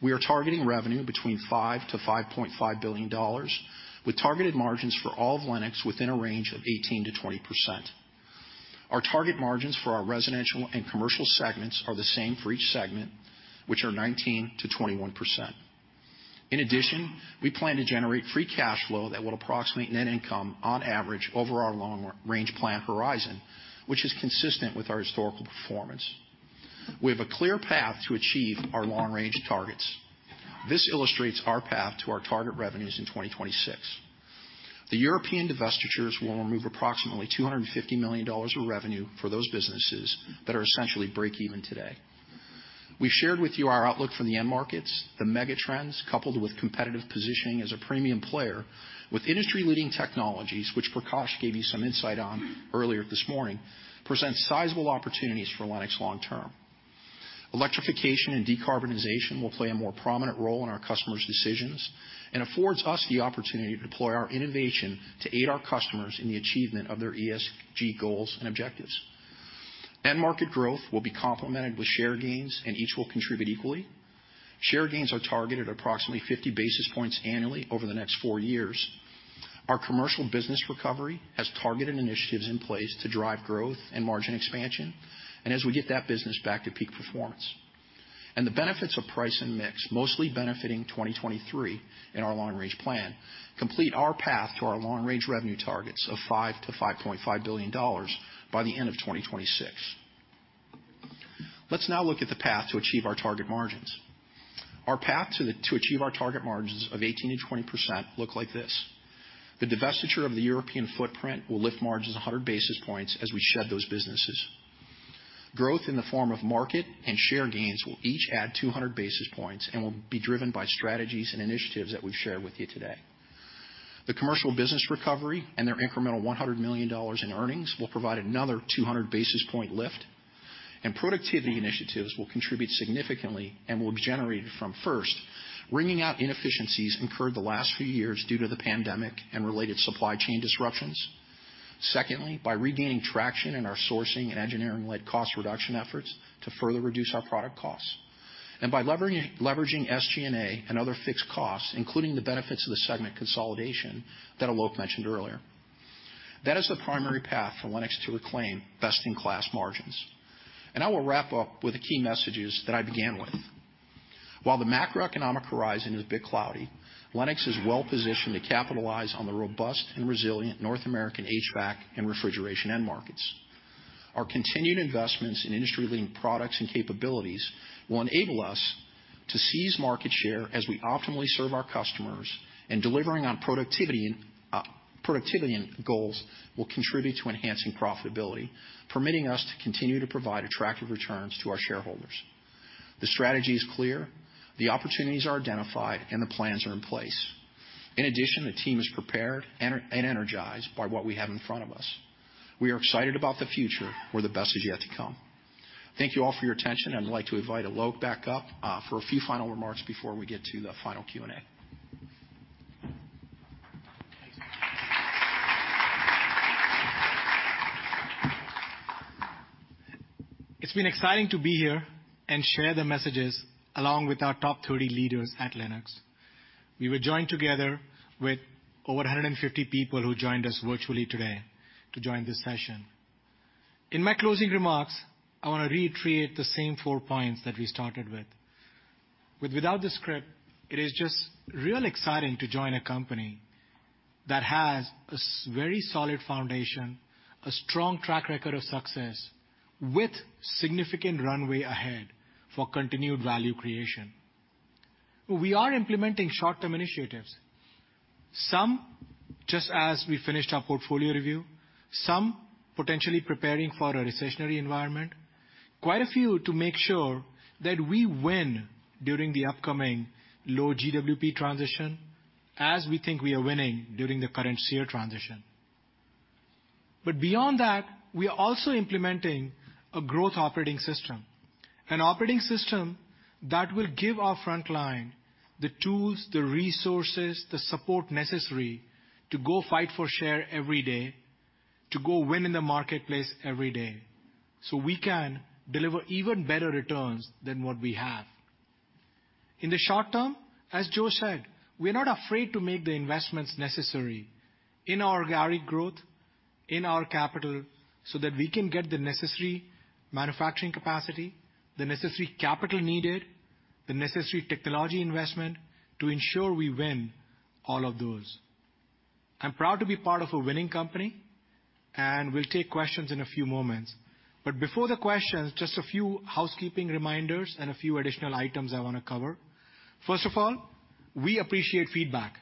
We are targeting revenue between $5 billion-5.5 billion, with targeted margins for all of Lennox within a range of 18%-20%. Our target margins for our residential and commercial segments are the same for each segment, which are 19%-21%. We plan to generate free cash flow that will approximate net income on average over our long-range plan horizon, which is consistent with our historical performance. We have a clear path to achieve our long-range targets. This illustrates our path to our target revenues in 2026. The European divestitures will remove approximately $250 million of revenue for those businesses that are essentially break even today. We shared with you our outlook from the end markets. The megatrends, coupled with competitive positioning as a premium player with industry-leading technologies, which Prakash gave you some insight on earlier this morning, presents sizable opportunities for Lennox long term. Electrification and decarbonization will play a more prominent role in our customers' decisions and affords us the opportunity to deploy our innovation to aid our customers in the achievement of their ESG goals and objectives. End market growth will be complemented with share gains, each will contribute equally. Share gains are targeted at approximately 50 basis points annually over the next four years. Our commercial business recovery has targeted initiatives in place to drive growth and margin expansion, as we get that business back to peak performance. The benefits of price and mix, mostly benefiting 2023 in our long-range plan, complete our path to our long-range revenue targets of $5 billion-5.5 billion by the end of 2026. Let's now look at the path to achieve our target margins. Our path to achieve our target margins of 18%-20% look like this. The divestiture of the European footprint will lift margins 100 basis points as we shed those businesses. Growth in the form of market and share gains will each add 200 basis points and will be driven by strategies and initiatives that we've shared with you today. The commercial business recovery and their incremental $100 million in earnings will provide another 200 basis point lift, productivity initiatives will contribute significantly and will be generated from, first, wringing out inefficiencies incurred the last few years due to the pandemic and related supply chain disruptions. Secondly, by regaining traction in our sourcing and engineering-led cost reduction efforts to further reduce our product costs. By leveraging SG&A and other fixed costs, including the benefits of the segment consolidation that Alok mentioned earlier. That is the primary path for Lennox to reclaim best-in-class margins. I will wrap up with the key messages that I began with. While the macroeconomic horizon a bit cloudy, Lennox is well positioned to capitalize on the robust and resilient North American HVAC and refrigeration end markets. Our continued investments in industry-leading products and capabilities will enable us to seize market share as we optimally serve our customers, and delivering on productivity and goals will contribute to enhancing profitability, permitting us to continue to provide attractive returns to our shareholders. The strategy is clear, the opportunities are identified, and the plans are in place. In addition, the team is prepared and energized by what we have in front of us. We are excited about the future, where the best is yet to come. Thank you all for your attention, and I'd like to invite Alok back up for a few final remarks before we get to the final Q&A. It's been exciting to be here and share the messages along with our top 30 leaders at Lennox. We were joined together with over 150 people who joined us virtually today to join this session. In my closing remarks, I wanna reiterate the same four points that we started with. Without the script, it is just real exciting to join a company that has a very solid foundation, a strong track record of success, with significant runway ahead for continued value creation. We are implementing short-term initiatives. Some just as we finished our portfolio review, some potentially preparing for a recessionary environment, quite a few to make sure that we win during the upcoming low GWP transition as we think we are winning during the current SEER transition. Beyond that, we are also implementing a growth operating system. An operating system that will give our front line the tools, the resources, the support necessary to go fight for share every day, to go win in the marketplace every day, so we can deliver even better returns than what we have. In the short term, as Joe said, we're not afraid to make the investments necessary in our organic growth, in our capital, so that we can get the necessary manufacturing capacity, the necessary capital needed, the necessary technology investment to ensure we win all of those. I'm proud to be part of a winning company. We'll take questions in a few moments. Before the questions, just a few housekeeping reminders and a few additional items I wanna cover. First of all, we appreciate feedback.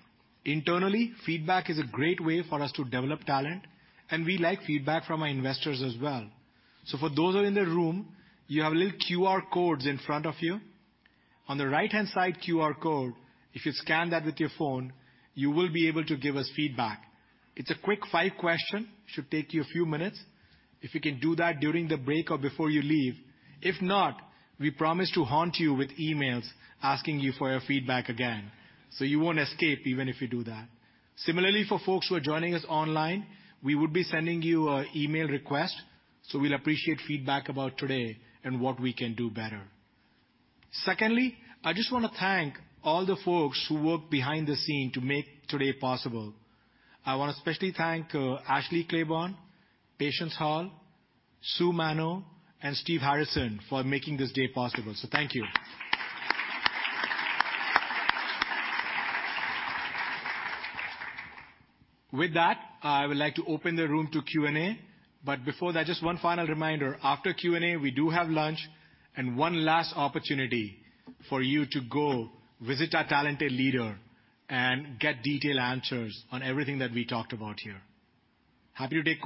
Internally, feedback is a great way for us to develop talent, and we like feedback from our investors as well. For those who are in the room, you have little QR codes in front of you. On the right-hand side QR code, if you scan that with your phone, you will be able to give us feedback. It's a quick five question, should take you a few minutes. If you can do that during the break or before you leave. If not, we promise to haunt you with emails asking you for your feedback again. You won't escape even if you do that. Similarly, for folks who are joining us online, we would be sending you an email request, so we'll appreciate feedback about today and what we can do better. Secondly, I just wanna thank all the folks who work behind the scene to make today possible. I wanna especially thank Ashley Clayborn, Patience Hall, Sue Manno, and Steve Harrison for making this day possible. Thank you. With that, I would like to open the room to Q&A. Before that, just one final reminder. After Q&A, we do have lunch and one last opportunity for you to go visit our talented leader and get detailed answers on everything that we talked about here. Happy to take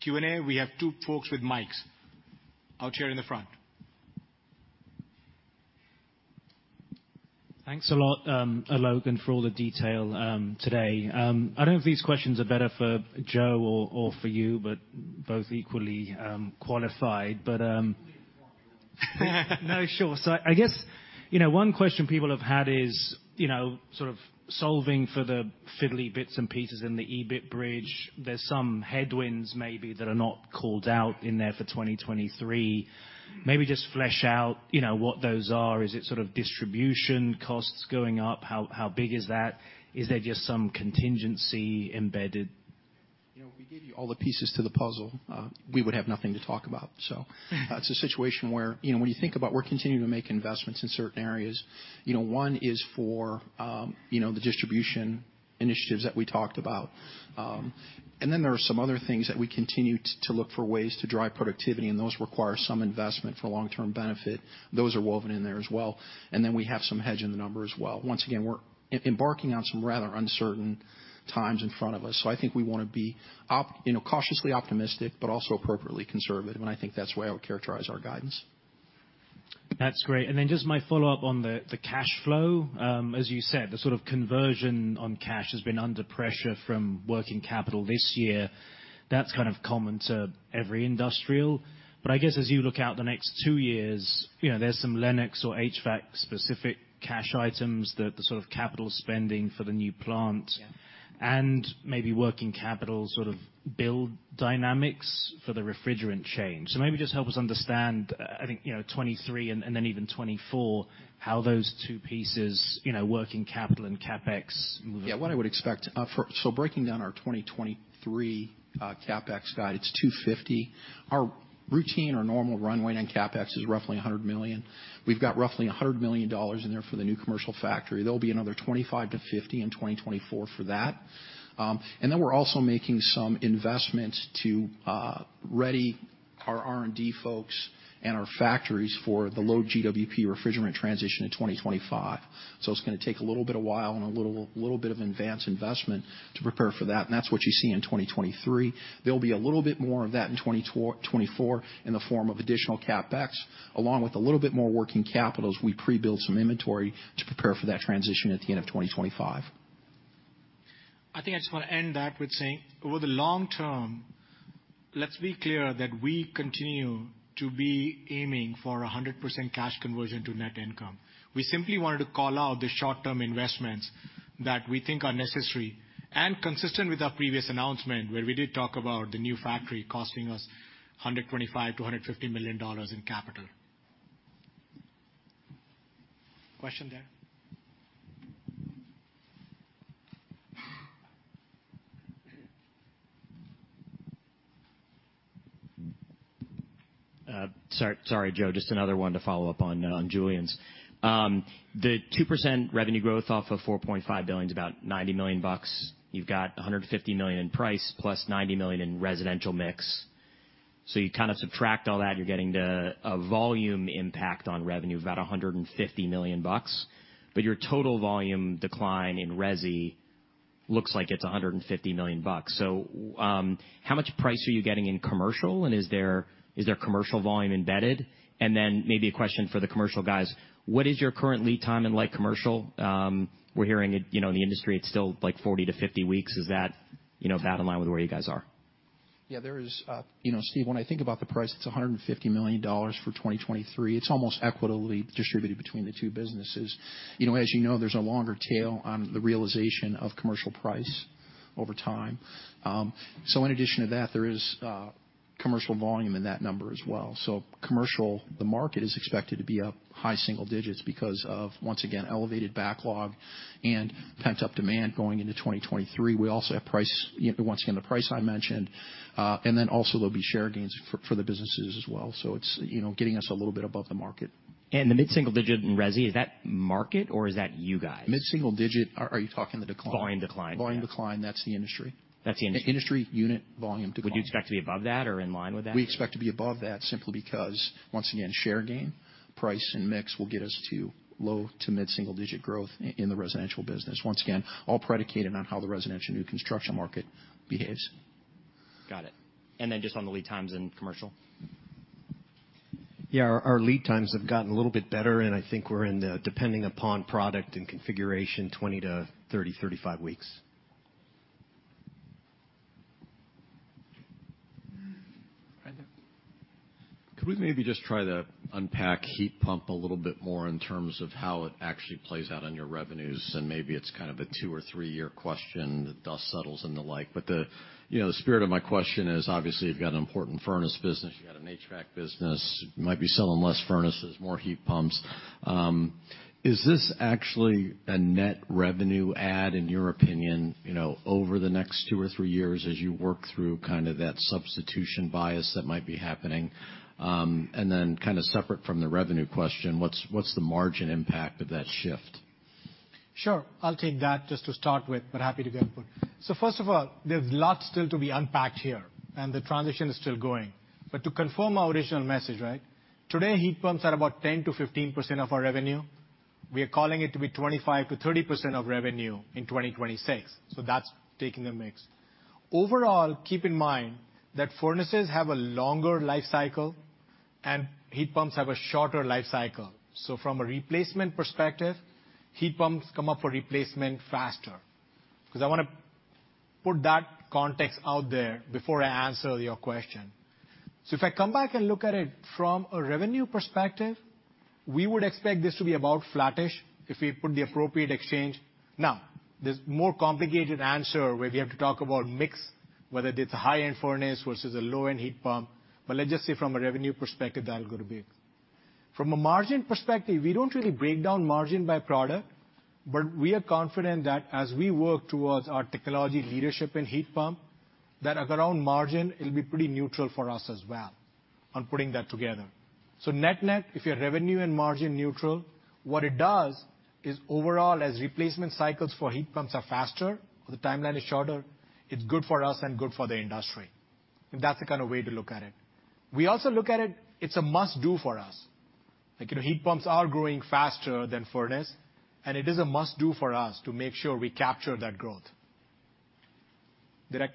Q&A. We have two folks with mics out here in the front. Thanks a lot, Alok Maskara, and for all the detail today. I don't know if these questions are better for Joe or for you, but both equally qualified. No, sure. I guess, you know, one question people have had is, you know, sort of solving for the fiddly bits and pieces in the EBIT bridge, there's some headwinds maybe that are not called out in there for 2023. Maybe just flesh out, you know, what those are. Is it sort of distribution costs going up? How big is that? Is there just some contingency embedded? You know, if we gave you all the pieces to the puzzle, we would have nothing to talk about. It's a situation where, you know, when you think about we're continuing to make investments in certain areas, you know, one is for, you know, the distribution initiatives that we talked about. Then there are some other things that we continue to look for ways to drive productivity, and those require some investment for long-term benefit. Those are woven in there as well. Then we have some hedge in the number as well. Once again, we're embarking on some rather uncertain times in front of us, I think we wanna be, you know, cautiously optimistic but also appropriately conservative. I think that's the way I would characterize our guidance. That's great. Just my follow-up on the cash flow. As you said, the sort of conversion on cash has been under pressure from working capital this year. That's kind of common to every industrial. I guess as you look out the next two years, you know, there's some Lennox or HVAC specific cash items, the sort of capital spending for the new plant- Yeah Maybe working capital sort of build dynamics for the refrigerant change. Maybe just help us understand, I think, you know, 23 and then even 24, how those two pieces, you know, working capital and CapEx move. Yeah. What I would expect, breaking down our 2023 CapEx guide, it's $250 million. Our routine or normal runway on CapEx is roughly $100 million. We've got roughly $100 million in there for the new commercial factory. There'll be another $25-$50 million in 2024 for that. We're also making some investments to ready our R&D folks and our factories for the low GWP refrigerant transition in 2025. It's gonna take a little bit of while and a little bit of advanced investment to prepare for that, and that's what you see in 2023. There'll be a little bit more of that in 2024 in the form of additional CapEx, along with a little bit more working capital as we pre-build some inventory to prepare for that transition at the end of 2025. I think I just want to end that with saying over the long term, let's be clear that we continue to be aiming for a 100% cash conversion to net income. We simply wanted to call out the short-term investments that we think are necessary and consistent with our previous announcement, where we did talk about the new factory costing us $125 million-$150 million in capital. Question there? Sorry, Joe. Just another one to follow up on Julian's. The 2% revenue growth off of $4.5 billion is about $90 million. You've got $150 million in price plus $90 million in residential mix. You kind of subtract all that, you're getting to a volume impact on revenue of about $150 million. Your total volume decline in resi looks like it's $150 million. How much price are you getting in commercial, and is there commercial volume embedded? Maybe a question for the commercial guys, what is your current lead time in light commercial? We're hearing it, you know, in the industry, it's still, like, 40-50 weeks. Is that, you know, about in line with where you guys are? Yeah, there is. you know, Steve, when I think about the price, it's $150 million for 2023. It's almost equitably distributed between the two businesses. You know, as you know, there's a longer tail on the realization of commercial price over time. In addition to that, there is commercial volume in that number as well. Commercial, the market is expected to be up high single digits because of, once again, elevated backlog and pent-up demand going into 2023. We also have price, once again, the price I mentioned. Also there'll be share gains for the businesses as well. It's, you know, getting us a little bit above the market. The mid-single digit in resi, is that market or is that you guys? Mid-single digit... Are you talking the decline? Volume decline, yeah. Volume decline, that's the industry. That's the industry. Industry unit volume decline. Would you expect to be above that or in line with that? We expect to be above that simply because, once again, share gain, price and mix will get us to low to mid-single digit growth in the residential business. Once again, all predicated on how the residential new construction market behaves. Got it. Then just on the lead times in commercial? Yeah. Our lead times have gotten a little bit better, and I think we're in the depending upon product and configuration, 20-30, 35 weeks. Right there. Could we maybe just try to unpack heat pump a little bit more in terms of how it actually plays out on your revenues, and maybe it's kind of a two or three-year question, the dust settles and the like. The, you know, the spirit of my question is, obviously, you've got an important furnace business, you've got an HVAC business. You might be selling less furnaces, more heat pumps. Is this actually a net revenue add, in your opinion, you know, over the next two or three years as you work through kind of that substitution bias that might be happening? Then kind of separate from the revenue question, what's the margin impact of that shift? Sure. I'll take that just to start with, happy to give input. First of all, there's lots still to be unpacked here, and the transition is still going. To confirm our original message, right? Today, heat pumps are about 10%-15% of our revenue. We are calling it to be 25%-30% of revenue in 2026. That's taking the mix. Overall, keep in mind that furnaces have a longer life cycle and heat pumps have a shorter life cycle. From a replacement perspective, heat pumps come up for replacement faster. 'Cause I wanna put that context out there before I answer your question. If I come back and look at it from a revenue perspective, we would expect this to be about flattish if we put the appropriate exchange. There's more complicated answer where we have to talk about mix, whether it's a high-end furnace versus a low-end heat pump. Let's just say from a revenue perspective, that'll go to be. From a margin perspective, we don't really break down margin by product, but we are confident that as we work towards our technology leadership in heat pump, that around margin, it'll be pretty neutral for us as well on putting that together. Net-net, if you're revenue and margin neutral, what it does is overall, as replacement cycles for heat pumps are faster or the timeline is shorter, it's good for us and good for the industry. That's the kind of way to look at it. We also look at it's a must do for us. Like, you know, heat pumps are growing faster than furnace, and it is a must do for us to make sure we capture that growth. Did I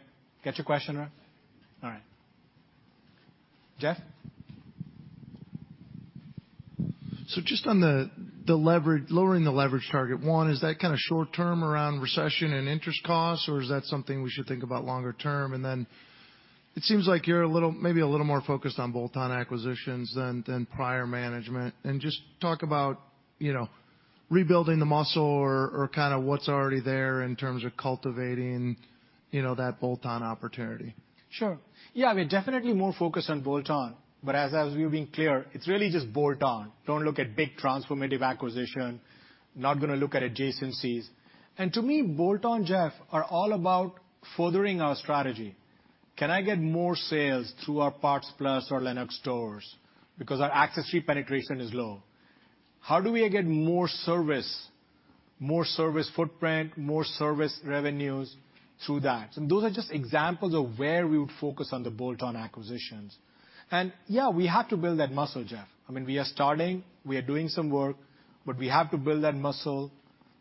get your question right? All right. Jeff? Just on the leverage, lowering the leverage target, one, is that kinda short term around recession and interest costs, or is that something we should think about longer term? Then it seems like you're a little, maybe a little more focused on bolt-on acquisitions than prior management. Just talk about, you know, rebuilding the muscle or kinda what's already there in terms of cultivating, you know, that bolt-on opportunity. Sure. Yeah, we're definitely more focused on bolt-on, but as we've been clear, it's really just bolt-on. Don't look at big transformative acquisition. Not gonna look at adjacencies. To me, bolt-on, Jeff, are all about furthering our strategy. Can I get more sales through our PartsPlus or Lennox Stores because our accessory penetration is low? How do we get more service, more service footprint, more service revenues through that? Those are just examples of where we would focus on the bolt-on acquisitions. Yeah, we have to build that muscle, Jeff. I mean, we are starting, we are doing some work, but we have to build that muscle.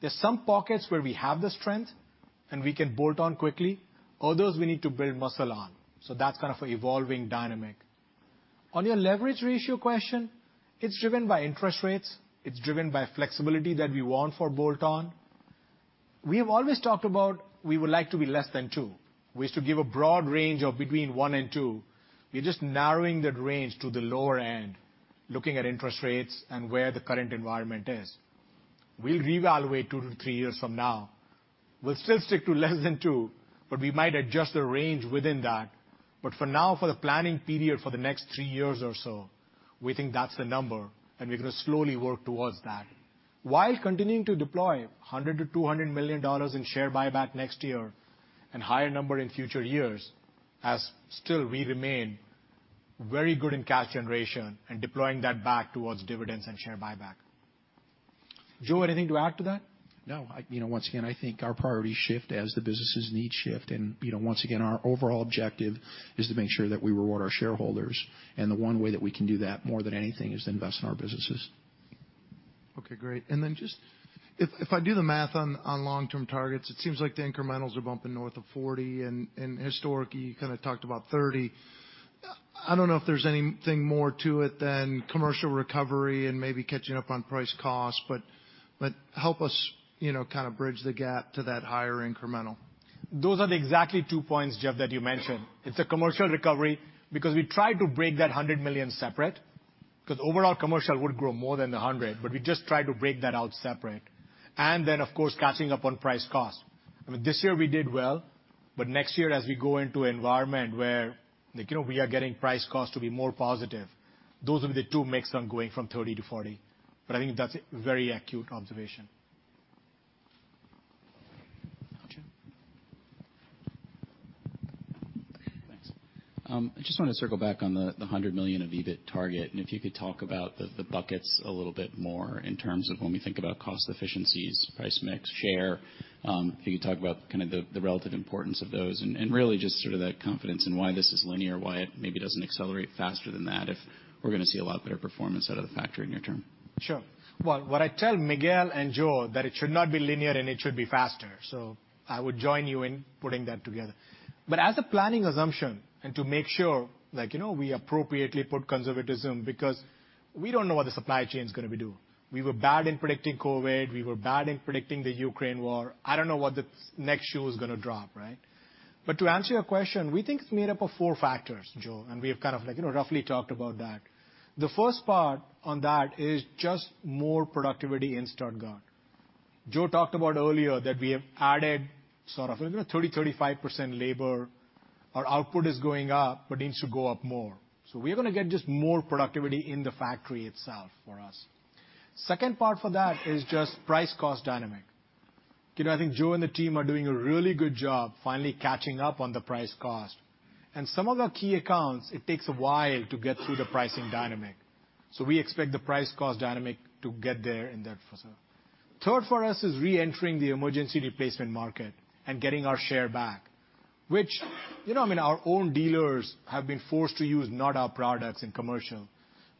There's some pockets where we have the strength and we can bolt on quickly. Others, we need to build muscle on. That's kind of a evolving dynamic. On your leverage ratio question, it's driven by interest rates. It's driven by flexibility that we want for bolt-on. We have always talked about we would like to be less than two. We used to give a broad range of between one and two. We're just narrowing that range to the lower end, looking at interest rates and where the current environment is. We'll reevaluate two to three years from now. We'll still stick to less than two, we might adjust the range within that. For now, for the planning period for the next three years or so, we think that's the number, and we're gonna slowly work towards that while continuing to deploy $100 million-$200 million in share buyback next year and higher number in future years as still we remain very good in cash generation and deploying that back towards dividends and share buyback. Joe, anything to add to that? No. I, you know, once again, I think our priorities shift as the business' needs shift. You know, once again, our overall objective is to make sure that we reward our shareholders. The one way that we can do that more than anything is to invest in our businesses. Okay, great. Then just if I do the math on long-term targets, it seems like the incrementals are bumping north of 40%, and historically, you kind of talked about 30%. I don't know if there's anything more to it than commercial recovery and maybe catching up on price cost, but help us, you know, kind of bridge the gap to that higher incremental. Those are the exactly two points, Jeff, that you mentioned. It's a commercial recovery because we try to break that $100 million separate, 'cause overall commercial would grow more than the $100. We just try to break that out separate. Of course, catching up on price cost. I mean, this year we did well, but next year as we go into environment where, like, you know, we are getting price cost to be more positive, those are the two mix on going from 30 to 40. I think that's a very acute observation. Joe? Thanks. I just wanna circle back on the $100 million of EBIT target, if you could talk about the buckets a little bit more in terms of when we think about cost efficiencies, price mix, share, if you could talk about kind of the relative importance of those and really just sort of that confidence in why this is linear, why it maybe doesn't accelerate faster than that if we're gonna see a lot better performance out of the factory near-term. Sure. Well, what I tell Miguel and Joe that it should not be linear and it should be faster. I would join you in putting that together. As a planning assumption and to make sure, like, you know, we appropriately put conservatism because we don't know what the supply chain's gonna be doing. We were bad in predicting COVID. We were bad in predicting the Ukraine war. I don't know what the next shoe is gonna drop, right? To answer your question, we think it's made up of four factors, Joe, and we have kind of like, you know, roughly talked about that. The first part on that is just more productivity in Stuttgart. Joe talked about earlier that we have added sort of 30-35% labor. Our output is going up but needs to go up more. We're gonna get just more productivity in the factory itself for us. Second part for that is just price-cost dynamic. You know, I think Joe and the team are doing a really good job finally catching up on the price cost. Some of our key accounts, it takes a while to get through the pricing dynamic. We expect the price-cost dynamic to get there in that facility. Third for us is reentering the emergency replacement market and getting our share back, which, you know, I mean, our own dealers have been forced to use not our products in commercial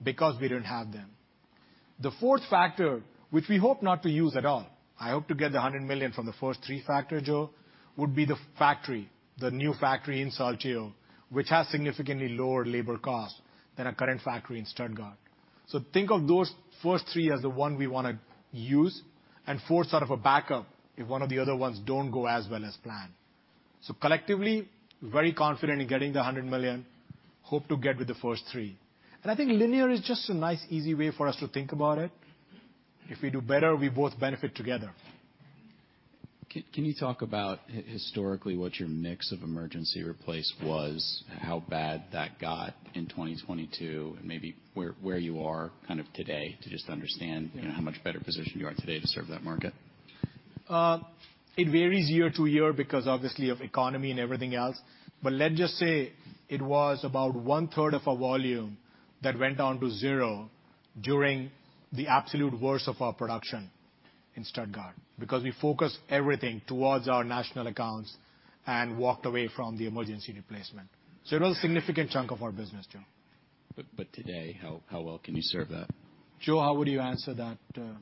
because we don't have them. The fourth factor, which we hope not to use at all, I hope to get the $100 million from the first three factor, Joe, would be the factory, the new factory in Saltillo, which has significantly lower labor cost than our current factory in Stuttgart. Think of those first three as the one we wanna use and four sort of a backup if one of the other ones don't go as well as planned. Collectively, very confident in getting the $100 million. Hope to get with the first three. I think linear is just a nice easy way for us to think about it. If we do better, we both benefit together. Can you talk about historically what your mix of emergency replace was? How bad that got in 2022? Maybe where you are kind of today to just understand. Yeah. You know, how much better position you are today to serve that market. It varies year to year because obviously of economy and everything else. Let's just say it was about one-third of our volume that went down to zero during the absolute worst of our production in Stuttgart, because we focused everything towards our national accounts and walked away from the emergency replacement. It was a significant chunk of our business, Joe. Today, how well can you serve that? Joe, how would you answer that, Jonathan?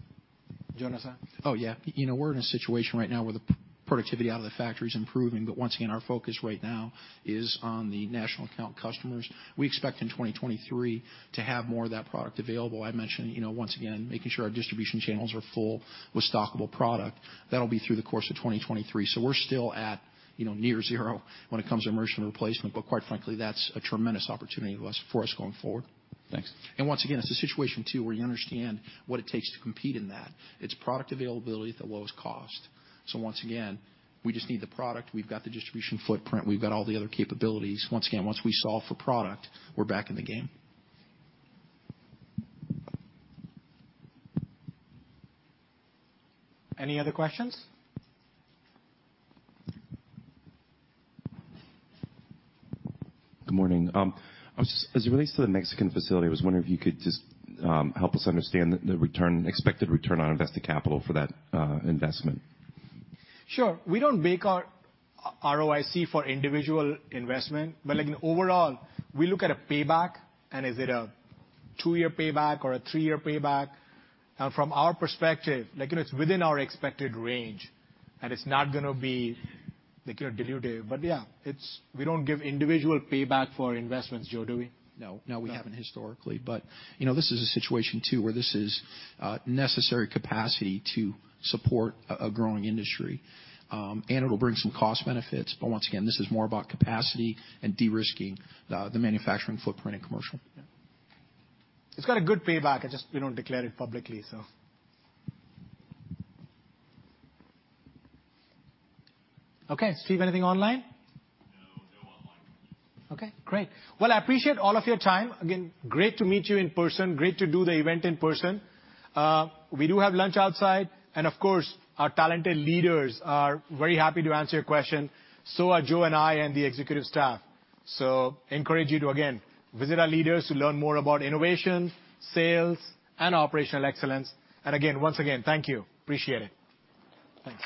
Oh, yeah. You know, we're in a situation right now where the productivity out of the factory is improving. Once again, our focus right now is on the national account customers. We expect in 2023 to have more of that product available. I mentioned, you know, once again, making sure our distribution channels are full with stockable product. That'll be through the course of 2023. We're still at, you know, near zero when it comes to emergency replacement. Quite frankly, that's a tremendous opportunity for us going forward. Thanks. Once again, it's a situation too, where you understand what it takes to compete in that. It's product availability at the lowest cost. Once again, we just need the product. We've got the distribution footprint. We've got all the other capabilities. Once again, once we solve for product, we're back in the game. Any other questions? Good morning. As it relates to the Mexican facility, I was wondering if you could just help us understand the return, expected return on invested capital for that investment. Sure. We don't make our ROIC for individual investment. Like, overall, we look at a payback, and is it a two-year payback or a three-year payback? From our perspective, like, you know, it's within our expected range, and it's not gonna be, like, you know, dilutive. Yeah, it's we don't give individual payback for investments. Joe, do we? No. No, we haven't historically. You know, this is a situation too where this is necessary capacity to support a growing industry. It'll bring some cost benefits. Once again, this is more about capacity and de-risking the manufacturing footprint in commercial. It's got a good payback. It's just we don't declare it publicly, so. Okay. Steve, anything online? No, no online questions. Okay, great. Well, I appreciate all of your time. Again, great to meet you in person. Great to do the event in person. We do have lunch outside, and of course, our talented leaders are very happy to answer your question. Are Joe and I and the executive staff. Encourage you to again visit our leaders to learn more about innovation, sales, and operational excellence. Again, once again, thank you. Appreciate it. Thanks.